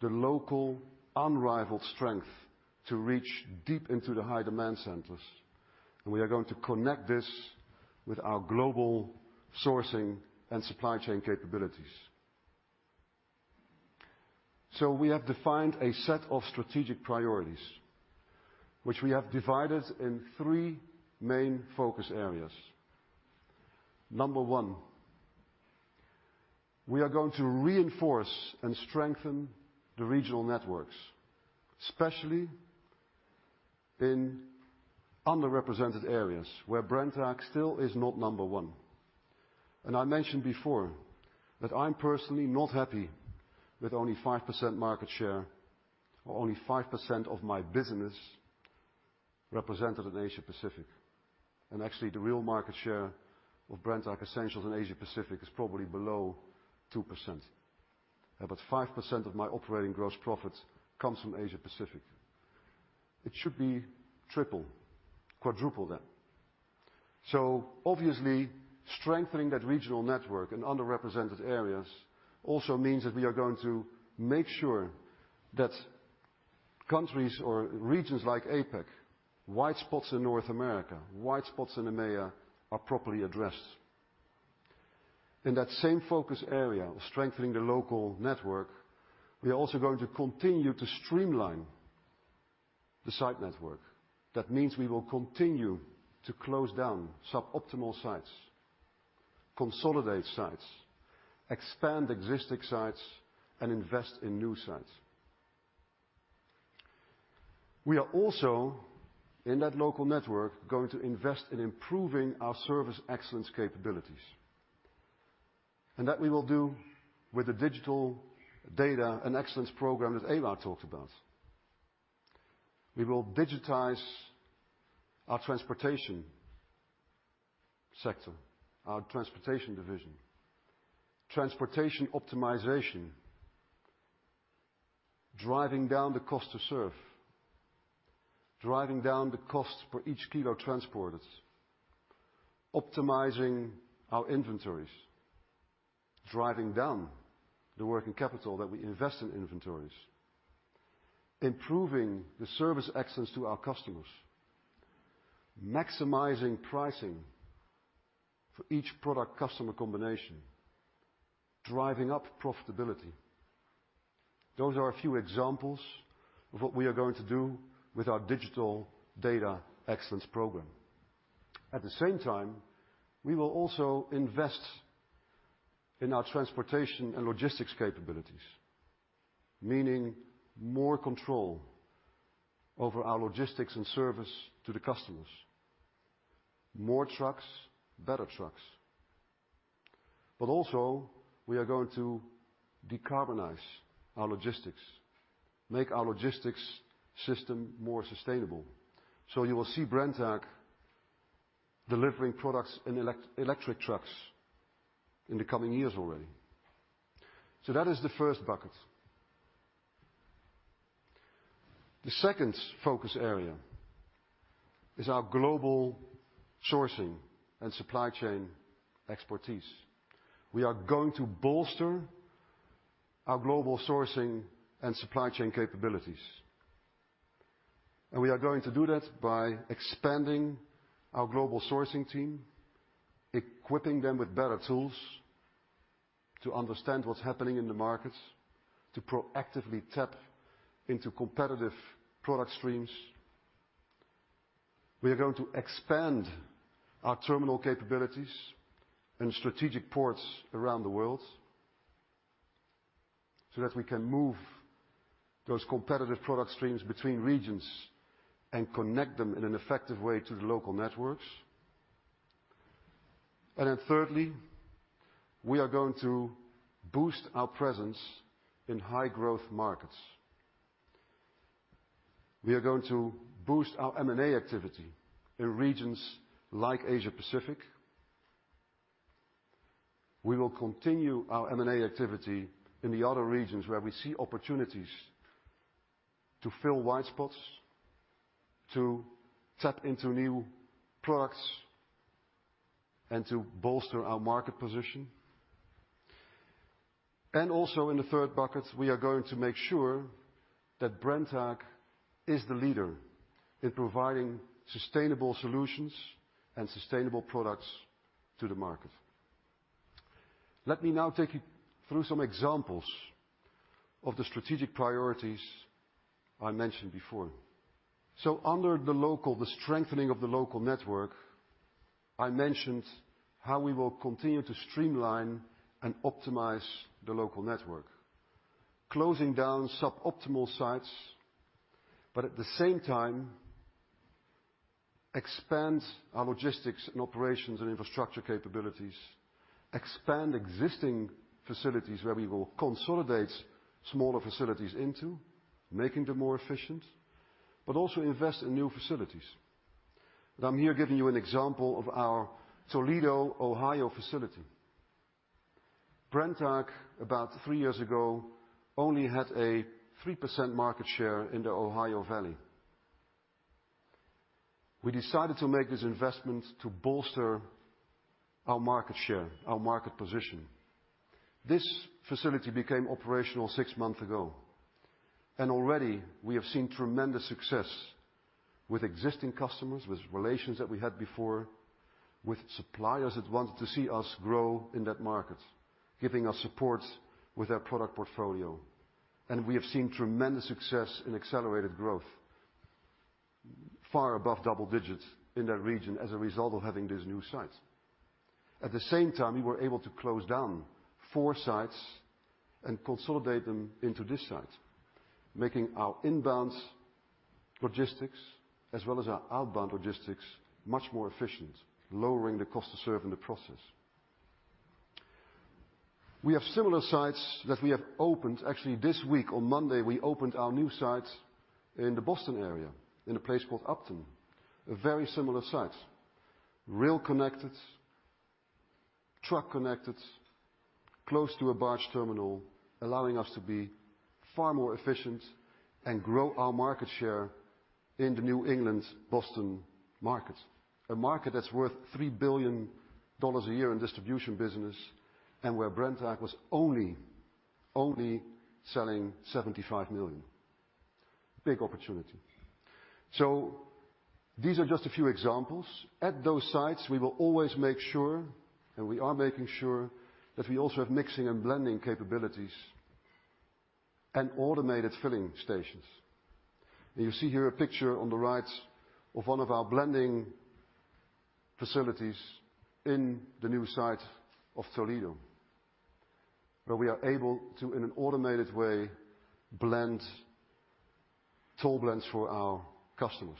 the local unrivaled strength to reach deep into the high demand centers, and we are going to connect this with our global sourcing and supply chain capabilities. We have defined a set of strategic priorities, which we have divided in three main focus areas. Number one, we are going to reinforce and strengthen the regional networks, especially in underrepresented areas where Brenntag still is not number one. I mentioned before that I'm personally not happy with only 5% market share or only 5% of my business represented in Asia-Pacific. Actually, the real market share of Brenntag Essentials in Asia-Pacific is probably below 2%. About 5% of my operating gross profits comes from Asia-Pacific. It should be triple, quadruple that. Obviously, strengthening that regional network in underrepresented areas also means that we are going to make sure that countries or regions like APAC, white spots in North America, white spots in EMEA, are properly addressed. In that same focus area of strengthening the local network, we are also going to continue to streamline the site network. That means we will continue to close down suboptimal sites, consolidate sites, expand existing sites, and invest in new sites. We are also, in that local network, going to invest in improving our service excellence capabilities. That we will do with the Digital, Data and Excellence program that Ewout talked about. We will digitize our transportation sector, our transportation division, transportation optimization, driving down the cost to serve, driving down the cost for each kilo transported, optimizing our inventories, driving down the working capital that we invest in inventories, improving the service access to our customers, maximizing pricing for each product customer combination, driving up profitability. Those are a few examples of what we are going to do with our Digital, Data and Excellence program. At the same time, we will also invest in our transportation and logistics capabilities. Meaning more control over our logistics and service to the customers. More trucks, better trucks. Also, we are going to decarbonize our logistics, make our logistics system more sustainable. You will see Brenntag delivering products in electric trucks in the coming years already. That is the first bucket. The second focus area is our global sourcing and supply chain expertise. We are going to bolster our global sourcing and supply chain capabilities. We are going to do that by expanding our global sourcing team, equipping them with better tools to understand what's happening in the markets, to proactively tap into competitive product streams. We are going to expand our terminal capabilities in strategic ports around the world so that we can move those competitive product streams between regions and connect them in an effective way to the local networks. Thirdly, we are going to boost our presence in high-growth markets. We are going to boost our M&A activity in regions like Asia-Pacific. We will continue our M&A activity in the other regions where we see opportunities to fill wide spots, to tap into new products, and to bolster our market position. Also in the third bucket, we are going to make sure that Brenntag is the leader in providing sustainable solutions and sustainable products to the market. Let me now take you through some examples of the strategic priorities I mentioned before. Under the strengthening of the local network, I mentioned how we will continue to streamline and optimize the local network, closing down sub-optimal sites. At the same time, expand our logistics and operations and infrastructure capabilities. Expand existing facilities where we will consolidate smaller facilities into making them more efficient, but also invest in new facilities. I'm here giving you an example of our Toledo, Ohio, facility. Brenntag, about 3 years ago, only had a 3% market share in the Ohio Valley. We decided to make this investment to bolster our market share, our market position. This facility became operational six months ago, and already we have seen tremendous success with existing customers, with relations that we had before, with suppliers that wanted to see us grow in that market, giving us support with their product portfolio. We have seen tremendous success in accelerated growth far above double digits in that region as a result of having these new sites. At the same time, we were able to close down four sites and consolidate them into this site, making our inbound logistics as well as our outbound logistics much more efficient, lowering the cost to serve in the process. We have similar sites that we have opened. Actually, this week on Monday, we opened our new site in the Boston area in a place called Upton, a very similar site. Rail connected, truck connected, close to a barge terminal, allowing us to be far more efficient and grow our market share in the New England Boston market. A market that's worth $3 billion a year in distribution business and where Brenntag was only selling $75 million. Big opportunity. These are just a few examples. At those sites, we will always make sure, and we are making sure that we also have mixing and blending capabilities and automated filling stations. You see here a picture on the right of one of our blending facilities in the new site of Toledo, where we are able to, in an automated way, blend [toll] blends for our customers.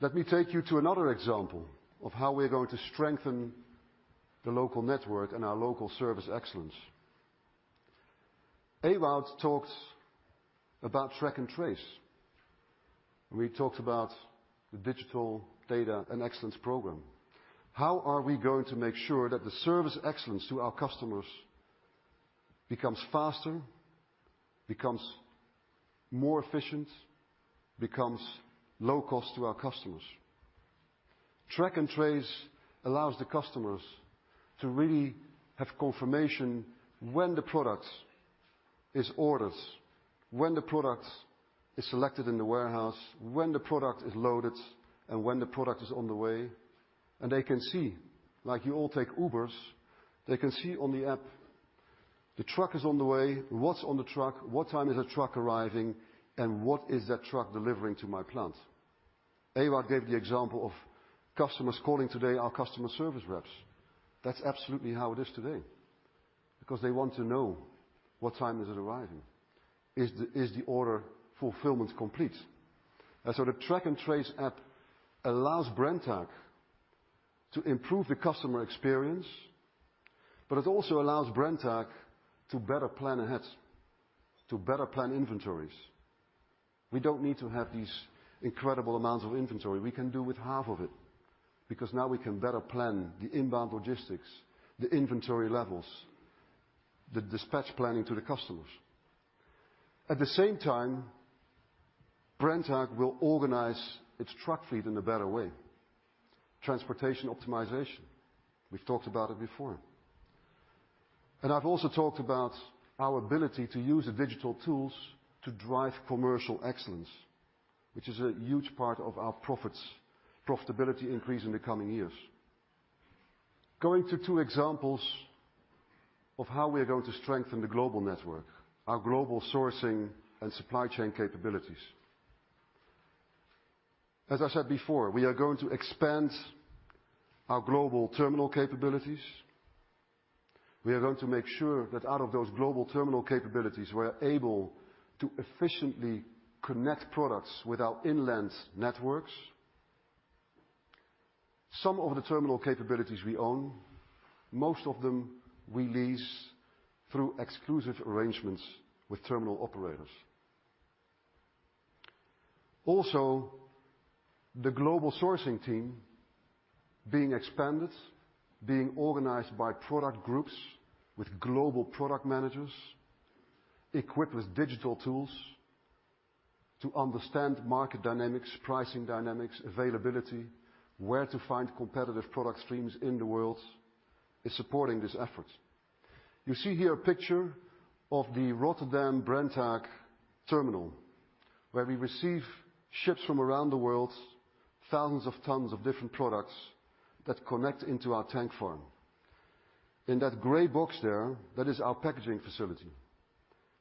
Let me take you to another example of how we're going to strengthen the local network and our local service excellence. Ewout talked about Track and Trace. We talked about the Digital, Data and Excellence program. How are we going to make sure that the service excellence to our customers becomes faster, becomes more efficient, becomes low cost to our customers? Track and Trace allows the customers to really have confirmation when the product is ordered, when the product is selected in the warehouse, when the product is loaded, and when the product is on the way. They can see, like you all take Ubers, they can see on the app the truck is on the way. What's on the truck? What time is the truck arriving, and what is that truck delivering to my plant? Ewout gave the example of customers calling today our customer service reps. That's absolutely how it is today, because they want to know what time is it arriving. Is the order fulfillment complete? The Track and Trace app allows Brenntag to improve the customer experience, but it also allows Brenntag to better plan ahead, to better plan inventories. We don't need to have these incredible amounts of inventory. We can do with half of it, because now we can better plan the inbound logistics, the inventory levels, the dispatch planning to the customers. At the same time, Brenntag will organize its truck fleet in a better way. Transportation optimization, we've talked about it before. I've also talked about our ability to use the digital tools to drive commercial excellence, which is a huge part of our profits, profitability increase in the coming years. Going to two examples of how we're going to strengthen the global network, our global sourcing and supply chain capabilities. As I said before, we are going to expand our global terminal capabilities. We are going to make sure that out of those global terminal capabilities, we're able to efficiently connect products with our inland networks. Some of the terminal capabilities we own, most of them we lease through exclusive arrangements with terminal operators. Also, the global sourcing team being expanded, being organized by product groups with global product managers, equipped with digital tools to understand market dynamics, pricing dynamics, availability, where to find competitive product streams in the world, is supporting this effort. You see here a picture of the Rotterdam Brenntag terminal, where we receive ships from around the world, thousands of tons of different products that connect into our tank farm. In that gray box there, that is our packaging facility,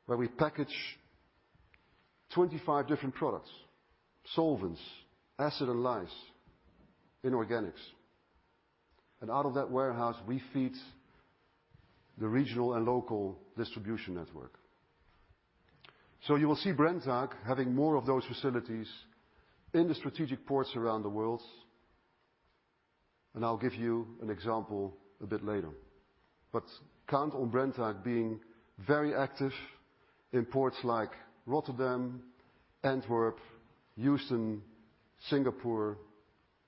where we package 25 different products, solvents, acid and lyes, inorganics. Out of that warehouse, we feed the regional and local distribution network. You will see Brenntag having more of those facilities in the strategic ports around the world, and I'll give you an example a bit later. Count on Brenntag being very active in ports like Rotterdam, Antwerp, Houston, Singapore,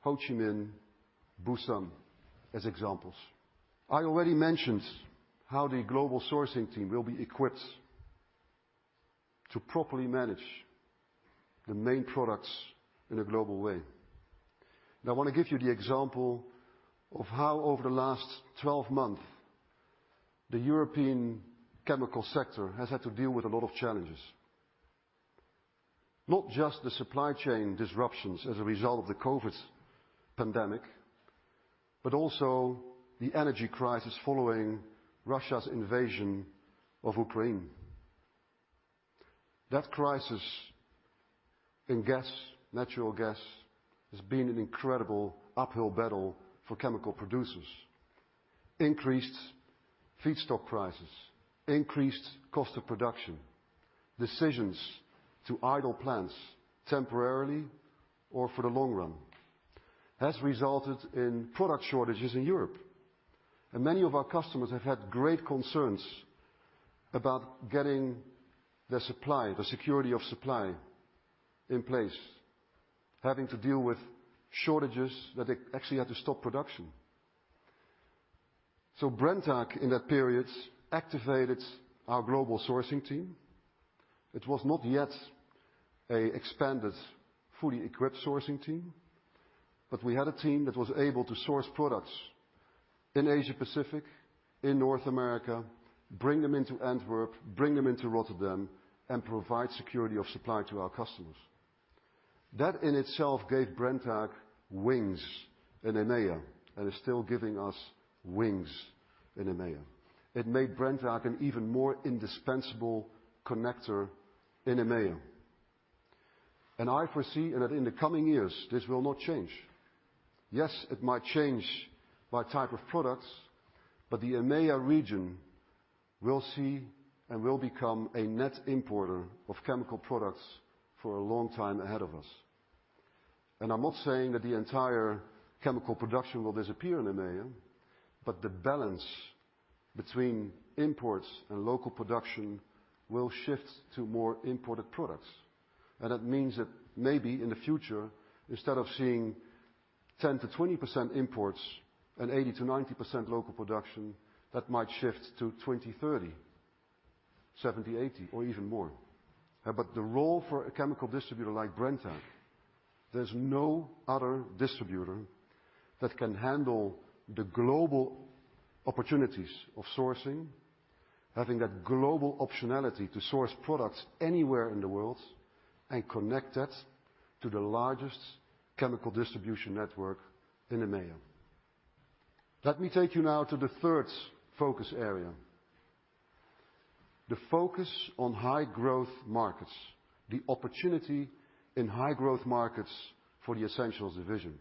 Ho Chi Minh, Busan, as examples. I already mentioned how the global sourcing team will be equipped to properly manage the main products in a global way. Now I want to give you the example of how, over the last 12 months, the European chemical sector has had to deal with a lot of challenges. Not just the supply chain disruptions as a result of the COVID pandemic, but also the energy crisis following Russia's invasion of Ukraine. That crisis in gas, natural gas, has been an incredible uphill battle for chemical producers. Increased feedstock prices, increased cost of production, decisions to idle plants temporarily or for the long run, has resulted in product shortages in Europe. Many of our customers have had great concerns about getting their supply, the security of supply in place, having to deal with shortages that they actually had to stop production. Brenntag in that period activated our global sourcing team. It was not yet a expanded, fully equipped sourcing team, but we had a team that was able to source products in Asia-Pacific, in North America, bring them into Antwerp, bring them into Rotterdam, and provide security of supply to our customers. That in itself gave Brenntag wings in EMEA, and is still giving us wings in EMEA. It made Brenntag an even more indispensable connector in EMEA. I foresee that in the coming years, this will not change. Yes, it might change by type of products, but the EMEA region will see and will become a net importer of chemical products for a long time ahead of us. I'm not saying that the entire chemical production will disappear in EMEA, but the balance between imports and local production will shift to more imported products. That means that maybe in the future, instead of seeing 10%-20% imports and 80%-90% local production, that might shift to 20%-30%, 70%-80%, or even more. But the role for a chemical distributor like Brenntag, there's no other distributor that can handle the global opportunities of sourcing, having that global optionality to source products anywhere in the world and connect that to the largest chemical distribution network in EMEA. Let me take you now to the third focus area, the focus on high growth markets, the opportunity in high growth markets for the Brenntag Essentials division.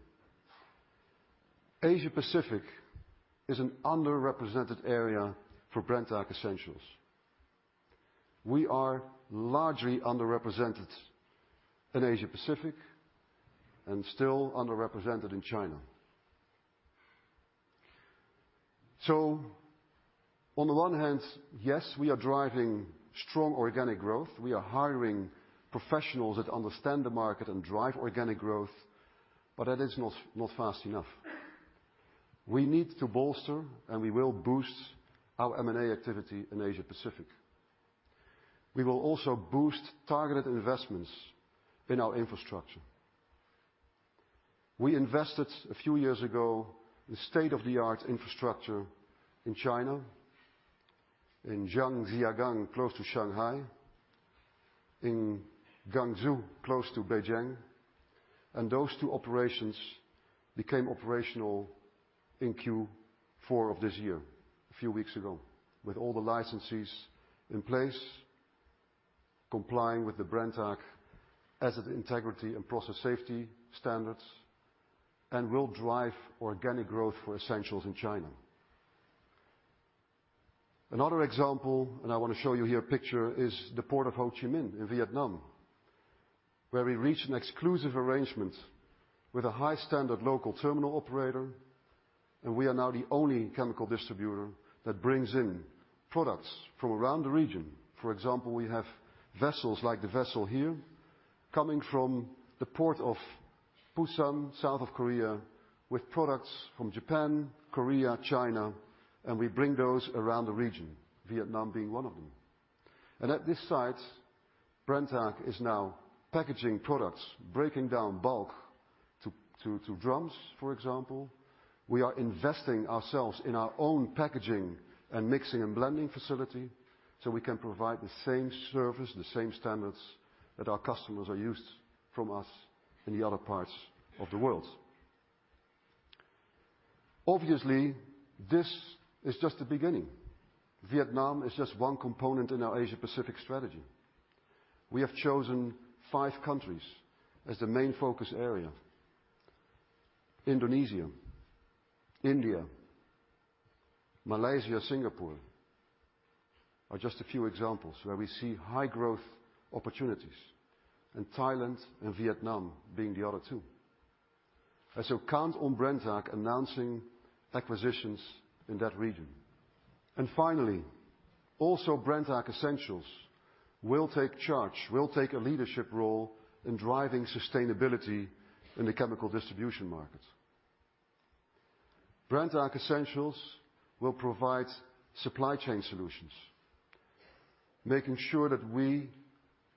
Asia-Pacific is an underrepresented area for Brenntag Essentials. We are largely underrepresented in Asia-Pacific and still underrepresented in China. On the one hand, yes, we are driving strong organic growth. We are hiring professionals that understand the market and drive organic growth, but that is not fast enough. We need to bolster, and we will boost our M&A activity in Asia-Pacific. We will also boost targeted investments in our infrastructure. We invested a few years ago in state-of-the-art infrastructure in China, in Zhangjiagang, close to Shanghai, in Guangzhou, close to Beijing. Those two operations became operational in Q4 of this year, a few weeks ago, with all the licenses in place, complying with the Brenntag asset integrity and process safety standards, and will drive organic growth for Essentials in China. Another example, I want to show you here a picture, is the port of Ho Chi Minh in Vietnam, where we reached an exclusive arrangement with a high standard local terminal operator. We are now the only chemical distributor that brings in products from around the region. For example, we have vessels like the vessel here, coming from the port of Busan, south of Korea, with products from Japan, Korea, China, and we bring those around the region, Vietnam being one of them. At this site, Brenntag is now packaging products, breaking down bulk to drums, for example. We are investing ourselves in our own packaging and mixing and blending facility, so we can provide the same service, the same standards that our customers are used from us in the other parts of the world. Obviously, this is just the beginning. Vietnam is just one component in our Asia Pacific strategy. We have chosen five countries as the main focus area. Indonesia, India, Malaysia, Singapore are just a few examples where we see high growth opportunities, and Thailand and Vietnam being the other two. Count on Brenntag announcing acquisitions in that region. Finally, also Brenntag Essentials will take charge, will take a leadership role in driving sustainability in the chemical distribution market. Brenntag Essentials will provide supply chain solutions, making sure that we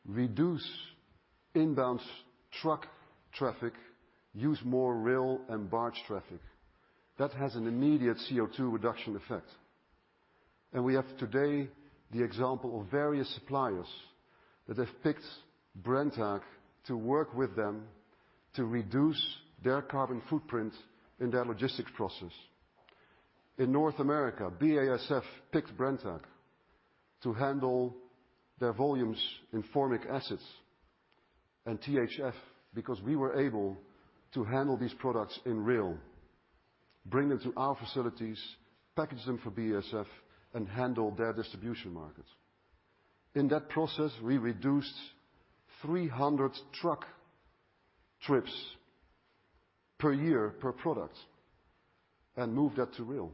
reduce inbound truck traffic, use more rail and barge traffic. That has an immediate CO2 reduction effect. We have today the example of various suppliers that have picked Brenntag to work with them to reduce their carbon footprint in their logistics process. In North America, BASF picked Brenntag to handle their volumes in formic acid and THF because we were able to handle these products in rail, bring them to our facilities, package them for BASF, and handle their distribution markets. In that process, we reduced 300 truck trips per year, per product and moved that to rail.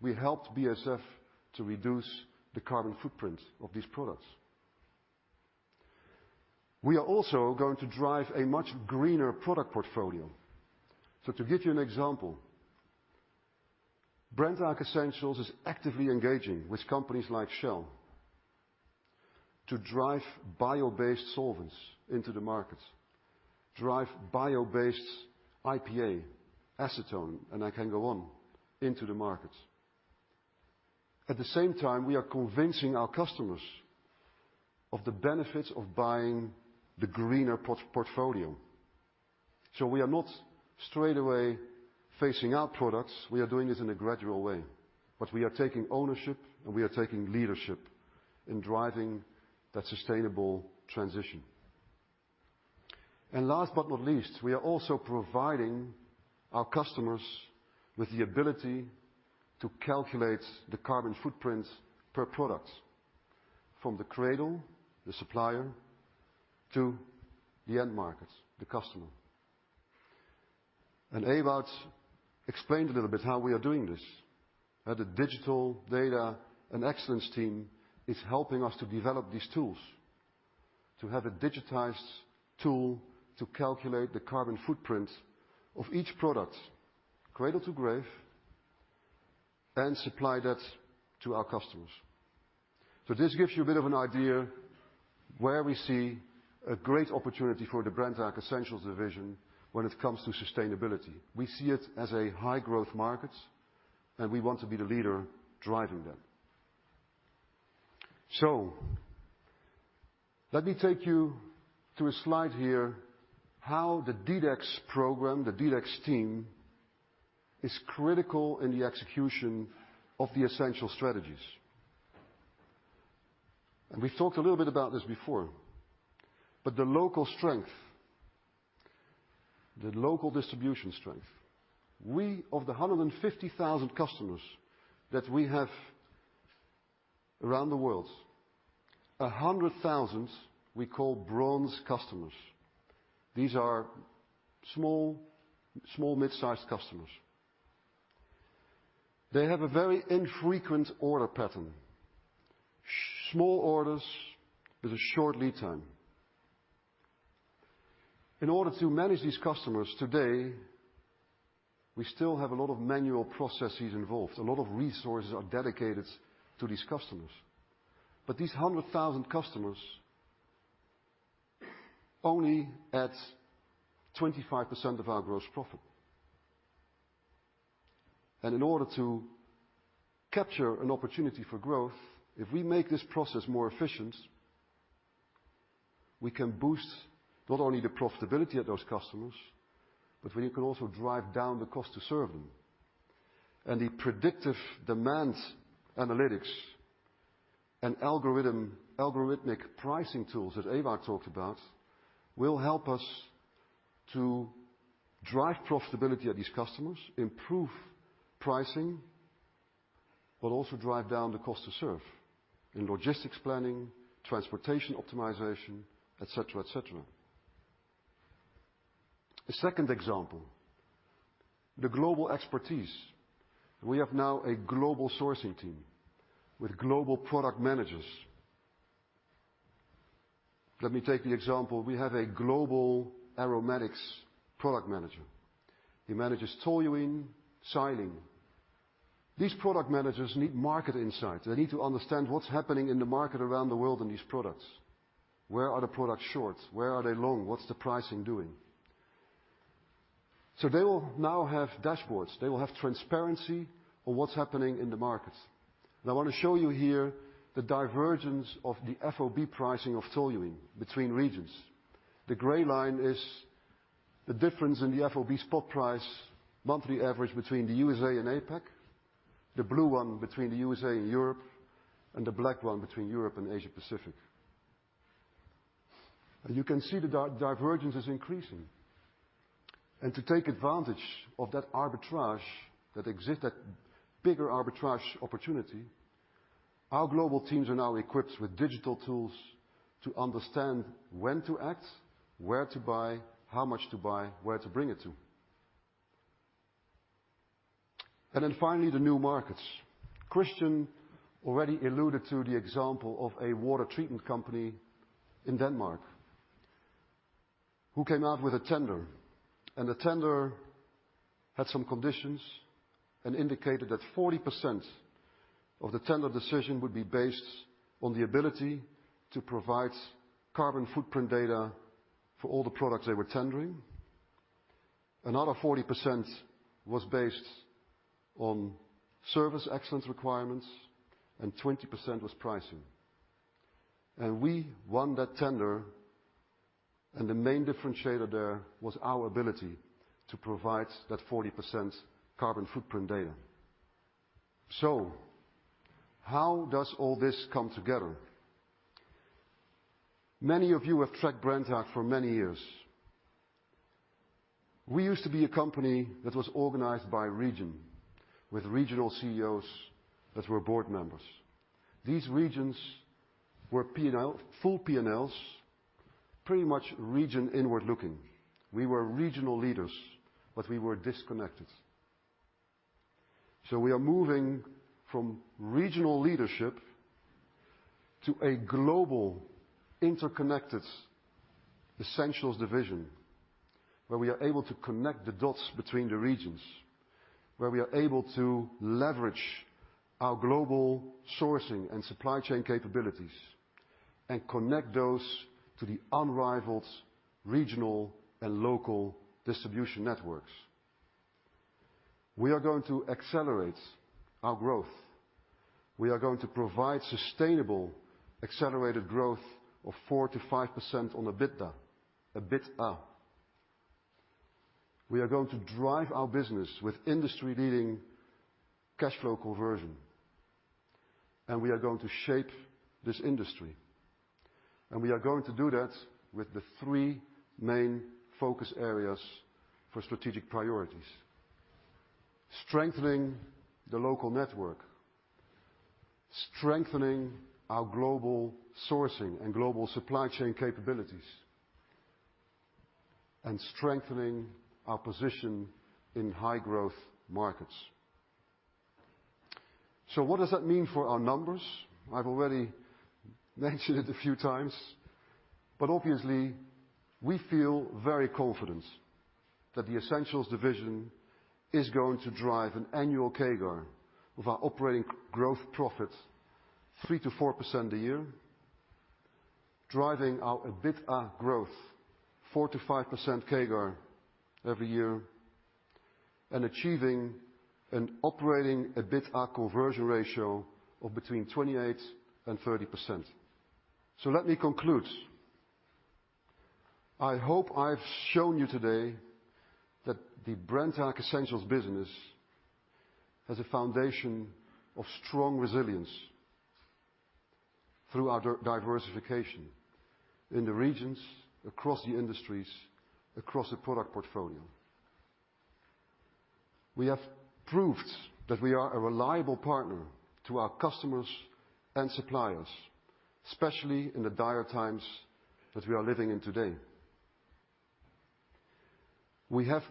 We helped BASF to reduce the carbon footprint of these products. We are also going to drive a much greener product portfolio. To give you an example, Brenntag Essentials is actively engaging with companies like Shell to drive bio-based solvents into the market, drive bio-based IPA, acetone, and I can go on, into the market. At the same time, we are convincing our customers of the benefits of buying the greener portfolio. We are not straightaway phasing out products. We are doing this in a gradual way. We are taking ownership and we are taking leadership in driving that sustainable transition. Last but not least, we are also providing our customers with the ability to calculate the carbon footprint per product from the cradle, the supplier, to the end market, the customer. Ewout explained a little bit how we are doing this. How the Digital, Data, and Excellence team is helping us to develop these tools. To have a digitized tool to calculate the carbon footprint of each product, cradle to grave, and supply that to our customers. This gives you a bit of an idea where we see a great opportunity for the Brenntag Essentials division when it comes to sustainability. We see it as a high-growth market, and we want to be the leader driving that. Let me take you to a slide here, how the DiDEX program, the DiDEX team, is critical in the execution of the Essentials strategies. We talked a little bit about this before, but the local strength, the local distribution strength. Out of the 150,000 customers that we have around the world, 100,000 we call bronze customers. These are small mid-sized customers. They have a very infrequent order pattern, small orders with a short lead time. In order to manage these customers today, we still have a lot of manual processes involved. A lot of resources are dedicated to these customers. These 100,000 customers only add 25% of our gross profit. In order to capture an opportunity for growth, if we make this process more efficient, we can boost not only the profitability of those customers, but we can also drive down the cost to serve them. The predictive demand analytics and algorithm, algorithmic pricing tools that Ewout van Jarwaarde talked about will help us to drive profitability at these customers, improve pricing, but also drive down the cost to serve in logistics planning, transportation optimization, et cetera, et cetera. The second example, the global expertise. We have now a global sourcing team with Global Product Managers. Let me take the example. We have a Global Aromatics Product Manager. He manages toluene, xylene. These product managers need market insight. They need to understand what's happening in the market around the world in these products. Where are the products short? Where are they long? What's the pricing doing? They will now have dashboards. They will have transparency on what's happening in the markets. Now I want to show you here the divergence of the FOB pricing of toluene between regions. The gray line is the difference in the FOB spot price monthly average between the USA and APAC. The blue one between the USA and Europe, and the black one between Europe and Asia Pacific. You can see the divergence is increasing. To take advantage of that arbitrage that exists, that bigger arbitrage opportunity, our global teams are now equipped with digital tools to understand when to act, where to buy, how much to buy, where to bring it to. Then finally, the new markets. Christian already alluded to the example of a water treatment company in Denmark who came out with a tender, and the tender had some conditions and indicated that 40% of the tender decision would be based on the ability to provide carbon footprint data for all the products they were tendering. Another 40% was based on service excellence requirements, and 20% was pricing. We won that tender, and the main differentiator there was our ability to provide that 40% carbon footprint data. How does all this come together? Many of you have tracked Brenntag for many years. We used to be a company that was organized by region, with regional CEOs that were board members. These regions were P&L, full P&Ls, pretty much region inward-looking. We were regional leaders, but we were disconnected. We are moving from regional leadership to a global, interconnected Essentials division, where we are able to connect the dots between the regions. Where we are able to leverage our global sourcing and supply chain capabilities and connect those to the unrivaled regional and local distribution networks. We are going to accelerate our growth. We are going to provide sustainable accelerated growth of 4%-5% on the EBITDA. We are going to drive our business with industry-leading cash flow conversion, and we are going to shape this industry. We are going to do that with the three main focus areas for strategic priorities. Strengthening the local network, strengthening our global sourcing and global supply chain capabilities, and strengthening our position in high-growth markets. What does that mean for our numbers? I've already mentioned it a few times, but obviously we feel very confident that the Essentials division is going to drive an annual CAGR of our operating growth profits 3%-4% a year, driving our EBITDA growth 4%-5% CAGR every year, and achieving an operating EBITDA conversion ratio of between 28% and 30%. Let me conclude. I hope I've shown you today that the Brenntag Essentials business has a foundation of strong resilience through our diversification in the regions, across the industries, across the product portfolio. We have proved that we are a reliable partner to our customers and suppliers, especially in the dire times that we are living in today. We have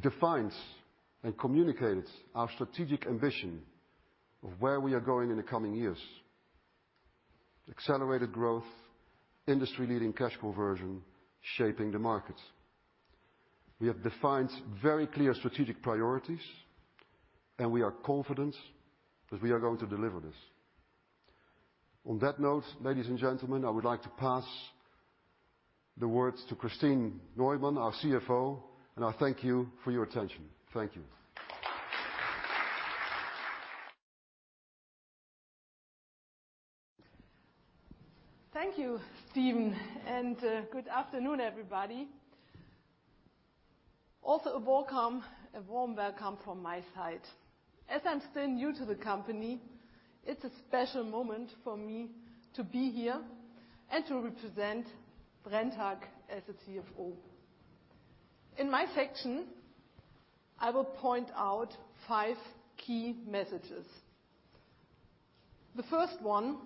defined and communicated our strategic ambition of where we are going in the coming years. Accelerated growth, industry-leading cash conversion, shaping the markets. We have defined very clear strategic priorities, and we are confident that we are going to deliver this. On that note, ladies and gentlemen, I would like to pass the words to Kristin Neumann, our CFO, and I thank you for your attention. Thank you. Thank you, Steven, and good afternoon, everybody. Also welcome, a warm welcome from my side. As I'm still new to the company, it's a special moment for me to be here and to represent Brenntag as a CFO. In my section, I will point out five key messages. The first one,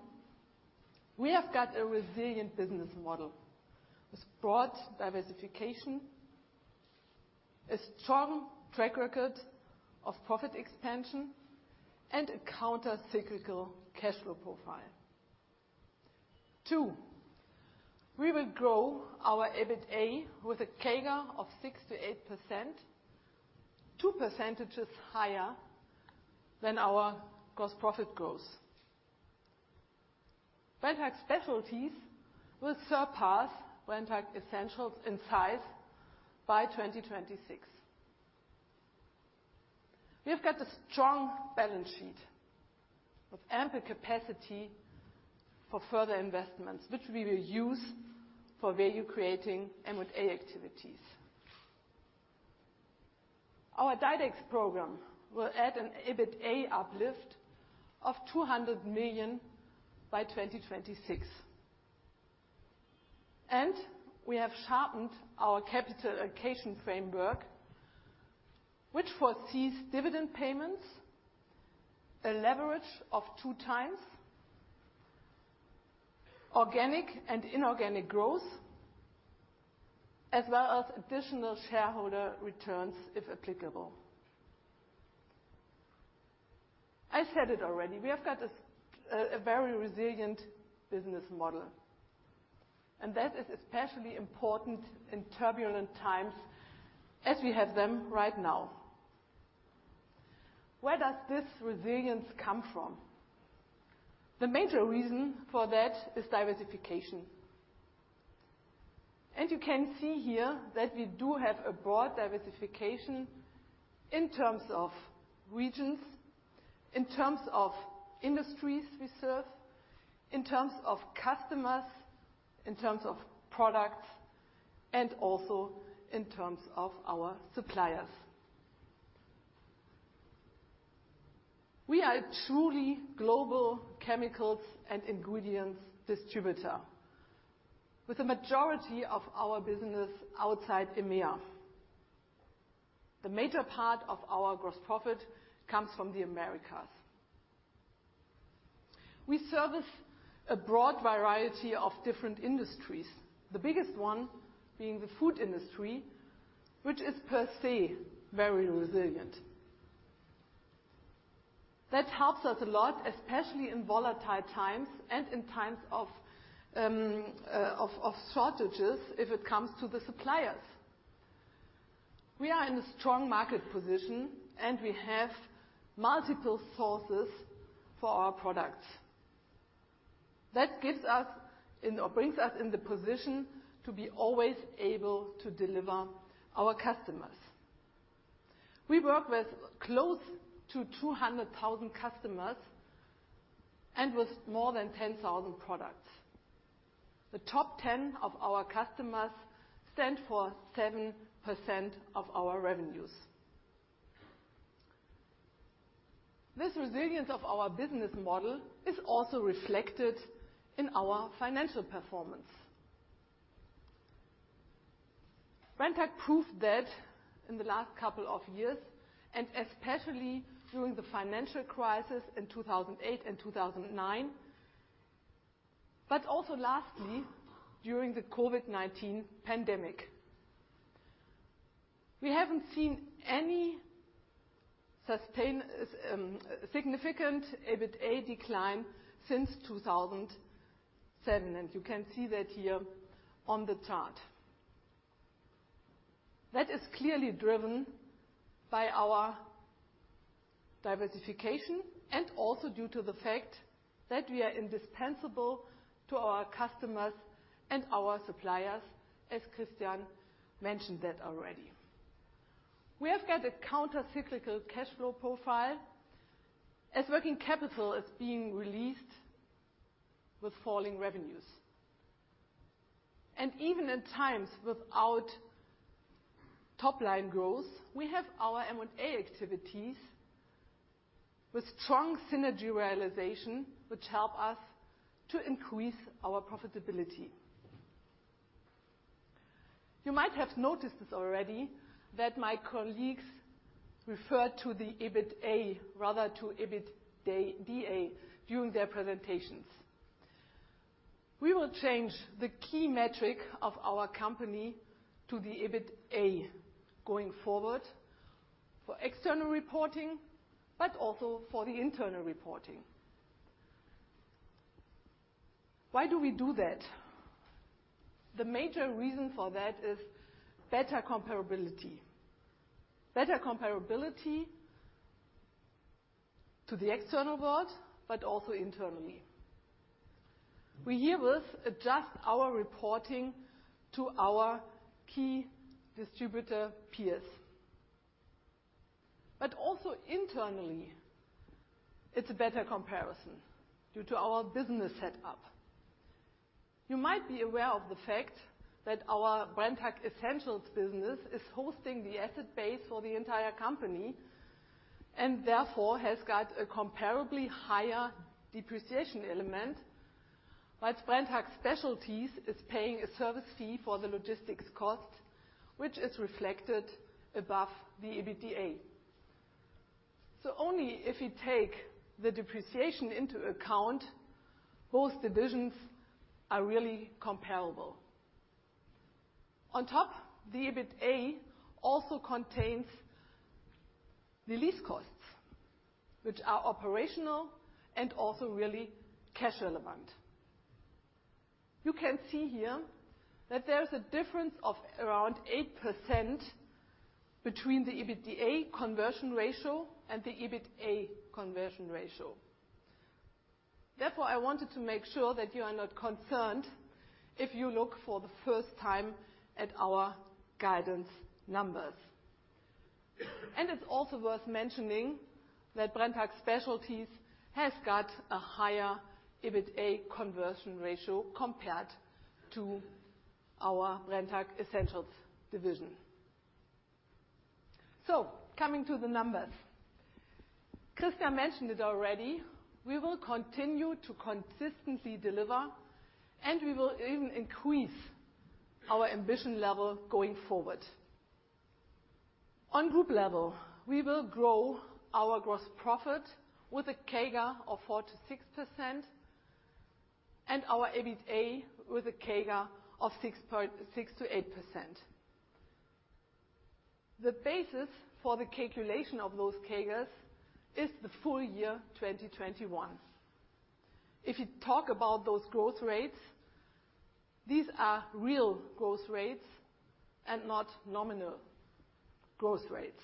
we have got a resilient business model with broad diversification, a strong track record of profit expansion, and a counter-cyclical cash flow profile. Two, we will grow our EBITA with a CAGR of 6%-8%, 2 percentage points higher than our gross profit growth. Brenntag Specialties will surpass Brenntag Essentials in size by 2026. We've got a strong balance sheet with ample capacity for further investments, which we will use for value-creating M&A activities. Our DiDEX program will add an EBITA uplift of 200 million by 2026. We have sharpened our capital allocation framework, which foresees dividend payments, a leverage of 2x, organic and inorganic growth, as well as additional shareholder returns if applicable. I said it already, we have got a very resilient business model, and that is especially important in turbulent times as we have them right now. Where does this resilience come from? The major reason for that is diversification. You can see here that we do have a broad diversification in terms of regions, in terms of industries we serve, in terms of customers, in terms of products, and also in terms of our suppliers. We are a truly global chemicals and ingredients distributor with the majority of our business outside EMEA. The major part of our gross profit comes from the Americas. We service a broad variety of different industries, the biggest one being the food industry, which is per se very resilient. That helps us a lot, especially in volatile times and in times of shortages, if it comes to the suppliers. We are in a strong market position, and we have multiple sources for our products. That brings us in the position to be always able to deliver our customers. We work with close to 200,000 customers and with more than 10,000 products. The top 10 of our customers stand for 7% of our revenues. This resilience of our business model is also reflected in our financial performance. Brenntag proved that in the last couple of years, and especially during the financial crisis in 2008 and 2009, but also lastly during the COVID-19 pandemic. We haven't seen any significant EBITA decline since 2007, and you can see that here on the chart. That is clearly driven by our diversification and also due to the fact that we are indispensable to our customers and our suppliers, as Christian mentioned that already. We have got a counter-cyclical cash flow profile as working capital is being released with falling revenues. Even in times without top-line growth, we have our M&A activities with strong synergy realization, which help us to increase our profitability. You might have noticed this already, that my colleagues refer to the EBITA rather to EBITDA during their presentations. We will change the key metric of our company to the EBITA going forward for external reporting, but also for the internal reporting. Why do we do that? The major reason for that is better comparability. Better comparability to the external world, but also internally. We herewith adjust our reporting to our key distributor peers. also internally, it's a better comparison due to our business setup. You might be aware of the fact that our Brenntag Essentials business is hosting the asset base for the entire company, and therefore has got a comparably higher depreciation element. While Brenntag Specialties is paying a service fee for the logistics costs, which is reflected above the EBITDA. only if you take the depreciation into account, both divisions are really comparable. On top, the EBITA also contains the lease costs, which are operational and also really cash relevant. You can see here that there's a difference of around 8% between the EBITDA conversion ratio and the EBITA conversion ratio. Therefore, I wanted to make sure that you are not concerned if you look for the first time at our guidance numbers. It's also worth mentioning that Brenntag Specialties has got a higher EBITA conversion ratio compared to our Brenntag Essentials division. Coming to the numbers. Christian mentioned it already, we will continue to consistently deliver, and we will even increase our ambition level going forward. On group level, we will grow our gross profit with a CAGR of 4%-6% and our EBITA with a CAGR of 6%-8%. The basis for the calculation of those CAGRs is the full year 2021. If you talk about those growth rates, these are real growth rates and not nominal growth rates.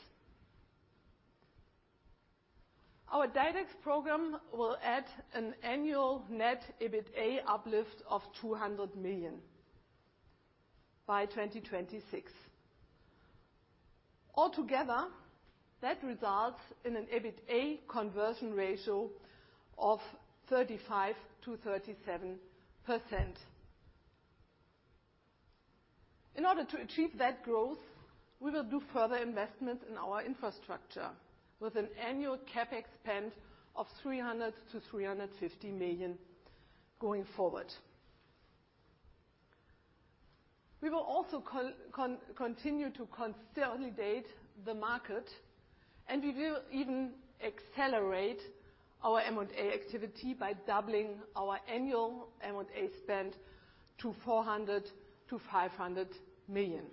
Our DiDEX program will add an annual net EBITA uplift of 200 million by 2026. All together, that results in an EBITA conversion ratio of 35%-37%. In order to achieve that growth, we will do further investments in our infrastructure with an annual CapEx spend of 300-350 million going forward. We will also continue to consolidate the market, and we will even accelerate our M&A activity by doubling our annual M&A spend to 400-500 million.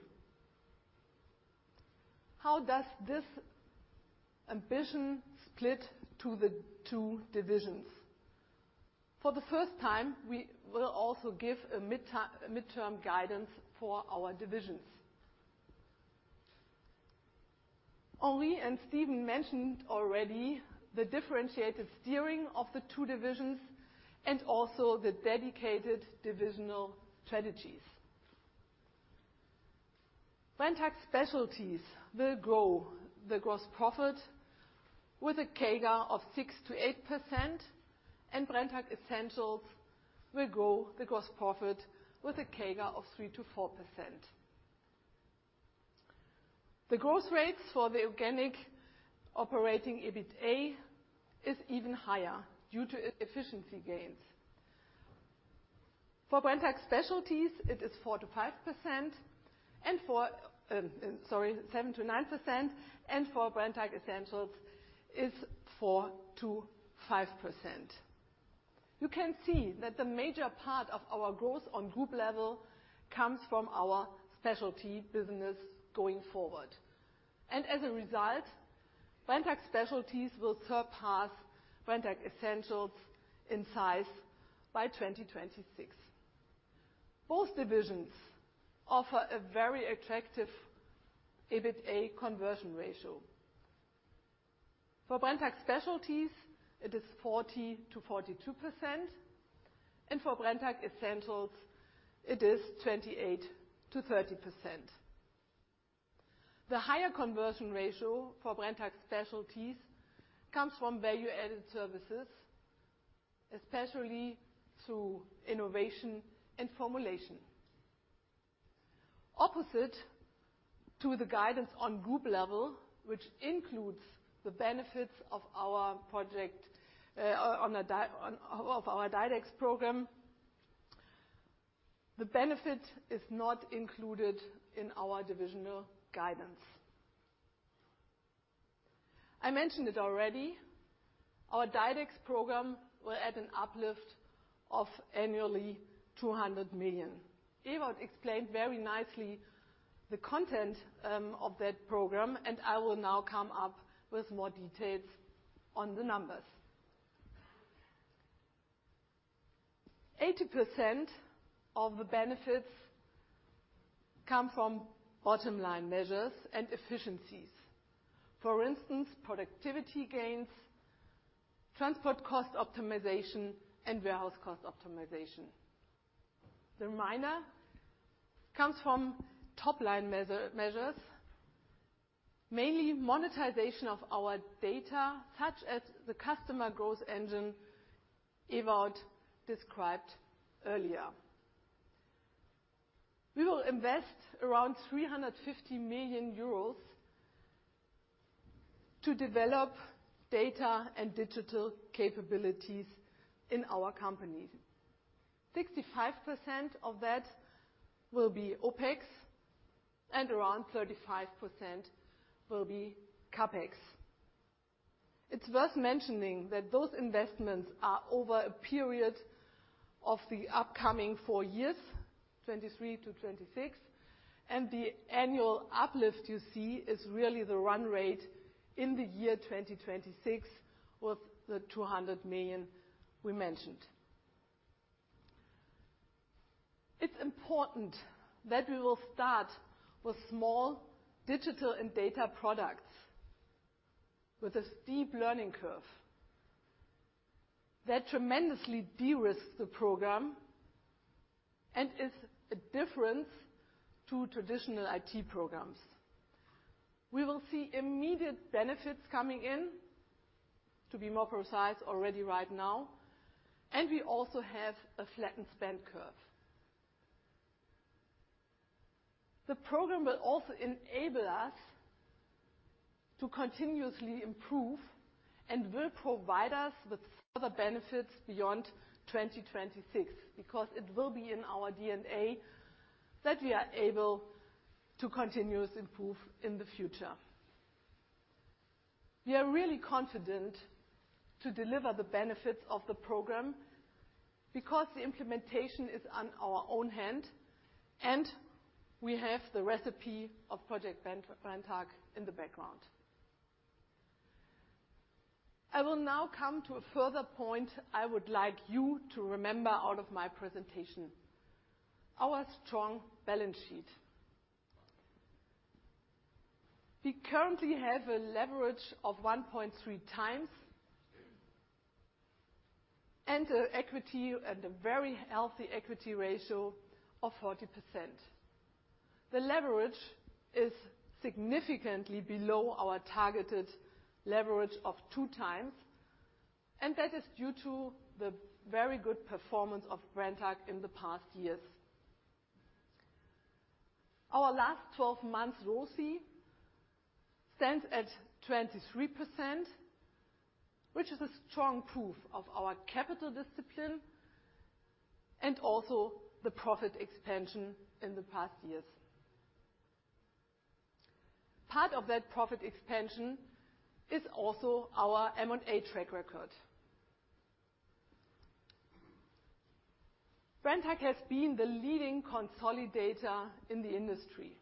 How does this ambition split to the two divisions? For the first time, we will also give a midterm guidance for our divisions. Henri and Steven mentioned already the differentiated steering of the two divisions and also the dedicated divisional strategies. Brenntag Specialties will grow the gross profit with a CAGR of 6%-8%, and Brenntag Essentials will grow the gross profit with a CAGR of 3%-4%. The growth rates for the organic operating EBITA is even higher due to efficiency gains. For Brenntag Specialties, it is 7%-9%, and for Brenntag Essentials is 4%-5%. You can see that the major part of our growth on group level comes from our specialty business going forward. As a result, Brenntag Specialties will surpass Brenntag Essentials in size by 2026. Both divisions offer a very attractive EBITA conversion ratio. For Brenntag Specialties, it is 40%-42%, and for Brenntag Essentials it is 28%-30%. The higher conversion ratio for Brenntag Specialties comes from value-added services, especially through innovation and formulation. Opposite to the guidance on group level, which includes the benefits of our project, of our DiDEX program, the benefit is not included in our divisional guidance. I mentioned it already, our DiDEX program will add an uplift of annually 200 million. Ewout explained very nicely the content of that program, and I will now come up with more details on the numbers. 80% of the benefits come from bottom-line measures and efficiencies. For instance, productivity gains, transport cost optimization, and warehouse cost optimization. The minor comes from top-line measures, mainly monetization of our data, such as the Customer Growth Engine Ewout described earlier. We will invest around 350 million euros to develop Data and Digital capabilities in our company. 65% of that will be OpEx and around 35% will be CapEx. It's worth mentioning that those investments are over a period of the upcoming 4 years, 2023 to 2026, and the annual uplift you see is really the run rate in the year 2026 with the 200 million we mentioned. It's important that we will start with small Digital and Data products with a steep learning curve. That tremendously de-risks the program and is a difference to traditional IT programs. We will see immediate benefits coming in, to be more precise, already right now, and we also have a flattened spend curve. The program will also enable us to continuously improve and will provide us with further benefits beyond 2026, because it will be in our DNA that we are able to continuously improve in the future. We are really confident to deliver the benefits of the program, because the implementation is on our own hand, and we have the recipe of Project Brenntag in the background. I will now come to a further point I would like you to remember out of my presentation, our strong balance sheet. We currently have a leverage of 1.3x and a very healthy equity ratio of 40%. The leverage is significantly below our targeted leverage of 2x, and that is due to the very good performance of Brenntag in the past years. Our last 12 months ROCE stands at 23%, which is a strong proof of our capital discipline and also the profit expansion in the past years. Part of that profit expansion is also our M&A track record. Brenntag has been the leading consolidator in the industry.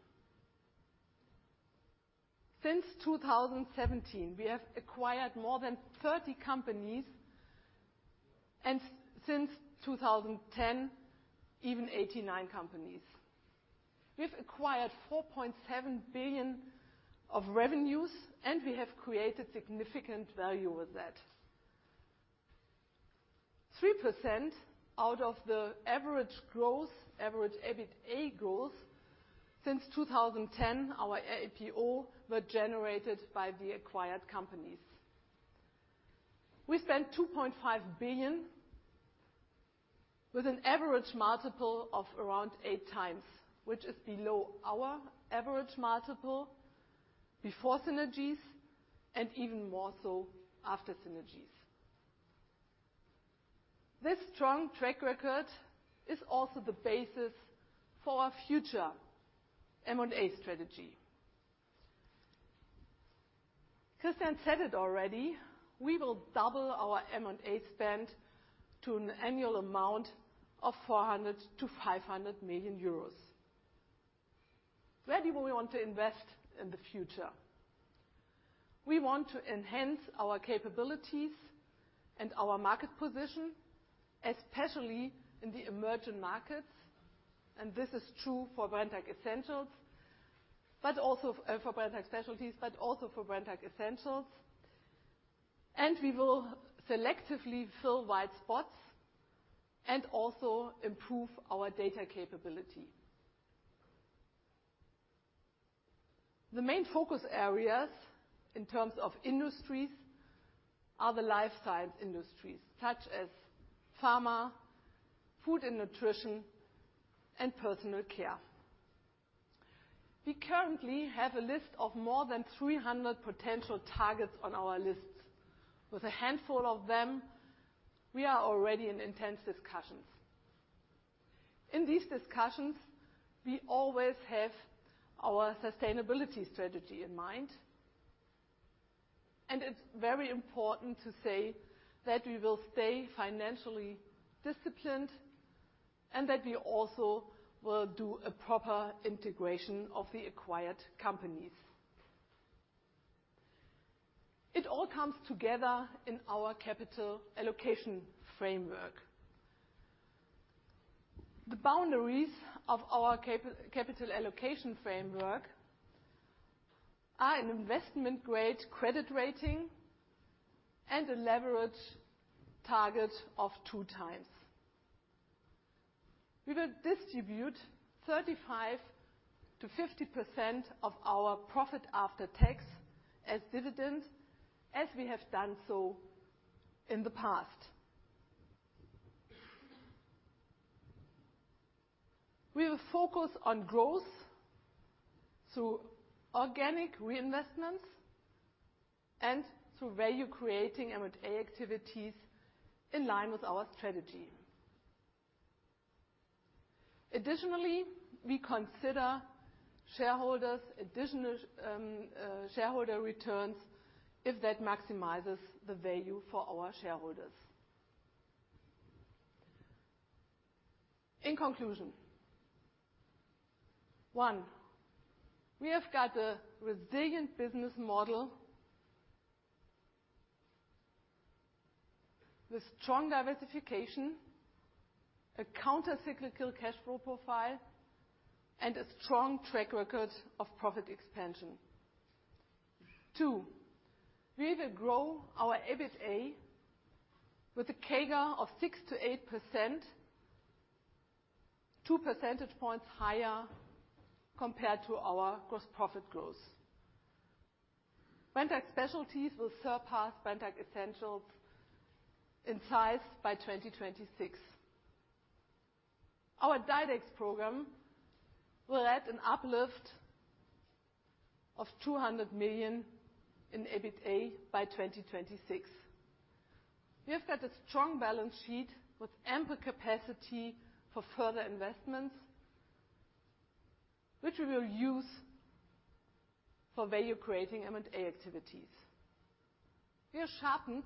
Since 2017, we have acquired more than 30 companies, and since 2010, even 89 companies. We've acquired 4.7 billion of revenues, and we have created significant value with that. 3% out of the average growth, average EBITA growth since 2010, our EBITA, were generated by the acquired companies. We spent 2.5 billion with an average multiple of around 8x, which is below our average multiple before synergies and even more so after synergies. This strong track record is also the basis for our future M&A strategy. Christian said it already, we will double our M&A spend to an annual amount of 400 million-500 million euros. Where do we want to invest in the future? We want to enhance our capabilities and our market position, especially in the emerging markets, and this is true for Brenntag Essentials and Brenntag Specialties. We will selectively fill white spots and also improve our data capability. The main focus areas in terms of industries are the lifestyle industries, such as pharma, food and nutrition, and personal care. We currently have a list of more than 300 potential targets on our list. With a handful of them, we are already in intense discussions. In these discussions, we always have our sustainability strategy in mind, and it's very important to say that we will stay financially disciplined and that we also will do a proper integration of the acquired companies. It all comes together in our capital allocation framework. The boundaries of our capital allocation framework are an investment-grade credit rating and a leverage target of 2x. We will distribute 35%-50% of our profit after tax as dividends, as we have done so in the past. We will focus on growth through organic reinvestments and through value creating M&A activities in line with our strategy. Additionally, we consider additional shareholder returns if that maximizes the value for our shareholders. In conclusion. One, we have got a resilient business model with strong diversification, a counter-cyclical cash flow profile, and a strong track record of profit expansion. Two, we will grow our EBITA with a CAGR of 6%-8%, two percentage points higher compared to our gross profit growth. Brenntag Specialties will surpass Brenntag Essentials in size by 2026. Our DiDEX program will add an uplift of 200 million in EBITA by 2026. We have got a strong balance sheet with ample capacity for further investments, which we will use for value creating M&A activities. We have sharpened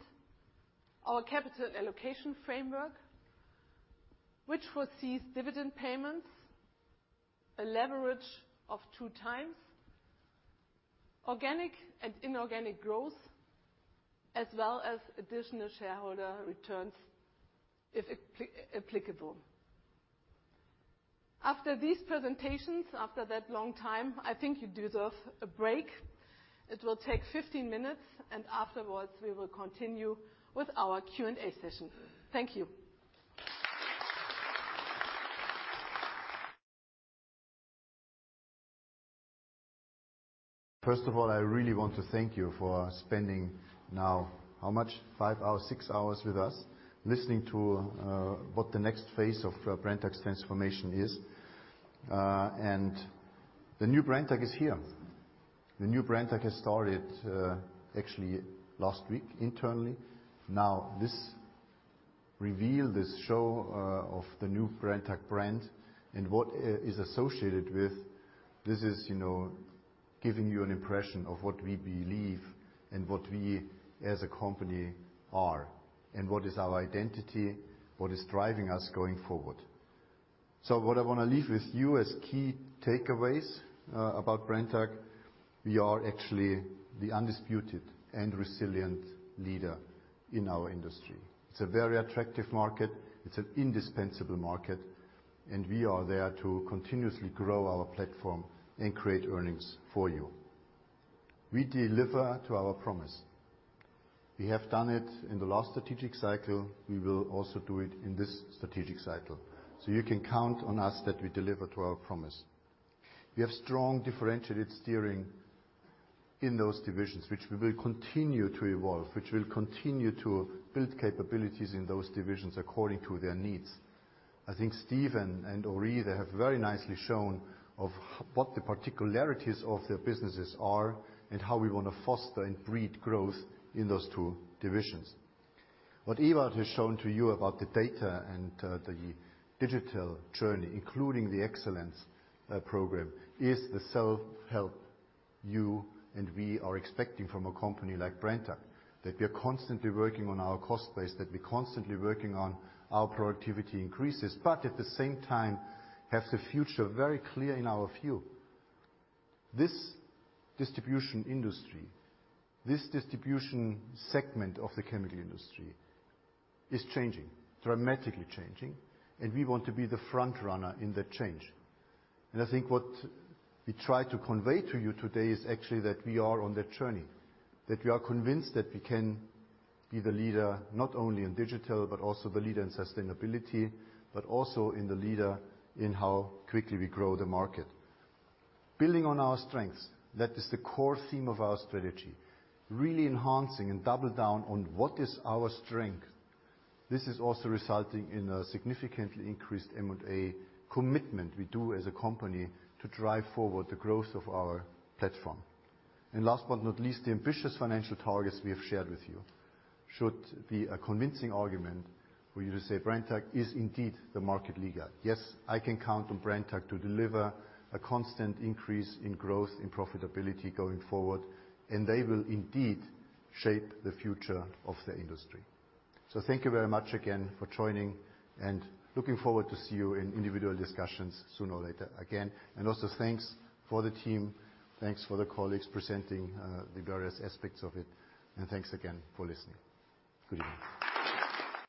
our capital allocation framework, which foresees dividend payments, a leverage of 2x, organic and inorganic growth, as well as additional shareholder returns if applicable. After these presentations, after that long time, I think you deserve a break. It will take 15 minutes, and afterwards we will continue with our Q&A session. Thank you. First of all, I really want to thank you for spending now, how much? 5 hours, 6 hours with us, listening to what the next phase of Brenntag's transformation is. The new Brenntag is here. The new Brenntag has started, actually last week internally. Now, this reveal, this show, of the new Brenntag brand and what it is associated with, this is, you know, giving you an impression of what we believe and what we as a company are, and what is our identity, what is driving us going forward. What I wanna leave with you as key takeaways about Brenntag. We are actually the undisputed and resilient leader in our industry. It's a very attractive market. It's an indispensable market, and we are there to continuously grow our platform and create earnings for you. We deliver to our promise. We have done it in the last strategic cycle. We will also do it in this strategic cycle. You can count on us that we deliver to our promise. We have strong differentiated steering in those divisions, which we will continue to evolve, which we'll continue to build capabilities in those divisions according to their needs. I think Steven and Henri, they have very nicely shown what the particularities of their businesses are and how we wanna foster and breed growth in those two divisions. What Ewout has shown to you about the data and the digital journey, including the excellence program, is the self-help that you and we are expecting from a company like Brenntag. That we are constantly working on our cost base, that we're constantly working on our productivity increases, but at the same time, have the future very clear in our view. This distribution industry, this distribution segment of the chemical industry, is changing, dramatically changing, and we want to be the front runner in that change. I think what we try to convey to you today is actually that we are on that journey. That we are convinced that we can be the leader, not only in digital, but also the leader in sustainability, but also in the leader in how quickly we grow the market. Building on our strengths, that is the core theme of our strategy. Really enhancing and double down on what is our strength. This is also resulting in a significantly increased M&A commitment we do as a company to drive forward the growth of our platform. Last but not least, the ambitious financial targets we have shared with you should be a convincing argument for you to say Brenntag is indeed the market leader. Yes, I can count on Brenntag to deliver a constant increase in growth and profitability going forward, and they will indeed shape the future of the industry. Thank you very much again for joining, and looking forward to see you in individual discussions sooner or later again. Also thanks for the team, thanks for the colleagues presenting, the various aspects of it, and thanks again for listening. Good evening.